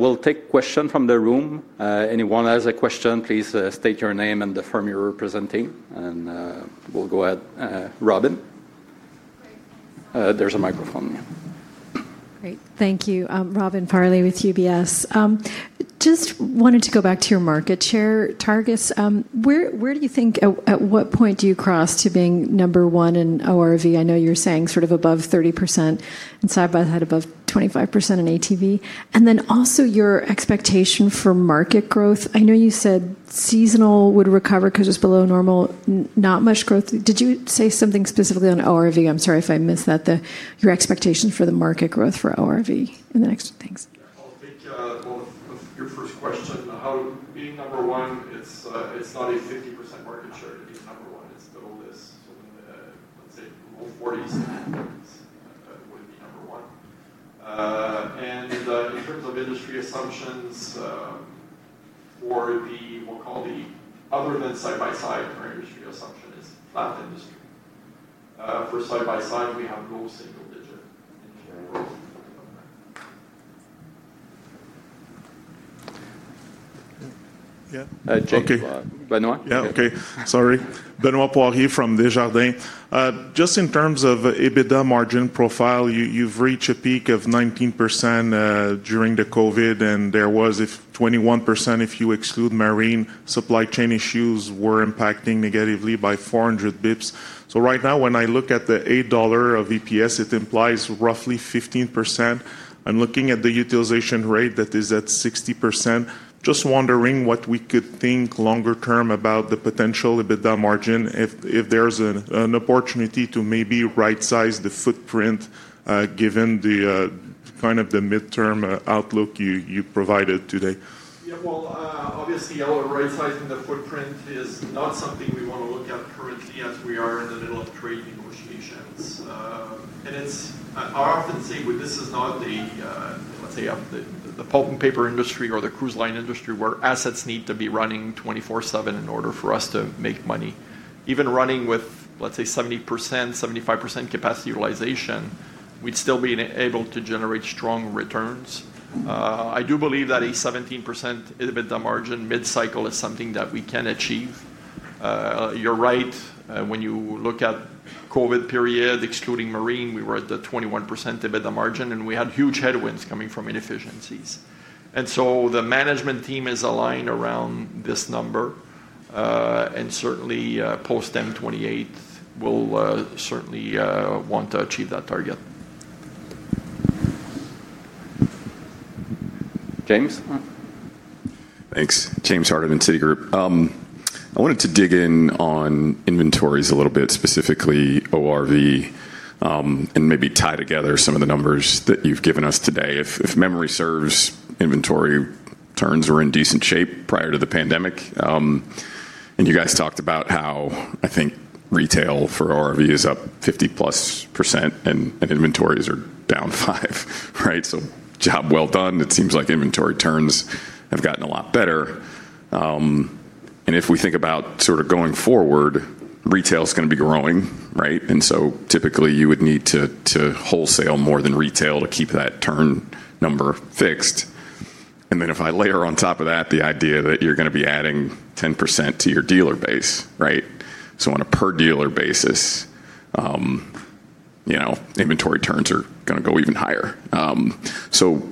We'll take a question from the room. If anyone has a question, please state your name and the firm you're representing and we'll go ahead. Robin, there's a microphone. Great, thank you. Robin Farley with UBS. Just wanted to go back to your market share. Targets, where do you think? At what point do you cross to being number one in ORV? I know you're saying sort of above 30% and side-by-side above 25% in ATV. Also, your expectation for market growth, I know you said seasonal would recover because it's below normal, not much growth. Did you say something specifically on ORV? I'm sorry if I missed that. Your expectations for the market growth for ORV in the next things. Being number one, it's not a 50% market share, it's not the one, it's double this. In the industry assumptions for the, we'll call the other side-by-side, our industry assumption is that industry for side-by-side we have no signal to ship. Yeah, Benoit. Okay, sorry. Benoit Poirier from Desjardins. Just in terms of EBITDA margin profile, you've reached a peak of 19% during COVID and there was, if 21%, if you exclude marine supply chain issues were impacting negatively by 400 bps. Right now when I look at the $8 of EPS it implies roughly 15%. I'm looking at the utilization rate that is at 60%. Just wondering what we could think longer term about the potential EBITDA margin if there's an opportunity to maybe right size the footprint given the kind of the midterm outlook you provided today. Obviously, our right sizing the footprint is not something we want to look at currently as we are in the middle of trading ocean. I often see this is not the pulp and paper industry or the cruise line industry where assets need to be running 24/7 in order for us to make money. Even running with, let's say, 70%, 75% capacity utilization, we'd still be able to generate strong returns. I do believe that a 17% EBITDA margin mid cycle is something that we can achieve. You're right. When you look at COVID period excluding marine, we were at the 21% EBITDA margin and we had huge headwinds coming from inefficiencies. The management team is aligned around this number and certainly post 2028 will certainly want to achieve that target. James. Thanks. I wanted to dig in on inventories a little bit, specifically ORV, and maybe tie together some of the numbers that you've given us today. If memory serves, inventory turns were in decent shape prior to the pandemic. You guys talked about how, I think, retail for ORV is up 50%+ and inventories are down 5%. Right. Job well done. It seems like inventory turns have gotten a lot better. If we think about going forward, retail is going to be growing. Right. Typically, you would need to wholesale more than retail to keep that turn number fixed. If I layer on top of that the idea that you're going to be adding 10% to your dealer base, on a per dealer basis, inventory turns are going to go even higher.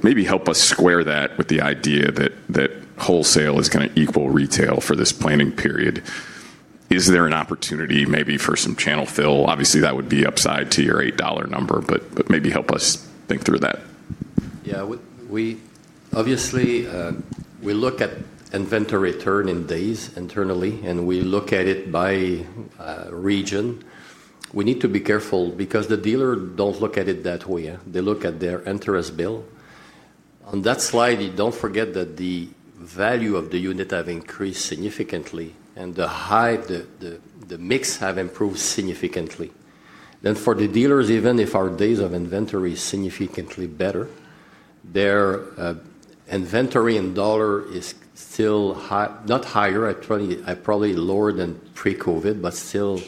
Maybe help us square that with the idea that wholesale is going to equal retail for this planning period. Is there an opportunity maybe for some channel fill? Obviously, that would be upside to your $8 number, but maybe help us think through that. Yeah, obviously we look at inventory turn in days internally, and we look at it by region. We need to be careful because the dealer doesn't look at it that way. They look at their interest bill on that slide. You don't forget that the value of the unit has increased significantly, and the mix has improved significantly. For the dealers, even if our days of inventory is significantly better, their inventory in dollars is still high, if not higher. It's probably lower than pre-COVID, but still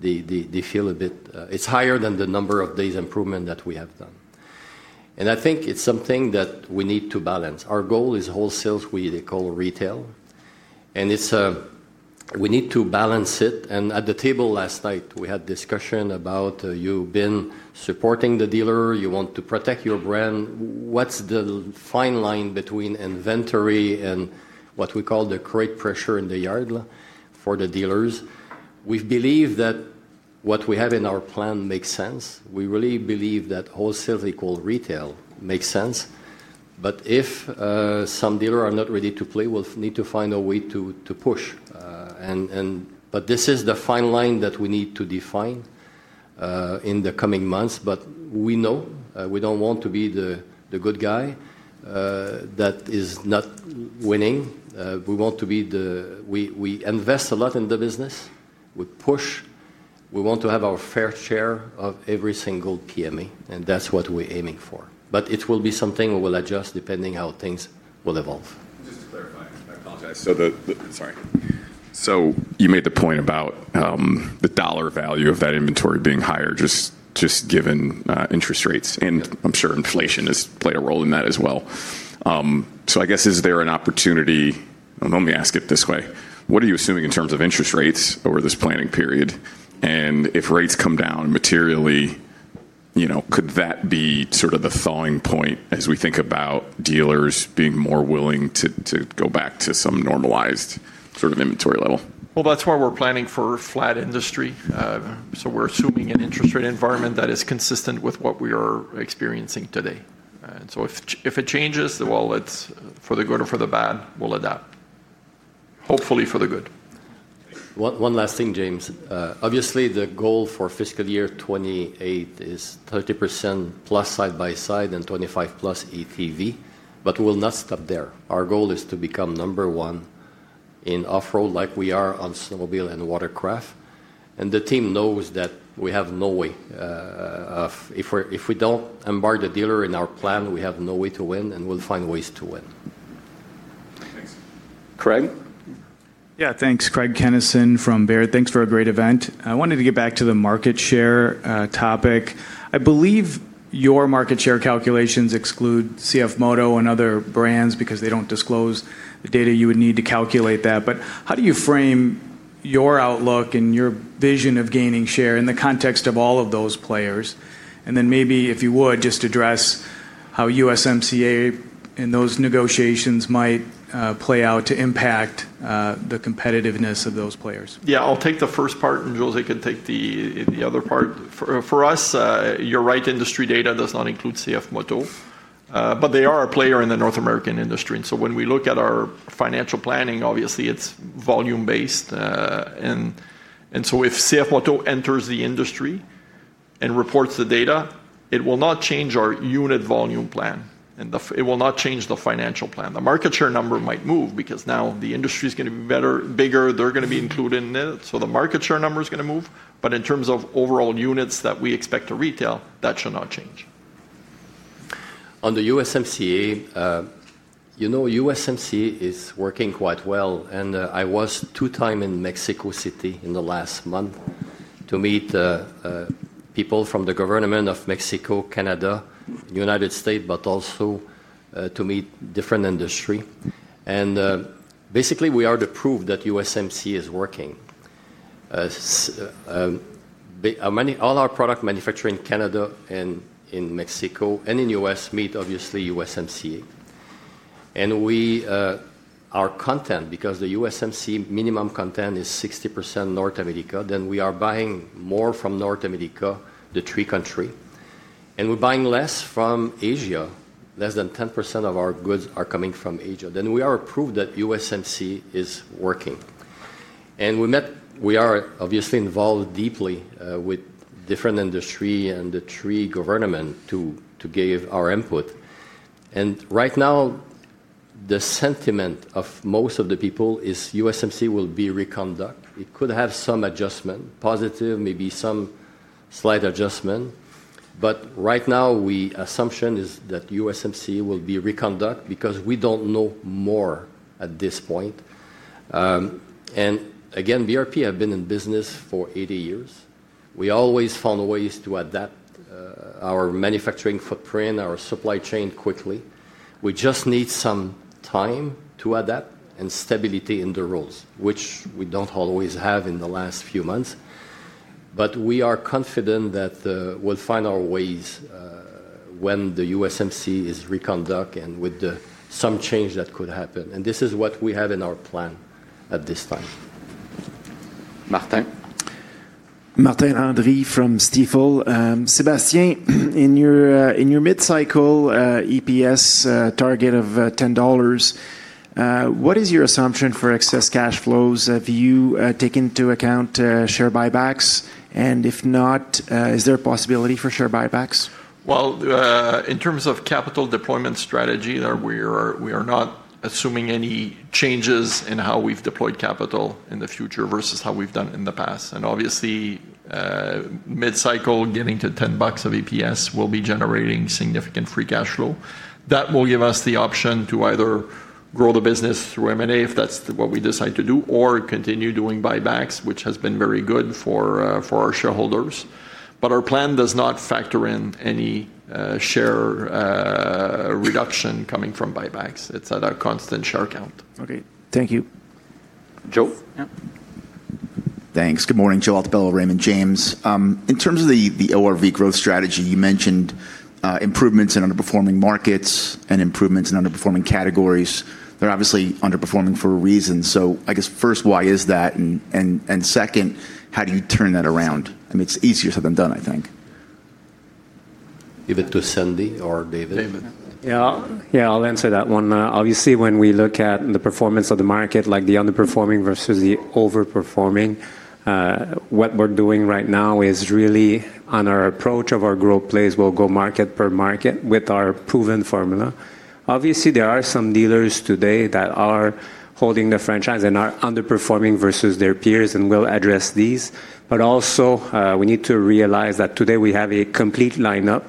they feel a bit it's higher than the number of days improvement that we have done. I think it's something that we need to balance. Our goal is wholesale equals retail, and we need to balance it. At the table last night, we had discussion about you supporting the dealer. You want to protect your brand. What's the fine line between inventory and what we call the crate pressure in the yard for the dealers? We believe that what we have in our plan makes sense. We really believe that wholesale equals retail makes sense. If some dealers are not ready to play, we'll need to find a way to push. This is the fine line that we need to define in the coming months. We know we don't want to be the good guy that is not winning. We want to be the—we invest a lot in the business, we push. We want to have our fair share of every single PME, and that's what we're aiming for. It will be something we will adjust depending how things will evolve. I apologize. You made the point about the dollar value of that inventory being higher just given interest rates. I'm sure inflation has played a role in that as well. I guess is there an opportunity. Let me ask it this way. What are you assuming in terms of interest rates over this planning period, and if rates come down materially, could that be sort of the thawing point as we think about dealers being more willing to go back to some normalized sort of inventory level. That's why we're planning for flat industry. We're assuming an interest rate environment that is consistent with what we are experiencing today. If it changes the wallets for the good or for the bad, we'll adapt, hopefully for the good. One last thing, James. Obviously the goal for fiscal year 2028 is 30%+ side-by-side and 25%+ ATV. We'll not stop there. Our goal is to become number one in Off-Road like we are on snowmobile and watercraft. The team knows that we have no way of, if we don't embark the dealer in our plan, we have no way to win. We'll find ways to win. Craig? Yeah, thanks. Craig Kennison from Baird. Thanks for a great event. I wanted to get back to the market share topic. I believe your market share calculations exclude CFMOTO and other brands because they don't disclose the data you would need to calculate that. How do you frame your outlook and your vision of gaining share in the context of all of those players, and then maybe if you would just address how USMCA in those negotiations might play out to impact the competitiveness of those players. Yeah, I'll take the first part and José can take the other part for us. You're right, industry data does not include CFMOTO, but they are a player in the North American industry. When we look at our financial planning, obviously it's volume based, and if CFMOTO enters the industry and reports the data, it will not change our unit volume plan and it will not change the financial plan. The market share number might move because now the industry is going to be bigger, they're going to be included in it. The market share number is going to move. In terms of overall units that we expect to retail, that should not change. On the USMCA. You know USMCA is working quite well and I was two times in Mexico City in the last month to meet people from the government of Mexico, Canada, United States, but also to meet different industry. Basically, we are the proof that USMCA is working. Many, all our product manufactured in Canada and in Mexico and in U.S. meet obviously USMCA and we are content because the USMCA minimum content is 60% North America. We are buying more from North America, the three countries, and we're buying less from Asia. Less than 10% of our goods are coming from Asia. We are a proof that USMCA is working and we are obviously involved deeply with different industry and the three governments to give our input. Right now, the sentiment of most of the people is USMCA will be reconducted. It could have some adjustment, positive, maybe some slight adjustment. Right now, the assumption is that USMCA will be reconducted because we don't know more at this point. Again, BRP have been in business for 80 years. We always found ways to adapt our manufacturing footprint, our supply chain quickly. We just need some time to adapt and stability in the rules, which we don't always have in the last few months. We are confident that we'll find our ways when the USMCA is reconducted and with some change that could happen. This is what we have in our plan at this time. Martin. Martin Andri from Stifel. Sébastien, in your mid cycle EPS target of $10, what is your assumption for excess cash flows? Have you taken into account share buybacks, and if not, is there a possibility for share buybacks? In terms of capital deployment strategy, we are not assuming any changes in how we've deployed capital in the future versus how we've done in the past. Obviously, mid cycle getting to $10 of EPS will be generating significant free cash flow that will give us the option to either grow the business through M&A if that's what we decide to do, or continue doing buybacks, which has been very good for our shareholders. Our plan does not factor in any share reduction coming from buybacks. It's at a constant share count. Okay, thank you. Joe. Thanks. Good morning, Joe Altobello, Raymond James. In terms of the ORV growth strategy, you mentioned improvements in underperforming markets and improvements in underperforming categories. They're obviously underperforming for a reason. I guess first, why is that? Second, how do you turn that around? I mean, it's easier said than done, I think. Give it to Sandy or David. Yeah, I'll answer that one. Obviously, when we look at the performance of the market, like the underperforming versus the overperforming, what we're doing right now is really on our approach of our growth plays. We'll go market per market with our proven formula. Obviously, there are some dealers today that are holding the franchise and are underperforming versus their peers, and we'll address these. We need to realize that today we have a complete lineup.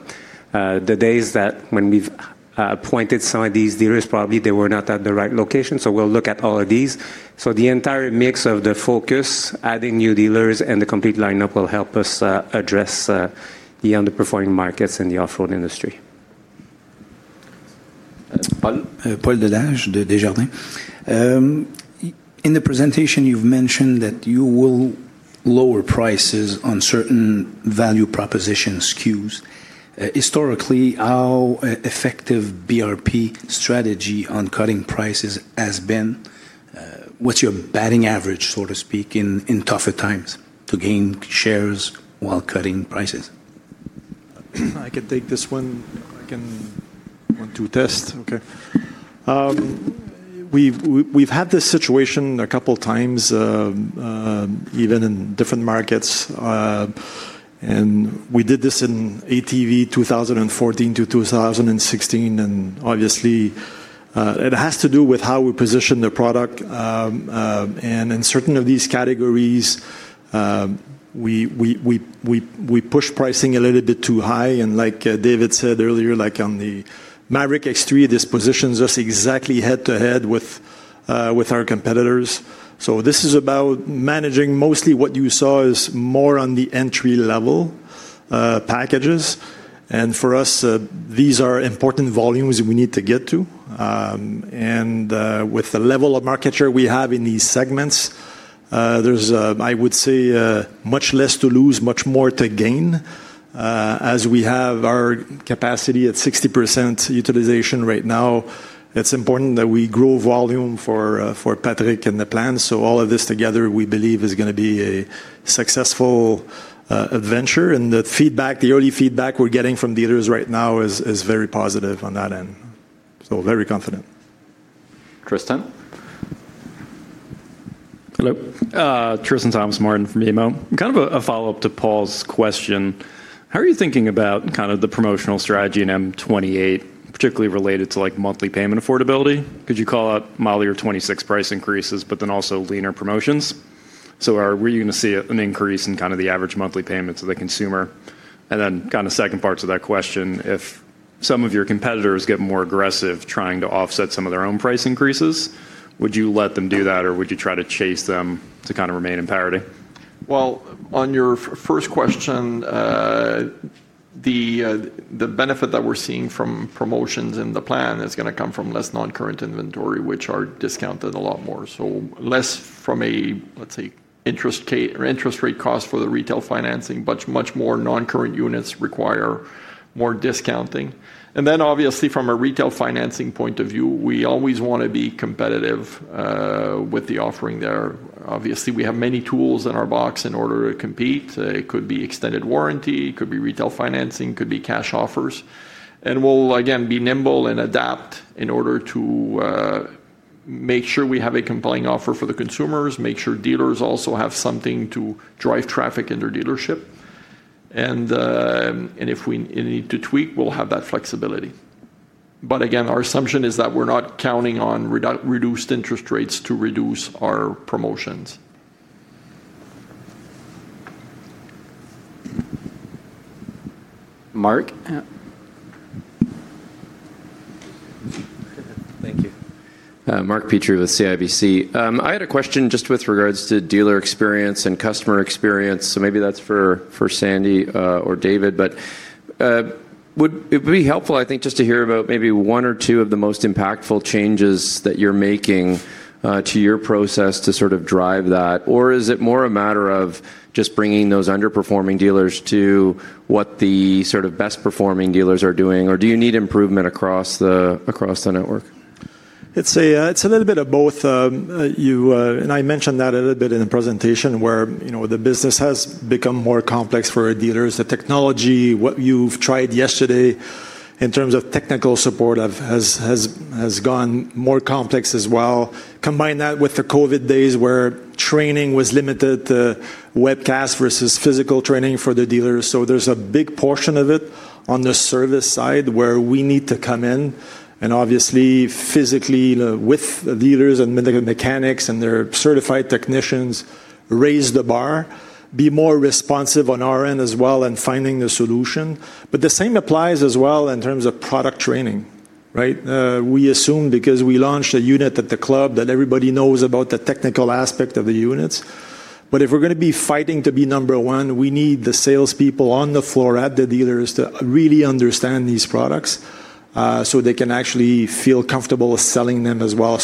The days that when we've appointed some of these dealers, probably they were not at the right location. We'll look at all of these. The entire mix of the focus, adding new dealers, and the complete lineup will help us address the underperforming markets in the off-road industry. In the presentation you've mentioned that you will lower prices on certain value proposition SKUs. Historically, how effective BRP strategy on cutting prices has been? What's your batting average or to speak in tougher times to gain shares while cutting prices. I can take this one. We've had this situation a couple times even in different markets and we did this in ATV 2014-2016 and obviously it has to do with how we position the product and in certain of these categories we push pricing a little bit too high. Like David said earlier, like on the Maverick X3, this positions us exactly head to head with our competitors. This is about managing. Mostly what you saw is more on the entry level packages. For us these are important volumes we need to get to. With the level of market share we have in these segments there's, I would say, much less to lose, much more to gain. As we have our capacity at 60% utilization right now, it's important that we grow volume for Patrick and the plan. All of this together we believe is going to be a successful adventure. The feedback, the early feedback we're getting from dealers right now is very positive on that end. Very confident it. Tristan. Hello Tristan Thomas from BMO. Kind of a follow-up to Paul's question. How are you thinking about kind of the promotional strategy in M28, particularly related to like monthly payment affordability? Could you call out model year 2026 price increases, but then also leaner promotions? Are we going to see an increase in kind of the average monthly payments of the consumer? Kind of second parts of that question, if some of your competitors get more aggressive trying to offset some of their own price increases, would you let them do that, or would you try to chase them to kind?f remain in parity? The benefit that we're seeing from promotions in the plan is going to come from less non-current inventory, which are discounted a lot more. Less from a, let's say, interest rate cost for the retail financing, but much more non-current units require more discounting. Obviously, from a retail financing point of view, we always want to be competitive with the offering there. We have many tools in our box in order to compete. It could be extended warranty, could be retail financing, could be cash offers, and we'll again be nimble and adapt in order to make sure we have a complying offer for the consumers. Make sure dealers also have something to drive traffic in their dealership. If we need to tweak, we'll have that flexibility. Again, our assumption is that we're not counting on reduced interest rates to reduce our promotions. Mark. Thank you. Mark Petrie with CIBC. I had a question just with regards to dealer experience and customer experience, that's for Sandy or David. It would be helpful, I think, just to hear about maybe one or two of the most impactful changes that you're making to your process to sort of drive that, or is it more a matter of just bringing those underperforming dealers to what the sort of best performing dealers are doing or do you need improvement across the network? It's a little bit of both, and I mentioned that a little bit in the presentation where, you know, the business has become more complex for our dealers. The technology, what you tried yesterday in terms of technical support, has gotten more complex as well. Combine that with the COVID days where training was limited to webcasts versus physical training for the dealers. There's a big portion of it on the service side where we need to come in physically with the dealers and mechanics and their certified technicians, raise the bar, be more responsive on our end as well, and find the solution. The same applies in terms of product training. We assume because we launched a unit at the club that everybody knows about the technical aspect of the units. If we're going to be fighting to be number one, we need the salespeople on the floor at the dealers to really understand these products so they can actually feel comfortable selling them as well.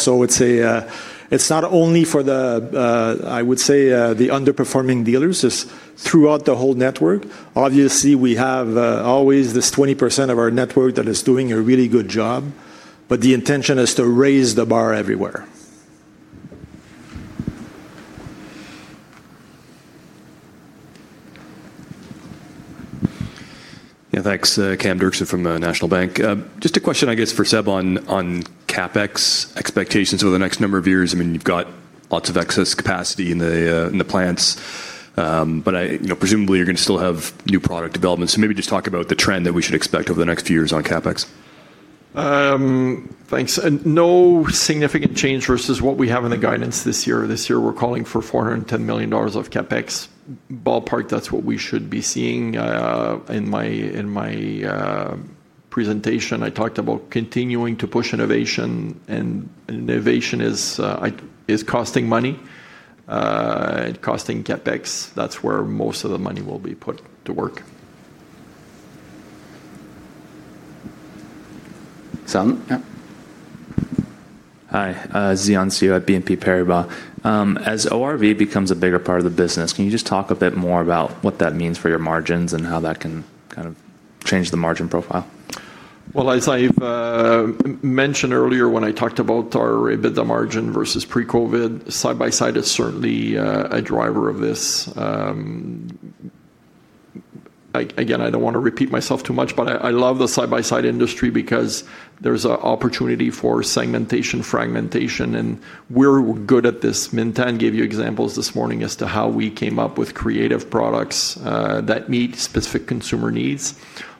It's not only for the, I would say, the underperforming dealers, it's throughout the whole network. Obviously, we have always this 20% of our network that is doing a really good job, but the intention is to raise the bar everywhere. Yeah, thanks. Cam Doerksen from National Bank. Just a question, I guess for Séban on CapEx expectations over the next number of years. I mean you've got lots of excess capacity in the plants, but presumably you're going to still have new product development, so maybe just talk about the trend that we should expect over the next few years on CapEx. Thanks. No significant change versus what we have in the guidance this year. This year we're calling for $410 million of CapEx, ballpark that's what we should be seeing. In my presentation I talked about continuing to push innovation, and innovation is costing money and costing CapEx. That's where most of the money will be put to work. Hi, [Zian Siu] at BNP Paribas. As ORV becomes a bigger part of the business, can you just talk a bit more about what that means for your margins and how that can kind of change the margin profile? As I mentioned earlier when I talked about our EBITDA margin versus pre-COVID, side-by-side is certainly a driver of this. I don't want to repeat myself too much, but I love the side-by-side industry because there's an opportunity for segmentation, fragmentation, and we're good at this. Minh Thanh gave you examples this morning as to how we came up with creative products that meet specific consumer needs.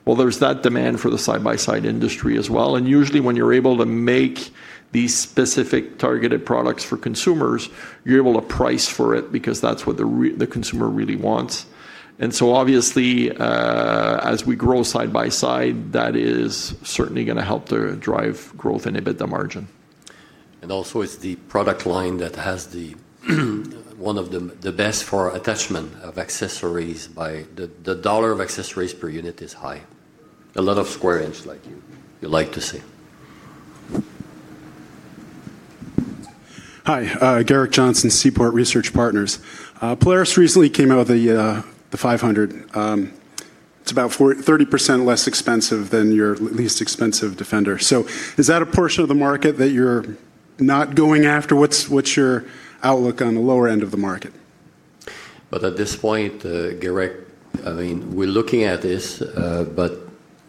There's that demand for the side-by-side industry as well. Usually, when you're able to make these specific targeted products for consumers, you're able to price for it because that's what the consumer really wants. Obviously, as we grow side-by-side, that is certainly going to help to drive growth and EBITDA margin. It's the product line that has one of the best for attachment of accessories, as the dollar of accessories per unit is high. A lot of square inch like you like to see. Hi. Gerrick Johnson, Seaport Research Partners. Polaris recently came out with the 500. It's about 30% less expensive than your least expensive Defender. Is that a portion of the market that you're not going after? What's your outlook on the lower end of the market? At this point, Gerrick, I mean we're looking at this, but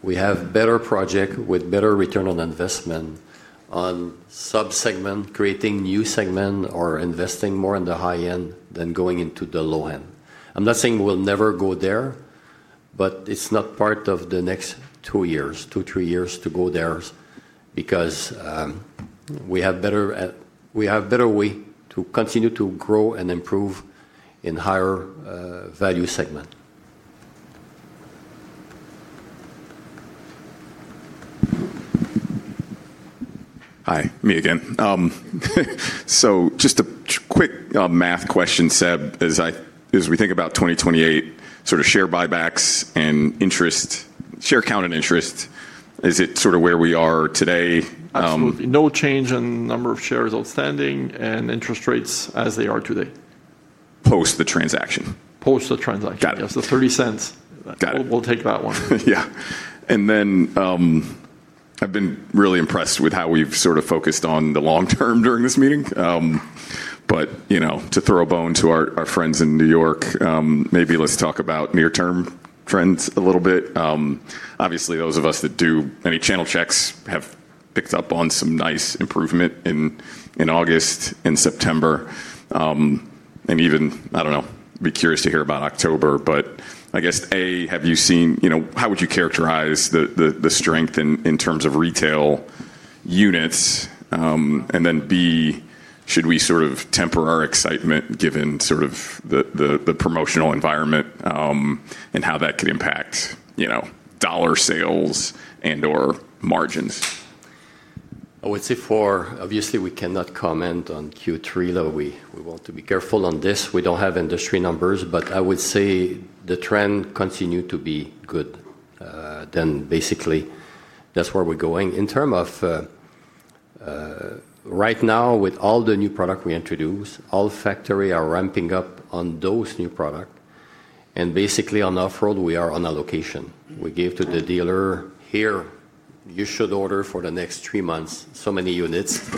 we have better projects with better return on investment on sub-segment, creating new segment, or investing more in the high end than going into the low end. I'm not saying we'll never go there, but it's not part of the next two or three years to go there because we have better estimates and we have better way to continue to grow and improve in higher value segment. Hi, me again. Just a quick math question, Séb. As we think about 2028 share buybacks and interest, share count and interest, is it where we are today? Absolutely no change in number of shares outstanding and interest rates as they are today. Post the transaction. Post the transaction. Yes, the $0.30. We'll take that one. Yeah.I've been really impressed with how we've sort of focused on the long term during this meeting, but to throw a bone to our friends in New York, maybe let's talk about near term trends a little bit. Obviously, those of us that do any channel checks have picked up on some nice improvement in August and September, and even, I don't know, be curious to hear about October. I guess, A, have you seen, you know, how would you characterize the strength in terms of retail units, and then, B, should we sort of temper our excitement given the promotional environment and how that could impact dollar sales and/or margins? I would say obviously we cannot comment on Q3, though we want to be careful on this. We don't have industry numbers, but I would say the trend continues to be good. Basically, that's where we're going in terms of right now with all the new product we introduced. All factories are ramping up on those new products, and basically on Off-Road we are on allocation. We give to the dealer, here you should order for the next three months so many units,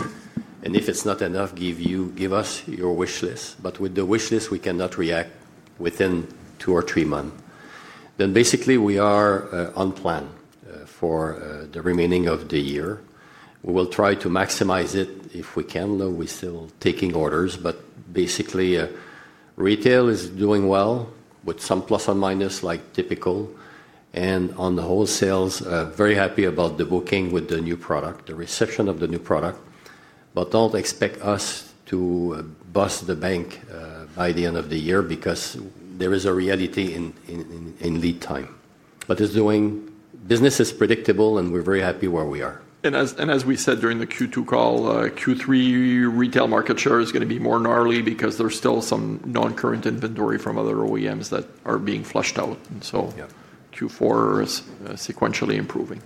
and if it's not enough, give us your wish list. With the wish list, we cannot react within two or three months. Basically, we are on plan for the remaining of the year. We will try to maximize it if we can, though we're still taking orders, but basically retail is doing well with some plus or minus like typical, and on the wholesales, very happy about the booking with the new product, the reception of the new product. Don't expect us to bust the bank by the end of the year because there is a reality in lead time, but doing business is predictable and we're very happy where we are. As we said during the Q2 call, Q3 retail market share is going to be more gnarly because there's still some non-current inventory from other OEMs that are being flushed out, and Q4 is sequentially improving.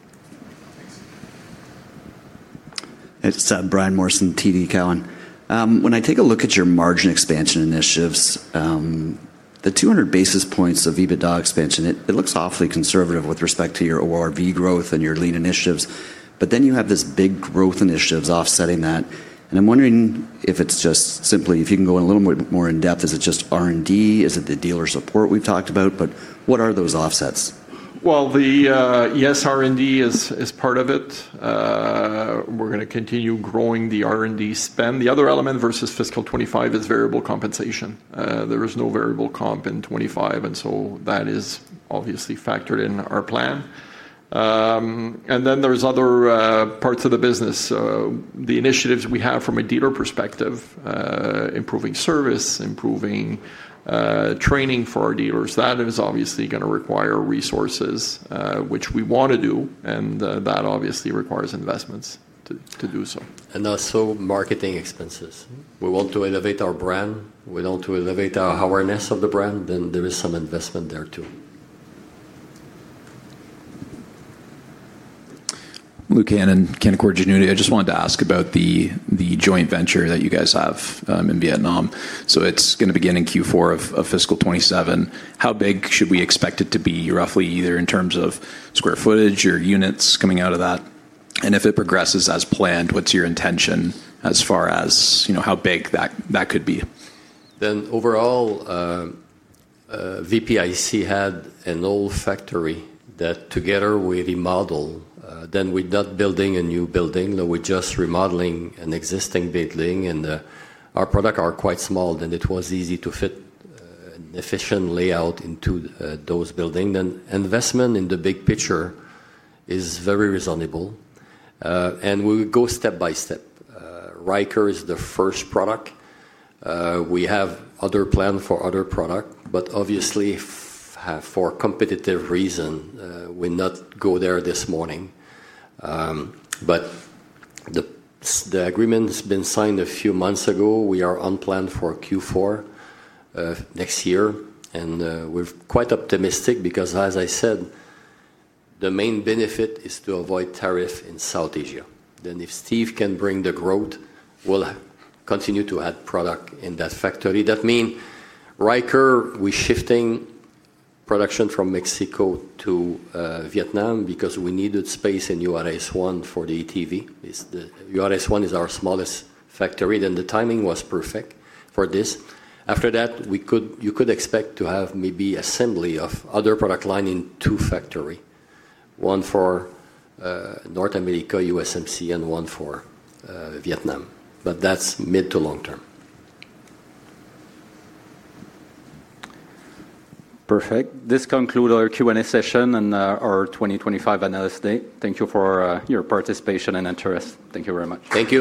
It's Brian Morrison, TD Cowen. When I take a look at your margin expansion initiatives, the 200 basis points of EBITDA expansion, it looks awfully conservative with respect to your ORV growth and your lean initiatives. You have this big growth initiatives offsetting that, and I'm wondering if it's just simply if you can go a little bit more in depth. Is it just R&D, is it's the dealer support we've talked about. What are those offsets? Yes, R&D is part of it. We're going to continue growing the R&D spend. The other element versus fiscal 2025 is variable compensation. There is no variable comp in 2025, and that is obviously factored in our plan. There are other parts of the business. The initiatives we have from a dealer perspective, improving service, improving training for our dealers, that is obviously going to require resources, which we want to do, and that obviously requires investments to do. We want to elevate our brand, we want to elevate our awareness of the brand. There is some investment there too. Luke Hannan of Canaccord Genuity, I just wanted to ask about the joint venture that you guys have in Vietnam. It's going to begin in Q4 of fiscal 2027. How big should we expect it to be roughly, either in terms of square footage or units coming out of that. If it progresses as planned, what's your intention as far as you know. How big that that could be? Then overall, VPIC had an old factory that together we remodel. We're not building a new building, we're just remodeling an existing building. Our products are quite small, and it was easy to fit an efficient layout into those building. Investment in the big picture is very reasonable. We go step by step. Ryker is the first product. We have other plan for other products. Obviously, for competitive reason, we not go there this morning. The agreement has been signed a few months ago. We are on plan for Q4 next year, and we're quite optimistic because, as I said, the main benefit is to avoid tariff in South Asia. If Steve can bring the growth, we'll continue to add product in that factory. That mean Ryker we shifting production from Mexico to Vietnam because we needed space in URS1 for the ATV. URS1 is our smallest factory. The timing was perfect for this. After that, you could expect to have maybe assembly of other product line in two factories, one for North America USMC and one for Vietnam. That's mid to long term. Perfect. This concludes our Q and A session and our 2025 Analysis Day. Thank you for your participation and interest. Thank you very much. Thank you.